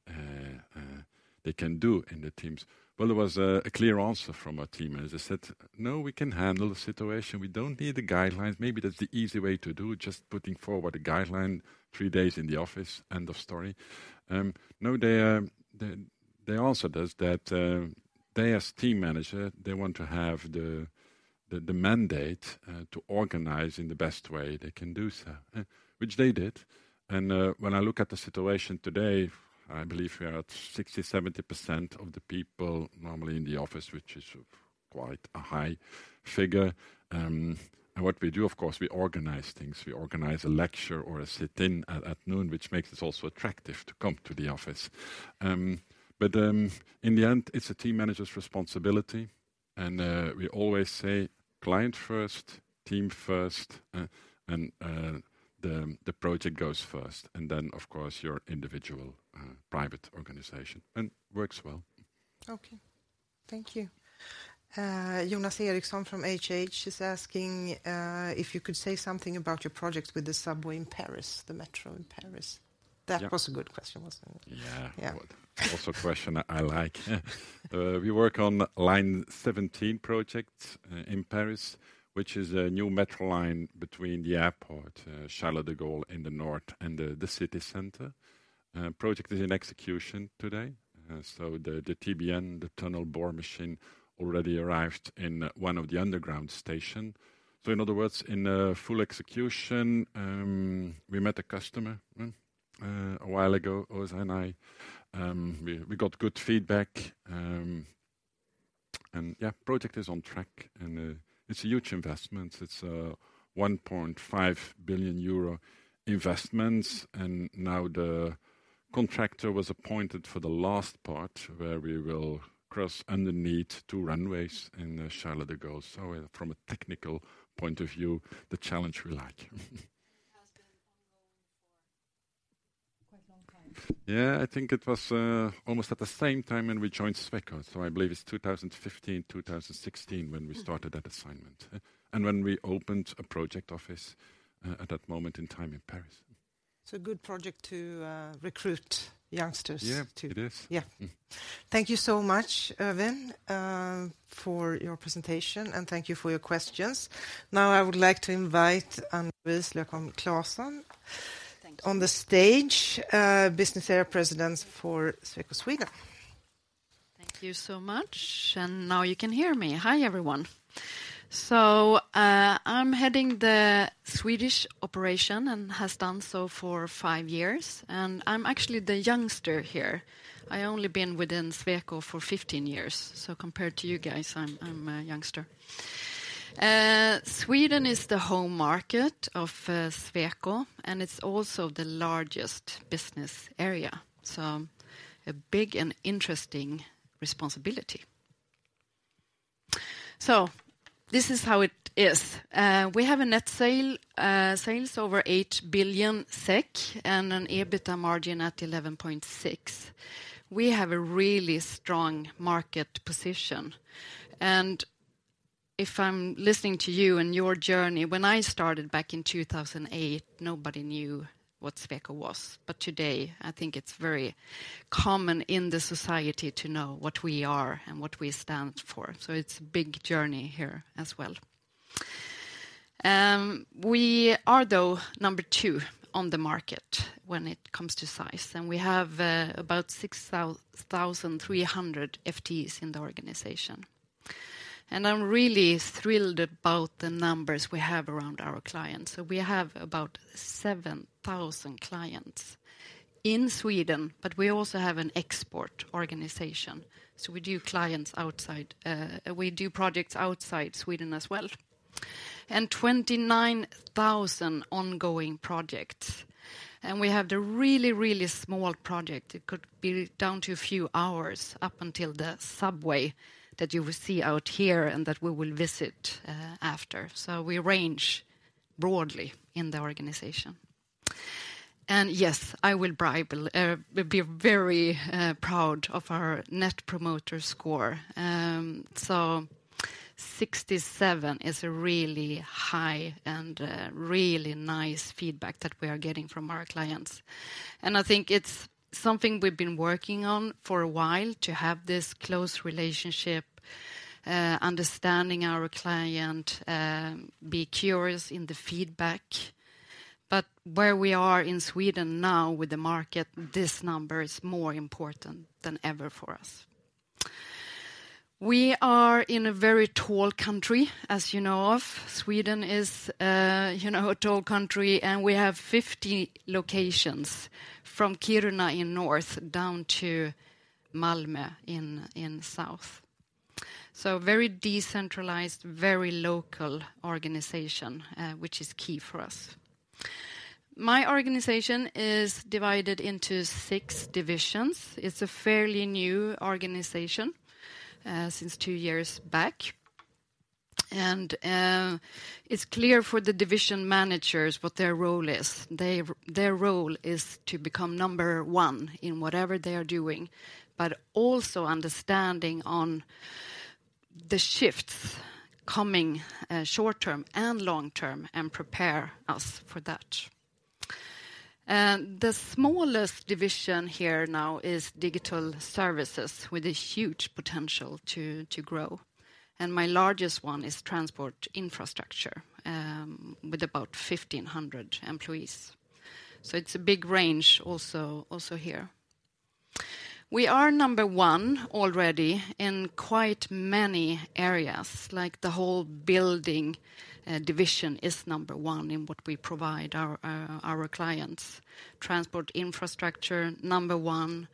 they can do in the teams. Well, there was a clear answer from our team, as I said: "No, we can handle the situation. We don't need the guidelines. Maybe that's the easy way to do, just putting forward a guideline, three days in the office, end of story." No, their answer does that. They, as team manager, want to have the mandate to organize in the best way they can do so, which they did. And when I look at the situation today, I believe we are at 60%-70% of the people normally in the office, which is quite a high figure. And what we do, of course, we organize things. We organize a lecture or a sit-in at noon, which makes it also attractive to come to the office. But in the end, it's the team manager's responsibility, and we always say, "Client first, team first, and the project goes first, and then, of course, your individual private organization," and works well. Okay. Thank you. Jonas Eriksson from H&H is asking if you could say something about your project with the subway in Paris, the metro in Paris. That was a good question, wasn't it? Yeah. Yeah. Also a question I like. We work on Line 17 project in Paris, which is a new metro line between the airport, Charles de Gaulle in the north and the city center. Project is in execution today. So the TBM, the tunnel boring machine, already arrived in one of the underground station. So in other words, in a full execution, we met the customer a while ago, Jose and I. We got good feedback, and yeah, project is on track, and it's a huge investment. It's a 1.5 billion euro investment, and now the contractor was appointed for the last part, where we will cross underneath two runways in the Charles de Gaulle. So from a technical point of view, the challenge we like. Has been ongoing for quite a long time. Yeah, I think it was almost at the same time when we joined Sweco, so I believe it's 2015, 2016 when we started that assignment, and when we opened a project office at that moment in time in Paris. It's a good project to recruit youngsters-- Yeah, it is. Yeah. Thank you so much, Erwin, for your presentation, and thank you for your questions. Now, I would like to invite Ann-Louise Lökholm Klasson on the stage, business area president for Sweco Sweden. Thank you so much, and now you can hear me. Hi, everyone. So, I'm heading the Swedish operation and has done so for five years, and I'm actually the youngster here. I only been within Sweco for 15 years, so compared to you guys, I'm, I'm a youngster. Sweden is the home market of Sweco, and it's also the largest business area, so a big and interesting responsibility. So this is how it is. We have a net sale, sales over 8 billion SEK and an EBITDA margin at 11.6%. We have a really strong market position. And if I'm listening to you and your journey, when I started back in 2008, nobody knew what Sweco was. But today, I think it's very common in the society to know what we are and what we stand for, so it's a big journey here as well. We are, though, number two on the market when it comes to size, and we have about 6,300 FTEs in the organization. And I'm really thrilled about the numbers we have around our clients. So we have about 7,000 clients in Sweden, but we also have an export organization, so we do clients outside, we do projects outside Sweden as well, and 29,000 ongoing projects. And we have the really, really small project. It could be down to a few hours up until the subway that you will see out here and that we will visit after. So we range broadly in the organization. And yes, I will briefly, we're very proud of our Net Promoter Score. So 67 is a really high and really nice feedback that we are getting from our clients. And I think it's something we've been working on for a while, to have this close relationship, understanding our client, be curious in the feedback. But where we are in Sweden now with the market, this number is more important than ever for us. We are in a very tall country, as you know of. Sweden is, you know, a tall country, and we have 50 locations, from Kiruna in north, down to Malmö in south. So very decentralized, very local organization, which is key for us. My organization is divided into six divisions. It's a fairly new organization, since two years back. It's clear for the division managers what their role is. Their role is to become number one in whatever they are doing, but also understanding on the shifts coming, short term and long term, and prepare us for that. The smallest division here now is digital services, with a huge potential to grow, and my largest one is transport infrastructure, with about 1,500 employees. So it's a big range also here. We are number one already in quite many areas, like the whole building division is number one in what we provide our our clients. Transport infrastructure, number one.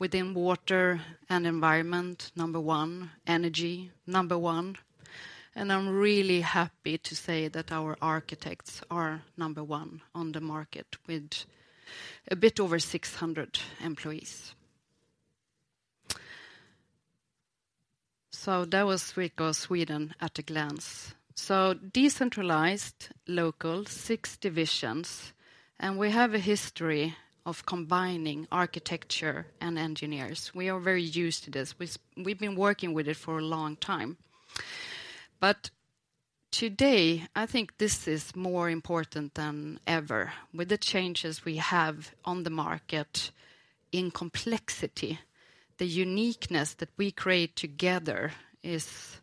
Within water and environment, number one. Energy, number one. And I'm really happy to say that our architects are number one on the market, with a bit over 600 employees. So that was Sweco Sweden at a glance. So decentralized, local, six divisions, and we have a history of combining architecture and engineers. We are very used to this. We've been working with it for a long time. But today, I think this is more important than ever. With the changes we have on the market in complexity, the uniqueness that we create together is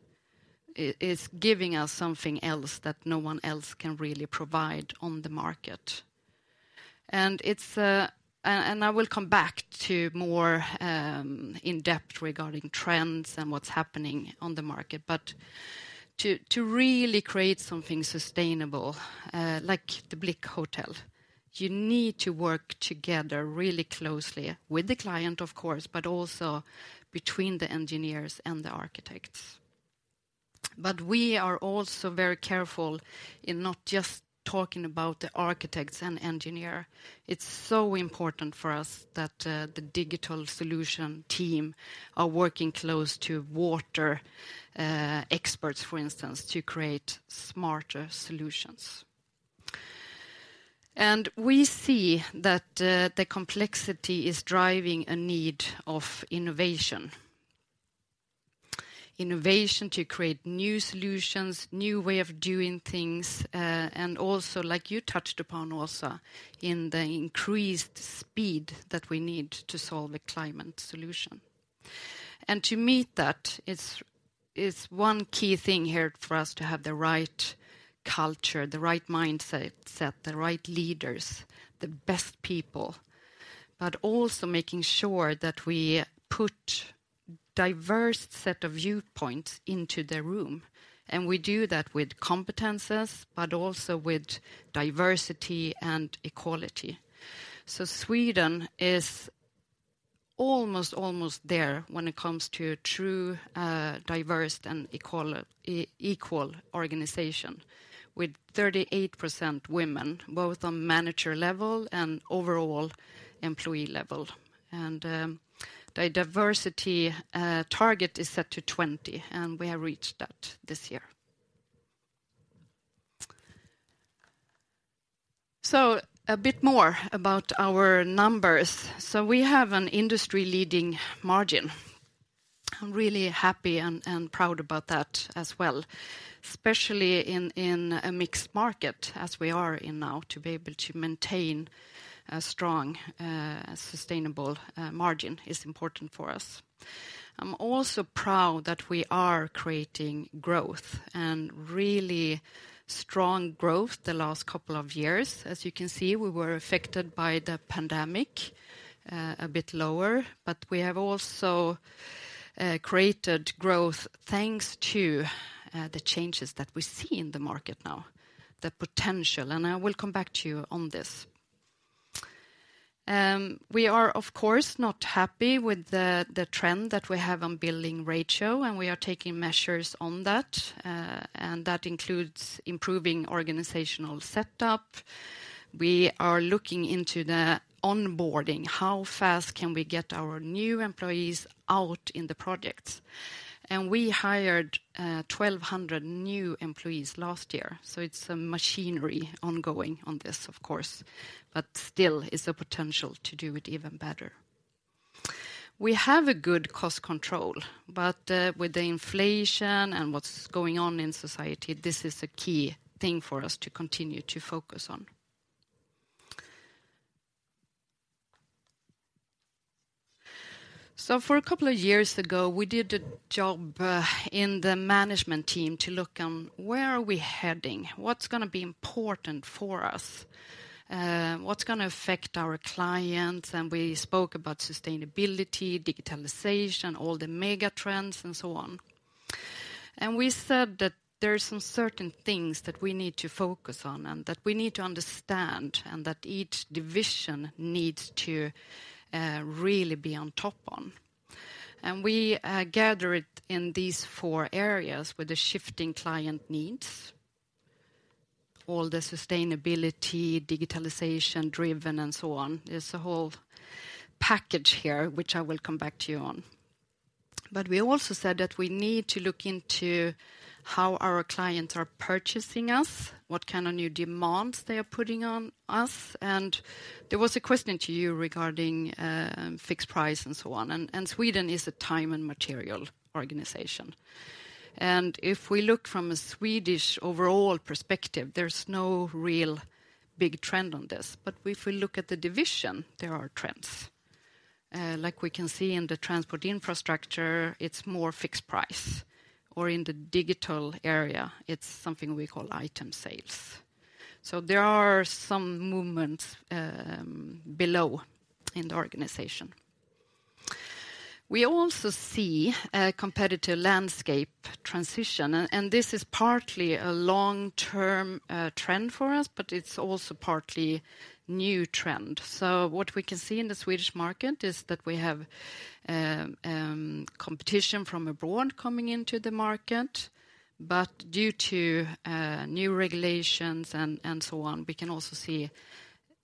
giving us something else that no one else can really provide on the market. And it's. And I will come back to more in-depth regarding trends and what's happening on the market. But to really create something sustainable, like the Blique Hotel, you need to work together really closely with the client, of course, but also between the engineers and the architects. But we are also very careful in not just talking about the architects and engineer. It's so important for us that the digital solution team are working close to water experts, for instance, to create smarter solutions. And we see that the complexity is driving a need of innovation. Innovation to create new solutions, new way of doing things, and also, like you touched upon also, in the increased speed that we need to solve a climate solution. And to meet that, it's one key thing here for us to have the right culture, the right mindset set, the right leaders, the best people, but also making sure that we put diverse set of viewpoints into the room, and we do that with competences, but also with diversity and equality. So Sweden is almost, almost there when it comes to true diverse and equal organization, with 38% women, both on manager level and overall employee level. The diversity target is set to 20, and we have reached that this year. A bit more about our numbers. We have an industry-leading margin. I'm really happy and proud about that as well, especially in a mixed market, as we are in now, to be able to maintain a strong, sustainable margin is important for us. I'm also proud that we are creating growth, and really strong growth the last couple of years. As you can see, we were affected by the pandemic, a bit lower, but we have also created growth thanks to the changes that we see in the market now, the potential, and I will come back to you on this. We are, of course, not happy with the trend that we have on billing ratio, and we are taking measures on that. And that includes improving organizational setup. We are looking into the onboarding, how fast can we get our new employees out in the projects? And we hired 1,200 new employees last year, so it's a machinery ongoing on this, of course, but still is a potential to do it even better. We have a good cost control, but with the inflation and what's going on in society, this is a key thing for us to continue to focus on. So for a couple of years ago, we did a job in the management team to look on where are we heading? What's gonna be important for us? What's gonna affect our clients? We spoke about sustainability, digitalization, all the mega trends, and so on. We said that there are some certain things that we need to focus on, and that we need to understand, and that each division needs to really be on top on. We gathered in these four areas with the shifting client needs, all the sustainability, digitalization driven, and so on. There's a whole package here, which I will come back to you on. But we also said that we need to look into how our clients are purchasing us, what kind of new demands they are putting on us. There was a question to you regarding fixed price and so on, and Sweden is a time and material organization. If we look from a Swedish overall perspective, there's no real big trend on this. But if we look at the division, there are trends. Like we can see in the transport infrastructure, it's more fixed price, or in the digital area, it's something we call item sales. So there are some movements below in the organization. We also see a competitor landscape transition, and, and this is partly a long-term trend for us, but it's also partly new trend. So what we can see in the Swedish market is that we have competition from abroad coming into the market, but due to new regulations and, and so on, we can also see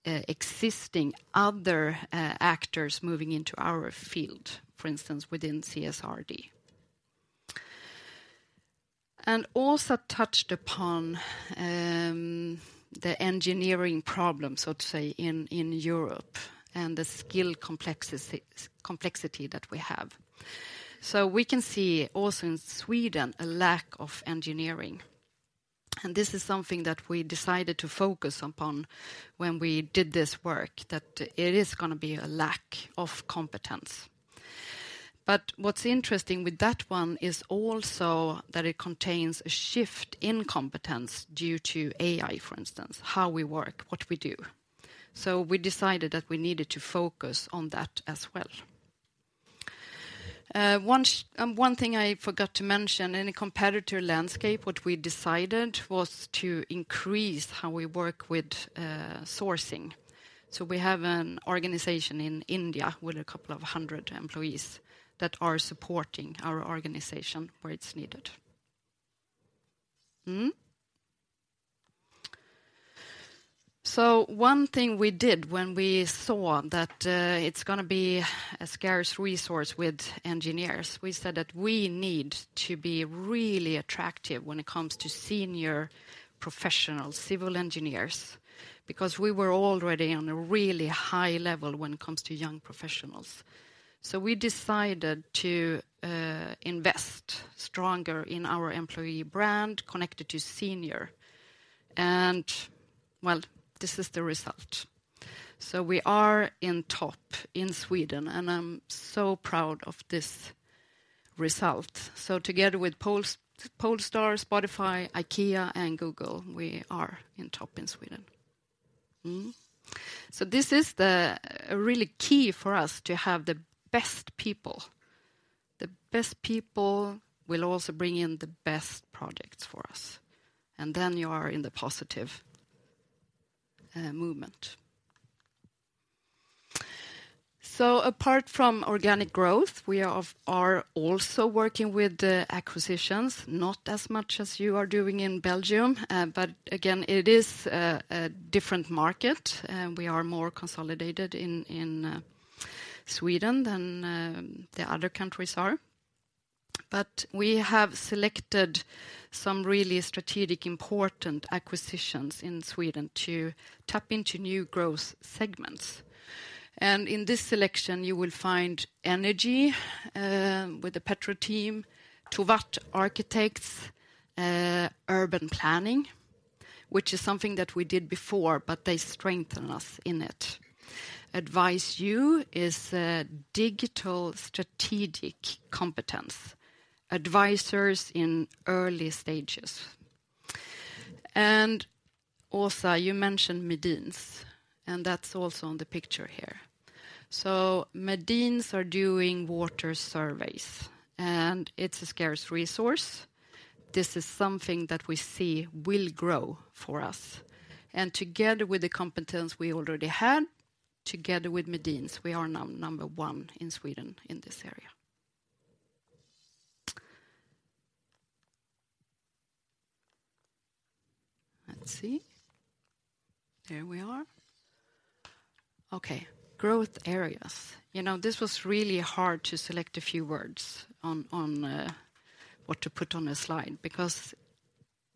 existing other actors moving into our field, for instance, within CSRD. And also touched upon the engineering problem, so to say, in Europe, and the skill complexity that we have. So we can see also in Sweden, a lack of engineering, and this is something that we decided to focus upon when we did this work, that it is gonna be a lack of competence. But what's interesting with that one is also that it contains a shift in competence due to AI, for instance, how we work, what we do. So we decided that we needed to focus on that as well. One thing I forgot to mention, in a competitor landscape, what we decided was to increase how we work with sourcing. So we have an organization in India with a couple of hundred employees that are supporting our organization where it's needed. So one thing we did when we saw that, it's gonna be a scarce resource with engineers, we said that we need to be really attractive when it comes to senior professional civil engineers, because we were already on a really high level when it comes to young professionals. So we decided to invest stronger in our employee brand, connected to senior. And, well, this is the result. So we are in top in Sweden, and I'm so proud of this result. So together with Polestar, Spotify, IKEA, and Google, we are in top in Sweden. Mm-hmm. So this is the really key for us to have the best people. The best people will also bring in the best projects for us, and then you are in the positive movement. So apart from organic growth, we are also working with the acquisitions, not as much as you are doing in Belgium, but again, it is a different market. We are more consolidated in Sweden than the other countries are. But we have selected some really strategic, important acquisitions in Sweden to tap into new growth segments. And in this selection, you will find energy with the PetroTeam, Tovatt Architects, urban planning, which is something that we did before, but they strengthen us in it. AdviceU is a digital strategic competence, advisors in early stages. And also, you mentioned Medins, and that's also on the picture here. So Medins are doing water surveys, and it's a scarce resource. This is something that we see will grow for us. And together with the competence we already had, together with Medins, we are now number one in Sweden in this area. Let's see. Here we are. Okay, growth areas. You know, this was really hard to select a few words on what to put on a slide, because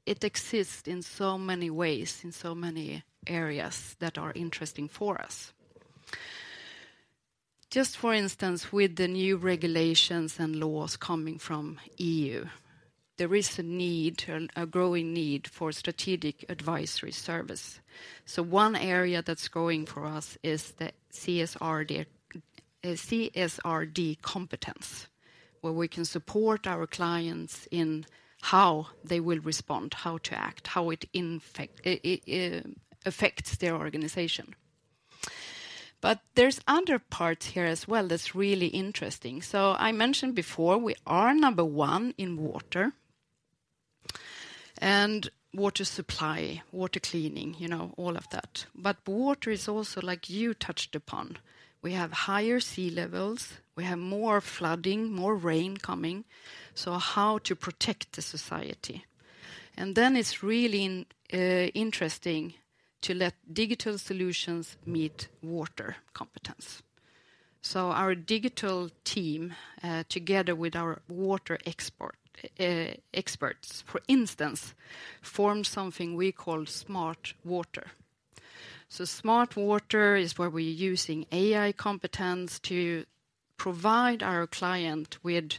it exists in so many ways, in so many areas that are interesting for us. Just for instance, with the new regulations and laws coming from EU, there is a need, a growing need for strategic advisory service. So one area that's growing for us is the CSRD, CSRD competence, where we can support our clients in how they will respond, how to act, how it affects their organization. But there's other parts here as well that's really interesting. So I mentioned before, we are number one in water, and water supply, water cleaning, you know, all of that. But water is also like you touched upon. We have higher sea levels, we have more flooding, more rain coming, so how to protect the society? And then it's really interesting to let digital solutions meet water competence. So our digital team together with our water expert experts, for instance, formed something we call Smart Water. So Smart Water is where we're using AI competence to provide our client with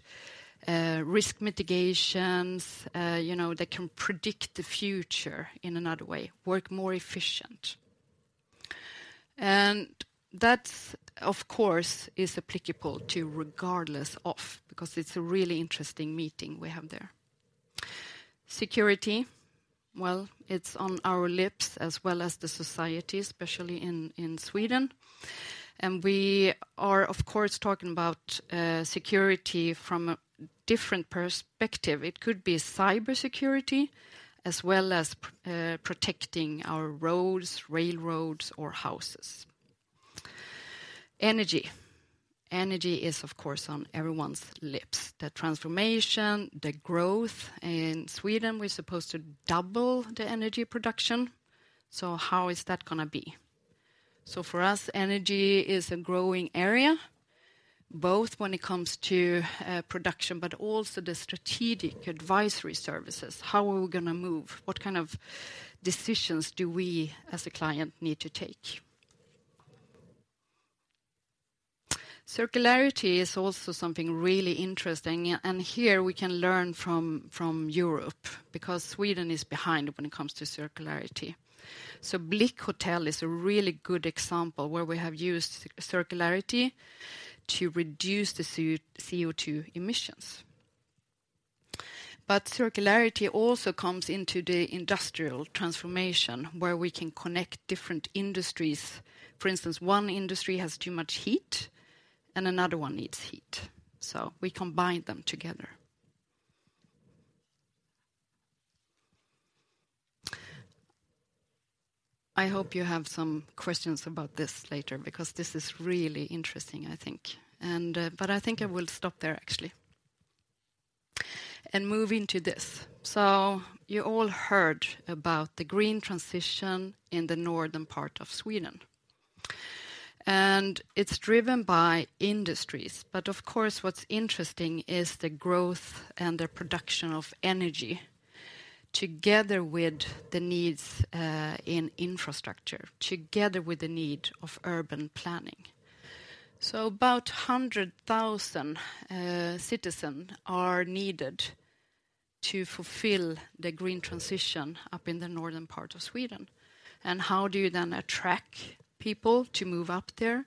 risk mitigations, you know, that can predict the future in another way, work more efficient. And that, of course, is applicable to regardless of, because it's a really interesting meeting we have there. Security, well, it's on our lips as well as the society, especially in Sweden, and we are, of course, talking about security from a different perspective. It could be cybersecurity as well as protecting our roads, railroads, or houses. Energy. Energy is, of course, on everyone's lips. The transformation, the growth. In Sweden, we're supposed to double the energy production, so how is that gonna be? So for us, energy is a growing area, both when it comes to production, but also the strategic advisory services. How are we gonna move? What kind of decisions do we, as a client, need to take? Circularity is also something really interesting, and here we can learn from Europe, because Sweden is behind when it comes to circularity. So Blique Hotel is a really good example where we have used circularity to reduce the CO2 emissions. But circularity also comes into the industrial transformation, where we can connect different industries. For instance, one industry has too much heat and another one needs heat, so we combine them together. I hope you have some questions about this later, because this is really interesting, I think. And, but I think I will stop there, actually, and move into this. So you all heard about the green transition in the Northern part of Sweden, and it's driven by industries. But of course, what's interesting is the growth and the production of energy, together with the needs in infrastructure, together with the need of urban planning. So about 100,000 citizen are needed to fulfill the green transition up in the Northern part of Sweden. How do you then attract people to move up there?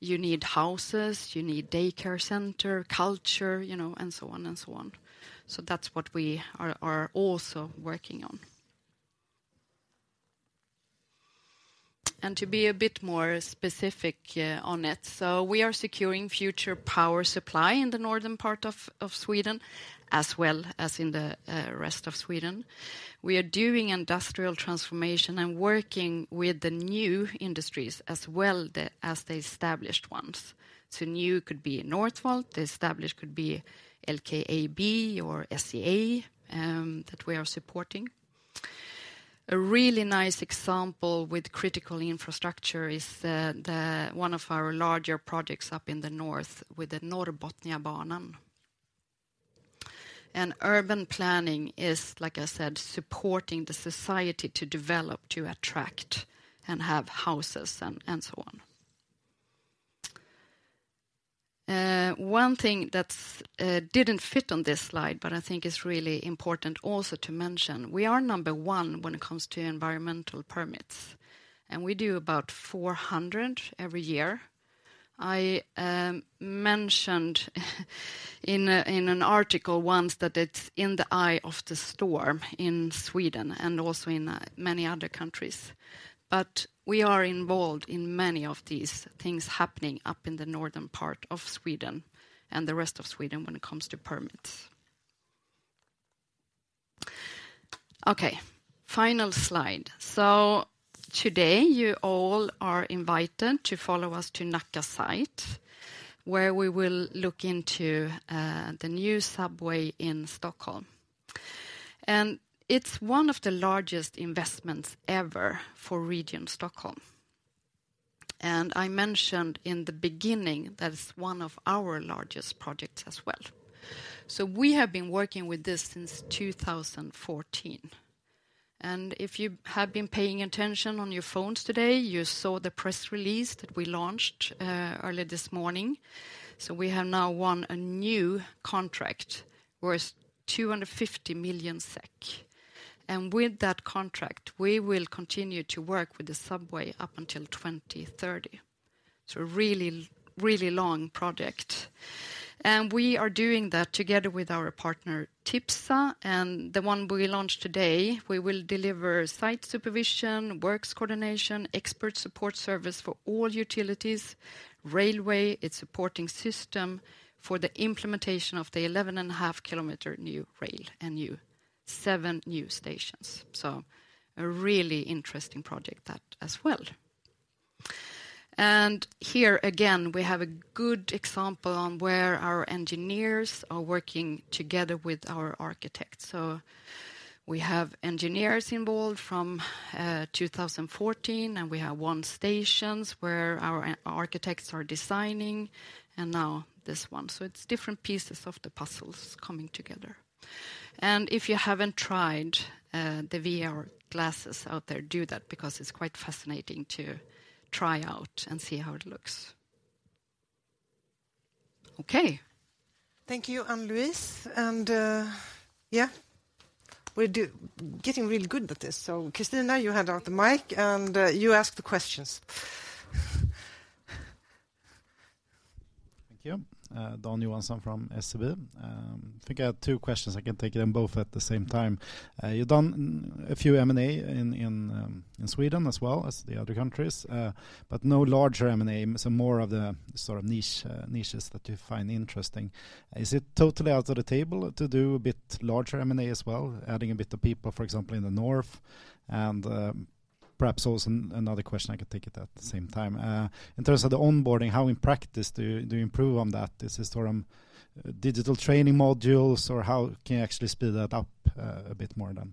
You need houses, you need daycare center, culture, you know, and so on and so on. So that's what we are also working on. To be a bit more specific on it, so we are securing future power supply in the Northern part of Sweden, as well as in the rest of Sweden. We are doing industrial transformation and working with the new industries as well as the established ones. So new could be Northvolt, the established could be LKAB or SCA, that we are supporting. A really nice example with critical infrastructure is the one of our larger projects up in the north with the Norrbotniabanan. Urban planning is, like I said, supporting the society to develop, to attract, and have houses and so on. One thing that didn't fit on this slide, but I think is really important also to mention, we are number one when it comes to environmental permits, and we do about 400 every year. I mentioned in an article once that it's in the eye of the storm in Sweden and also in many other countries. But we are involved in many of these things happening up in the Northern part of Sweden and the rest of Sweden when it comes to permits. Okay, final slide. So today, you all are invited to follow us to Nacka site, where we will look into the new subway in Stockholm. And it's one of the largest investments ever for Region Stockholm. And I mentioned in the beginning, that is one of our largest projects as well. So we have been working with this since 2014, and if you have been paying attention on your phones today, you saw the press release that we launched early this morning. So we have now won a new contract worth 250 million SEK. And with that contract, we will continue to work with the subway up until 2030. So a really, really long project. And we are doing that together with our partner, TYPSA, and the one we launched today, we will deliver site supervision, works coordination, expert support service for all utilities, railway, its supporting system for the implementation of the 11.5 km new rail and new seven new stations. So a really interesting project that as well. And here again, we have a good example on where our engineers are working together with our architects. We have engineers involved from 2014, and we have one station where our architects are designing, and now this one. It's different pieces of the puzzles coming together. If you haven't tried the VR glasses out there, do that, because it's quite fascinating to try out and see how it looks. Okay. Thank you, Ann-Louise. And yeah, we're getting really good at this. So Christina, you hand out the mic, and you ask the questions. Thank you. Dan Johansson from SEB. I think I have two questions. I can take them both at the same time. You've done a few M&A in Sweden as well as the other countries, but no larger M&A, so more of the sort of niche niches that you find interesting. Is it totally out of the table to do a bit larger M&A as well, adding a bit of people, for example, in the north? And, perhaps also another question, I could take it at the same time. In terms of the onboarding, how in practice do you improve on that? Is this sort of digital training modules, or how can you actually speed that up a bit more then?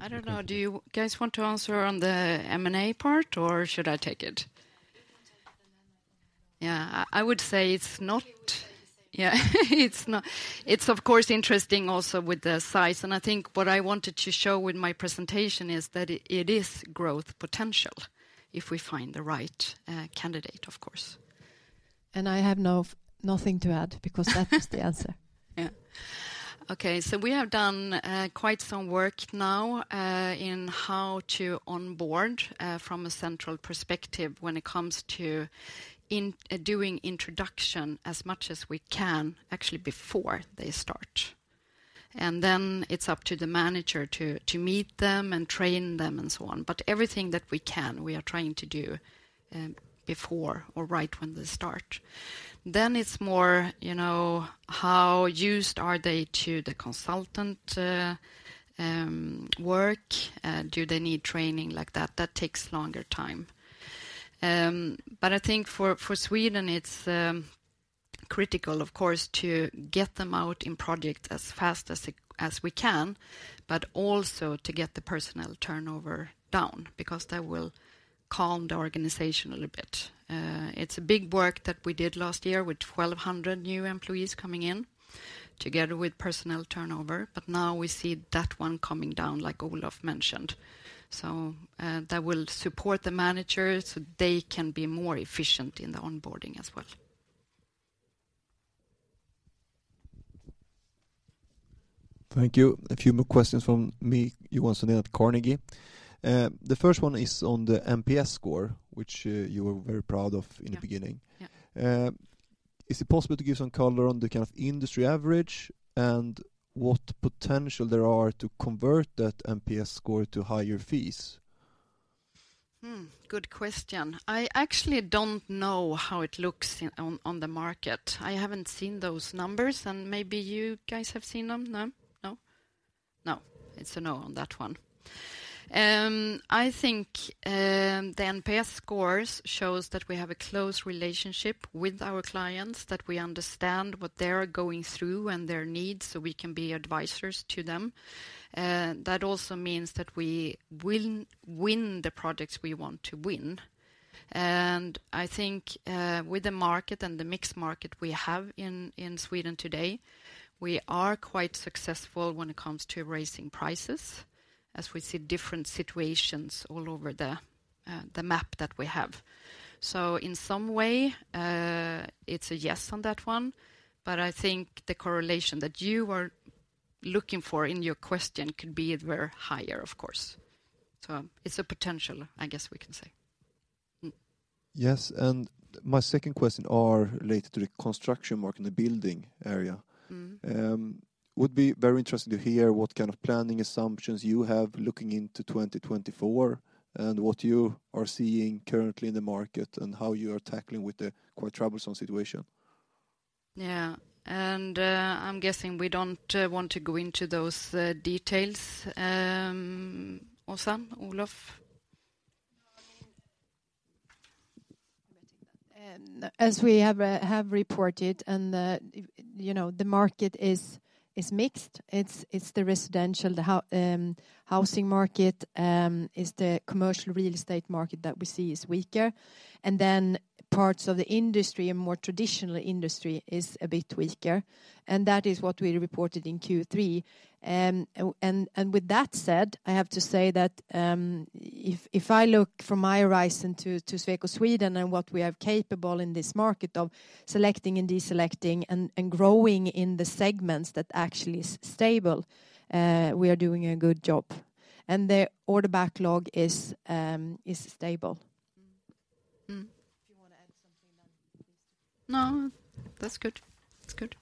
I don't know. Do you guys want to answer on the M&A part, or should I take it? You can take the M&A. Yeah, I would say it's not-- Okay, we can say. Yeah, it's not. It's, of course, interesting also with the size, and I think what I wanted to show with my presentation is that it, it is growth potential if we find the right, candidate, of course. I have nothing to add, because that is the answer. Yeah. Okay, so we have done quite some work now in how to onboard from a central perspective when it comes to doing introduction as much as we can, actually, before they start. And then it's up to the manager to meet them and train them and so on. But everything that we can, we are trying to do before or right when they start. Then it's more, you know, how used are they to the consultant work? Do they need training like that? That takes longer time. But I think for Sweden, it's critical, of course, to get them out in project as fast as we can, but also to get the personnel turnover down, because that will calm the organization a little bit. It's a big work that we did last year with 1,200 new employees coming in together with personnel turnover, but now we see that one coming down, like Olof mentioned. So, that will support the managers, so they can be more efficient in the onboarding as well. Thank you. A few more questions from me, Johan Sundén at Carnegie. The first one is on the NPS score, which you were very proud of in the beginning. Yeah, yeah. Is it possible to give some color on the kind of industry average and what potential there are to convert that NPS score to higher fees? Good question. I actually don't know how it looks on the market. I haven't seen those numbers, and maybe you guys have seen them. No? No. No, it's a no on that one. I think the NPS scores shows that we have a close relationship with our clients, that we understand what they're going through and their needs, so we can be advisors to them. That also means that we will win the projects we want to win. And I think with the market and the mixed market we have in Sweden today, we are quite successful when it comes to raising prices, as we see different situations all over the map that we have. So in some way, it's a yes on that one, but I think the correlation that you were looking for in your question could be were higher, of course. So it's a potential, I guess we can say. Yes, and my second question are related to the construction market and the building area. Would be very interested to hear what kind of planning assumptions you have looking into 2024 and what you are seeing currently in the market, and how you are tackling with the quite troublesome situation? Yeah, and, I'm guessing we don't want to go into those details. Åsa, Olof? As we have reported and, you know, the market is mixed. It's the residential, the housing market, it's the commercial real estate market that we see is weaker. And then parts of the industry and more traditional industry is a bit weaker, and that is what we reported in Q3. And with that said, I have to say that, if I look from my horizon to Sweco Sweden and what we are capable in this market of selecting and deselecting and growing in the segments that actually is stable, we are doing a good job. And the order backlog is stable. Do you want to add something then? No, that's good. That's good.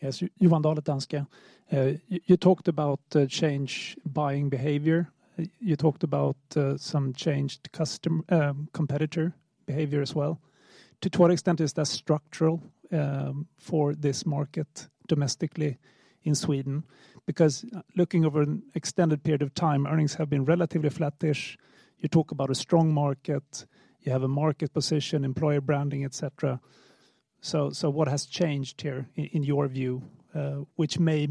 Yes, Johan Dahl. You talked about the changing buying behavior. You talked about some changing customer competitor behavior as well. To what extent is that structural for this market domestically in Sweden? Because looking over an extended period of time, earnings have been relatively flattish. You talk about a strong market, you have a market position, employer branding, et cetera. So what has changed here in your view, which may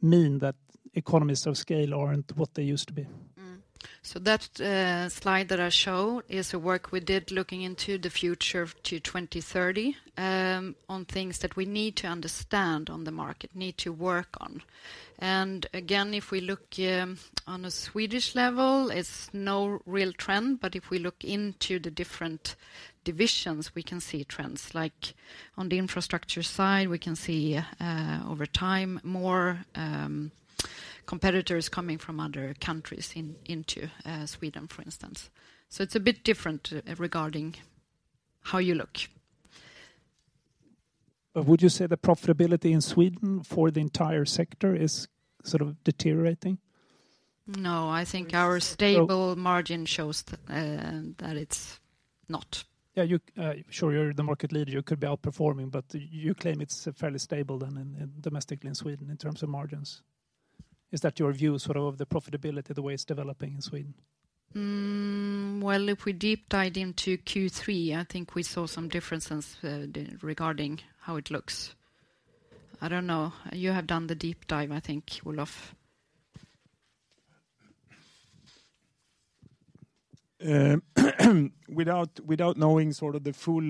mean that economies of scale aren't what they used to be? So that slide that I show is the work we did looking into the future to 2030, on things that we need to understand on the market, need to work on. And again, if we look, on a Swedish level, it's no real trend, but if we look into the different divisions, we can see trends. Like on the infrastructure side, we can see, over time, more, competitors coming from other countries in, into, Sweden, for instance. So it's a bit different, regarding how you look. Would you say the profitability in Sweden for the entire sector is sort of deteriorating? No, I think our stable margin shows that it's not. Yeah, you sure, you're the market leader, you could be outperforming, but you claim it's fairly stable then in, domestically in Sweden in terms of margins. Is that your view, sort of, the profitability, the way it's developing in Sweden? Well, if we deep dived into Q3, I think we saw some differences regarding how it looks. I don't know. You have done the deep dive, I think, Olof. Without knowing sort of the full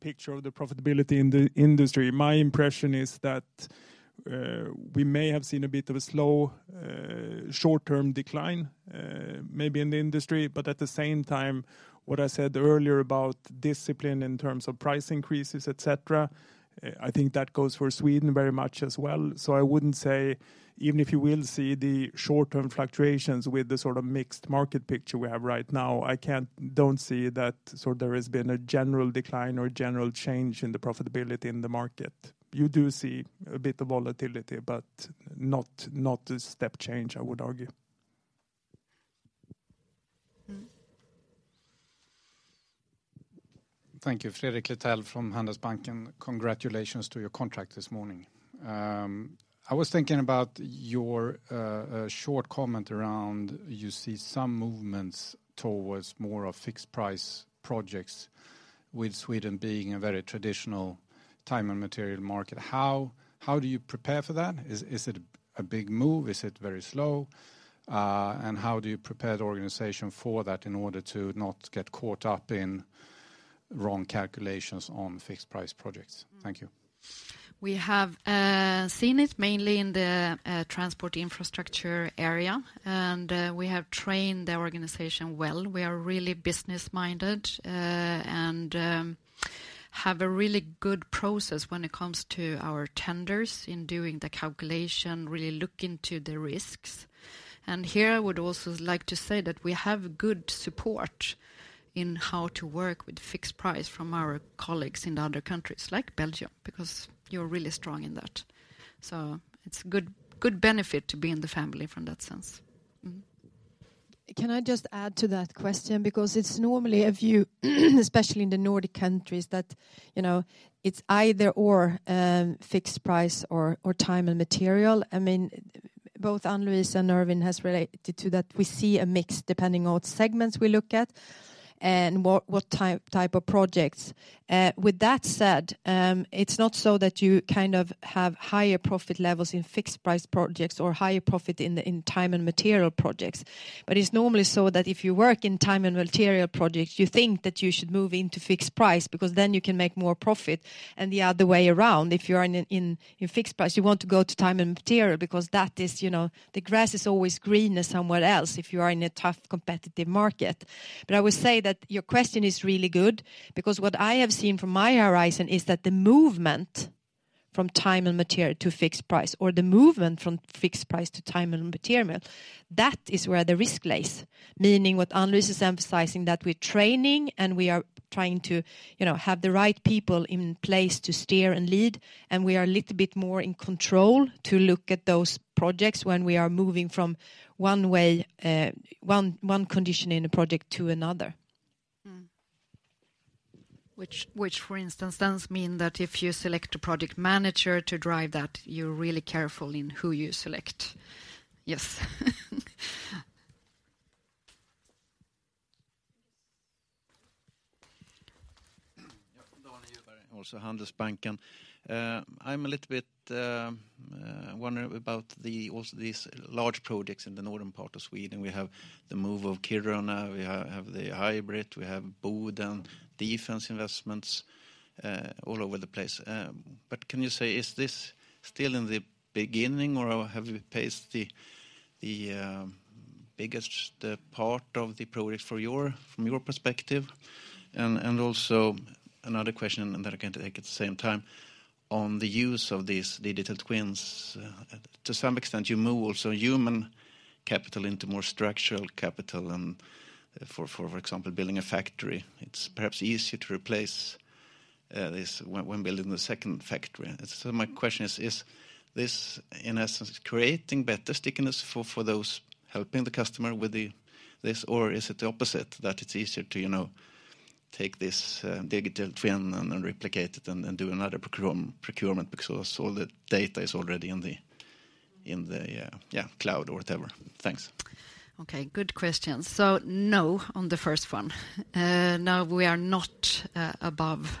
picture of the profitability in the industry, my impression is that we may have seen a bit of a slow short-term decline, maybe in the industry. But at the same time, what I said earlier about discipline in terms of price increases, et cetera, I think that goes for Sweden very much as well. So I wouldn't say, even if you will see the short-term fluctuations with the sort of mixed market picture we have right now, I don't see that there has been a general decline or a general change in the profitability in the market. You do see a bit of volatility, but not a step change, I would argue. Thank you. Fredrik Lithell from Handelsbanken. Congratulations to your contract this morning. I was thinking about your short comment around, you see some movements towards more of fixed price projects with Sweden being a very traditional time and material market. How do you prepare for that? Is it a big move? Is it very slow? And how do you prepare the organization for that in order to not get caught up in wrong calculations on fixed price projects? Thank you. We have seen it mainly in the transport infrastructure area, and we have trained the organization well. We are really business-minded, and have a really good process when it comes to our tenders in doing the calculation, really look into the risks. And here, I would also like to say that we have good support in how to work with fixed price from our colleagues in the other countries, like Belgium, because you're really strong in that. So it's good, good benefit to be in the family from that sense. Can I just add to that question? Because it's normally a view, especially in the Nordic countries, that, you know, it's either/or, fixed price or time and material. I mean, both Ann-Louise and Erwin has related to that. We see a mix depending on what segments we look at and what type of projects. With that said, it's not so that you kind of have higher profit levels in fixed price projects or higher profit in time and material projects. But it's normally so that if you work in time and material projects, you think that you should move into fixed price, because then you can make more profit. And the other way around, if you are in fixed price, you want to go to time and material because that is, you know, the grass is always greener somewhere else if you are in a tough, competitive market. But I would say that your question is really good, because what I have seen from my horizon is that the movement from time and material to fixed price, or the movement from fixed price to time and material, that is where the risk lays. Meaning, what Ann-Louise is emphasizing, that we're training, and we are trying to, you know, have the right people in place to steer and lead, and we are a little bit more in control to look at those projects when we are moving from one way, one condition in a project to another. Which for instance, does mean that if you select a project manager to drive that, you're really careful in who you select? Yes. Yeah, Daniel Djurberg, also Handelsbanken. I'm a little bit wondering about also these large projects in the Northern part of Sweden. We have the move of Kiruna, we have the HYBRIT, we have Boden, defense investments all over the place. But can you say, is this still in the beginning, or have you paced the biggest part of the project for your- from your perspective? And also another question, and that I can take at the same time, on the use of these digital twins. To some extent, you move also human capital into more structural capital and for example, building a factory. It's perhaps easier to replace this when building the second factory. So my question is, is this in essence creating better stickiness for those helping the customer with this, or is it the opposite, that it's easier to, you know, take this digital twin and replicate it and do another procurement because all the data is already in the cloud or whatever? Thanks. Okay, good question. So no, on the first one. No, we are not above.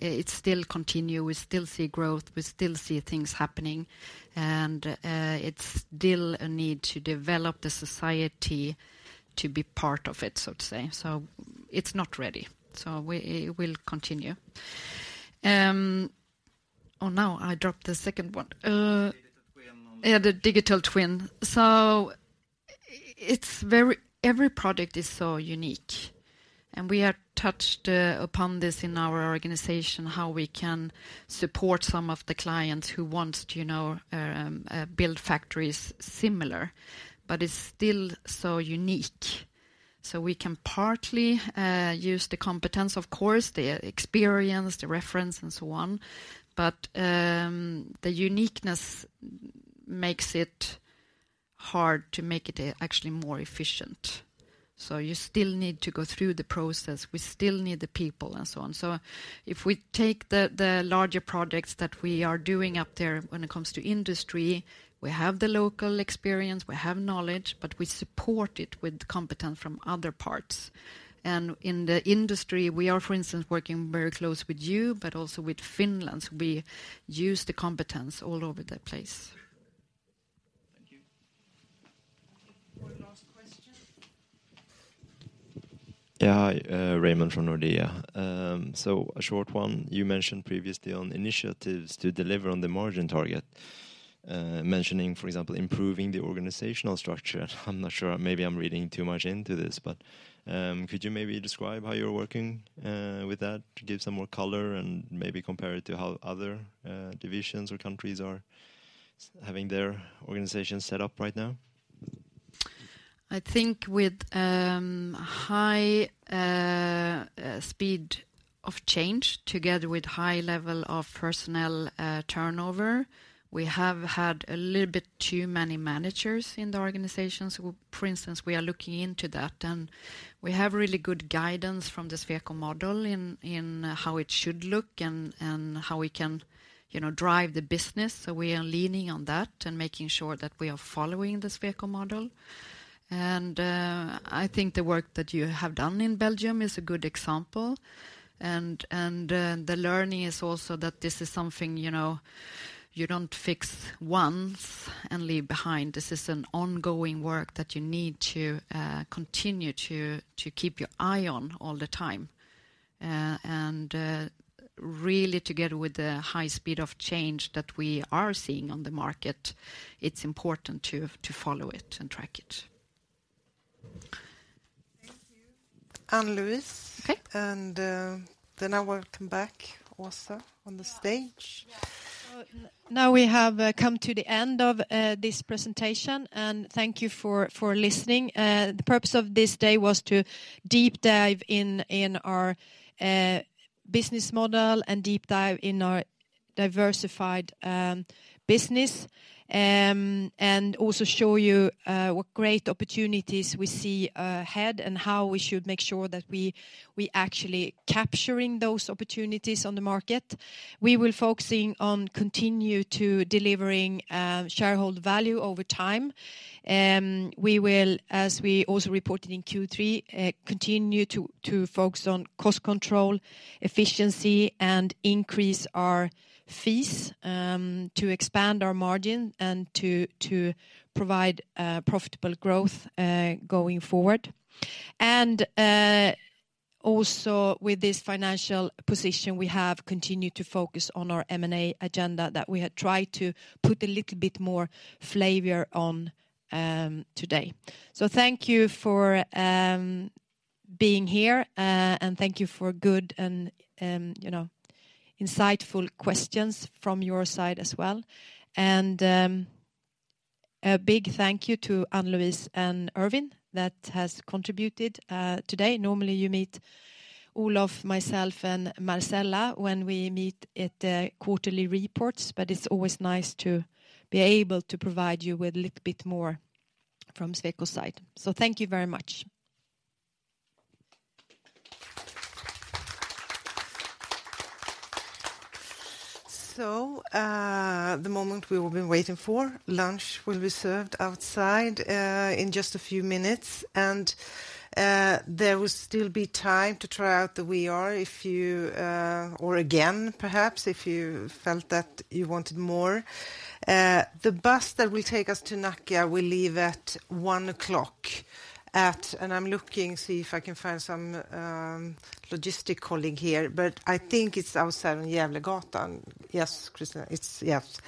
It still continue. We still see growth, we still see things happening, and it's still a need to develop the society to be part of it, so to say. So it's not ready. So it will continue. Oh, now I dropped the second one. Digital twin. Yeah, the digital twin. So it's very—every product is so unique, and we have touched upon this in our organization, how we can support some of the clients who want to, you know, build factories similar, but it's still so unique. So we can partly use the competence, of course, the experience, the reference, and so on. But the uniqueness makes it hard to make it actually more efficient. So you still need to go through the process, we still need the people and so on. So if we take the larger projects that we are doing up there when it comes to industry, we have the local experience, we have knowledge, but we support it with competence from other parts. And in the industry, we are, for instance, working very close with you, but also with Finland. We use the competence all over the place. Thank you. One last question. Yeah, hi, Raymond from Nordea. So a short one, you mentioned previously on initiatives to deliver on the margin target, mentioning, for example, improving the organizational structure. I'm not sure, maybe I'm reading too much into this, but, could you maybe describe how you're working, with that to give some more color and maybe compare it to how other, divisions or countries are having their organization set up right now? I think with high speed of change, together with high level of personnel turnover, we have had a little bit too many managers in the organizations. For instance, we are looking into that, and we have really good guidance from the Sweco model in how it should look and how we can, you know, drive the business. So we are leaning on that and making sure that we are following the Sweco model. And I think the work that you have done in Belgium is a good example. And the learning is also that this is something, you know, you don't fix once and leave behind. This is an ongoing work that you need to continue to keep your eye on all the time. Really, together with the high speed of change that we are seeing on the market, it's important to follow it and track it. Thank you. Ann-Louise. Okay. I welcome back Åsa on the stage. Yeah. Now we have come to the end of this presentation, and thank you for listening. The purpose of this day was to deep dive in our business model and deep dive in our diversified business. Also show you what great opportunities we see ahead, and how we should make sure that we actually capturing those opportunities on the market. We will focusing on continue to delivering shareholder value over time. We will, as we also reported in Q3, continue to focus on cost control, efficiency, and increase our fees to expand our margin and to provide profitable growth going forward. With this financial position, we have continued to focus on our M&A agenda that we had tried to put a little bit more flavor on today. So thank you for being here, and thank you for good and, you know, insightful questions from your side as well. And a big thank you to Ann-Louise and Erwin that has contributed today. Normally, you meet Olof, myself, and Marcela when we meet at the quarterly reports, but it's always nice to be able to provide you with a little bit more from Sweco's side. So thank you very much. So, the moment we've all been waiting for, lunch will be served outside in just a few minutes, and there will still be time to try out the VR if you, or again, perhaps if you felt that you wanted more. The bus that will take us to Nacka will leave at 1:00 P.M. at-- And I'm looking to see if I can find some logistic colleague here, but I think it's outside Gävlegatan. Yes, Christina, it's. Yes.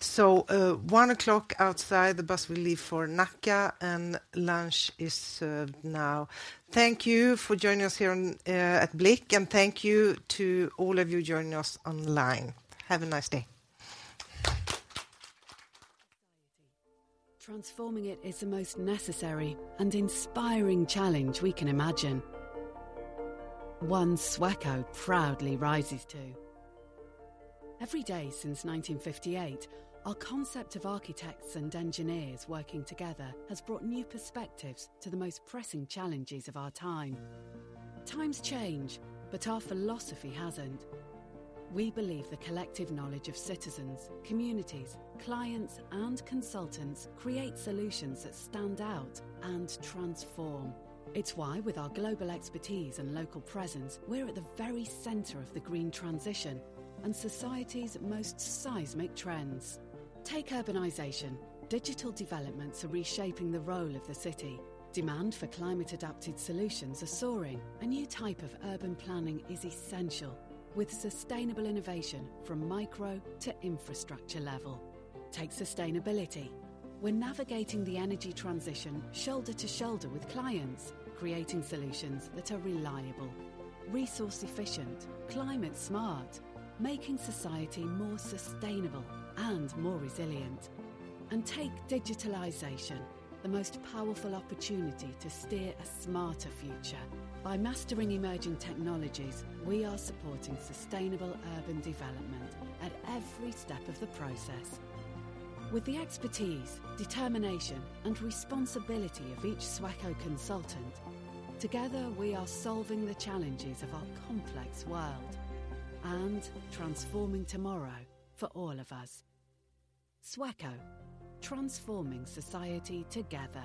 So, one o'clock outside, the bus will leave for Nacka, and lunch is served now. Thank you for joining us here on, at Blique, and thank you to all of you joining us online. Have a nice day. Transforming it is the most necessary and inspiring challenge we can imagine. One Sweco proudly rises to. Every day since 1958, our concept of architects and engineers working together has brought new perspectives to the most pressing challenges of our time. Times change, but our philosophy hasn't. We believe the collective knowledge of citizens, communities, clients, and consultants create solutions that stand out and transform. It's why, with our global expertise and local presence, we're at the very center of the green transition and society's most seismic trends. Take urbanization. Digital developments are reshaping the role of the city. Demand for climate-adapted solutions are soaring. A new type of urban planning is essential, with sustainable innovation from micro to infrastructure level. Take sustainability. We're navigating the energy transition shoulder to shoulder with clients, creating solutions that are reliable, resource efficient, climate smart, making society more sustainable and more resilient. And take digitalization, the most powerful opportunity to steer a smarter future. By mastering emerging technologies, we are supporting sustainable urban development at every step of the process. With the expertise, determination, and responsibility of each Sweco consultant, together, we are solving the challenges of our complex world and transforming tomorrow for all of us. Sweco, transforming society together.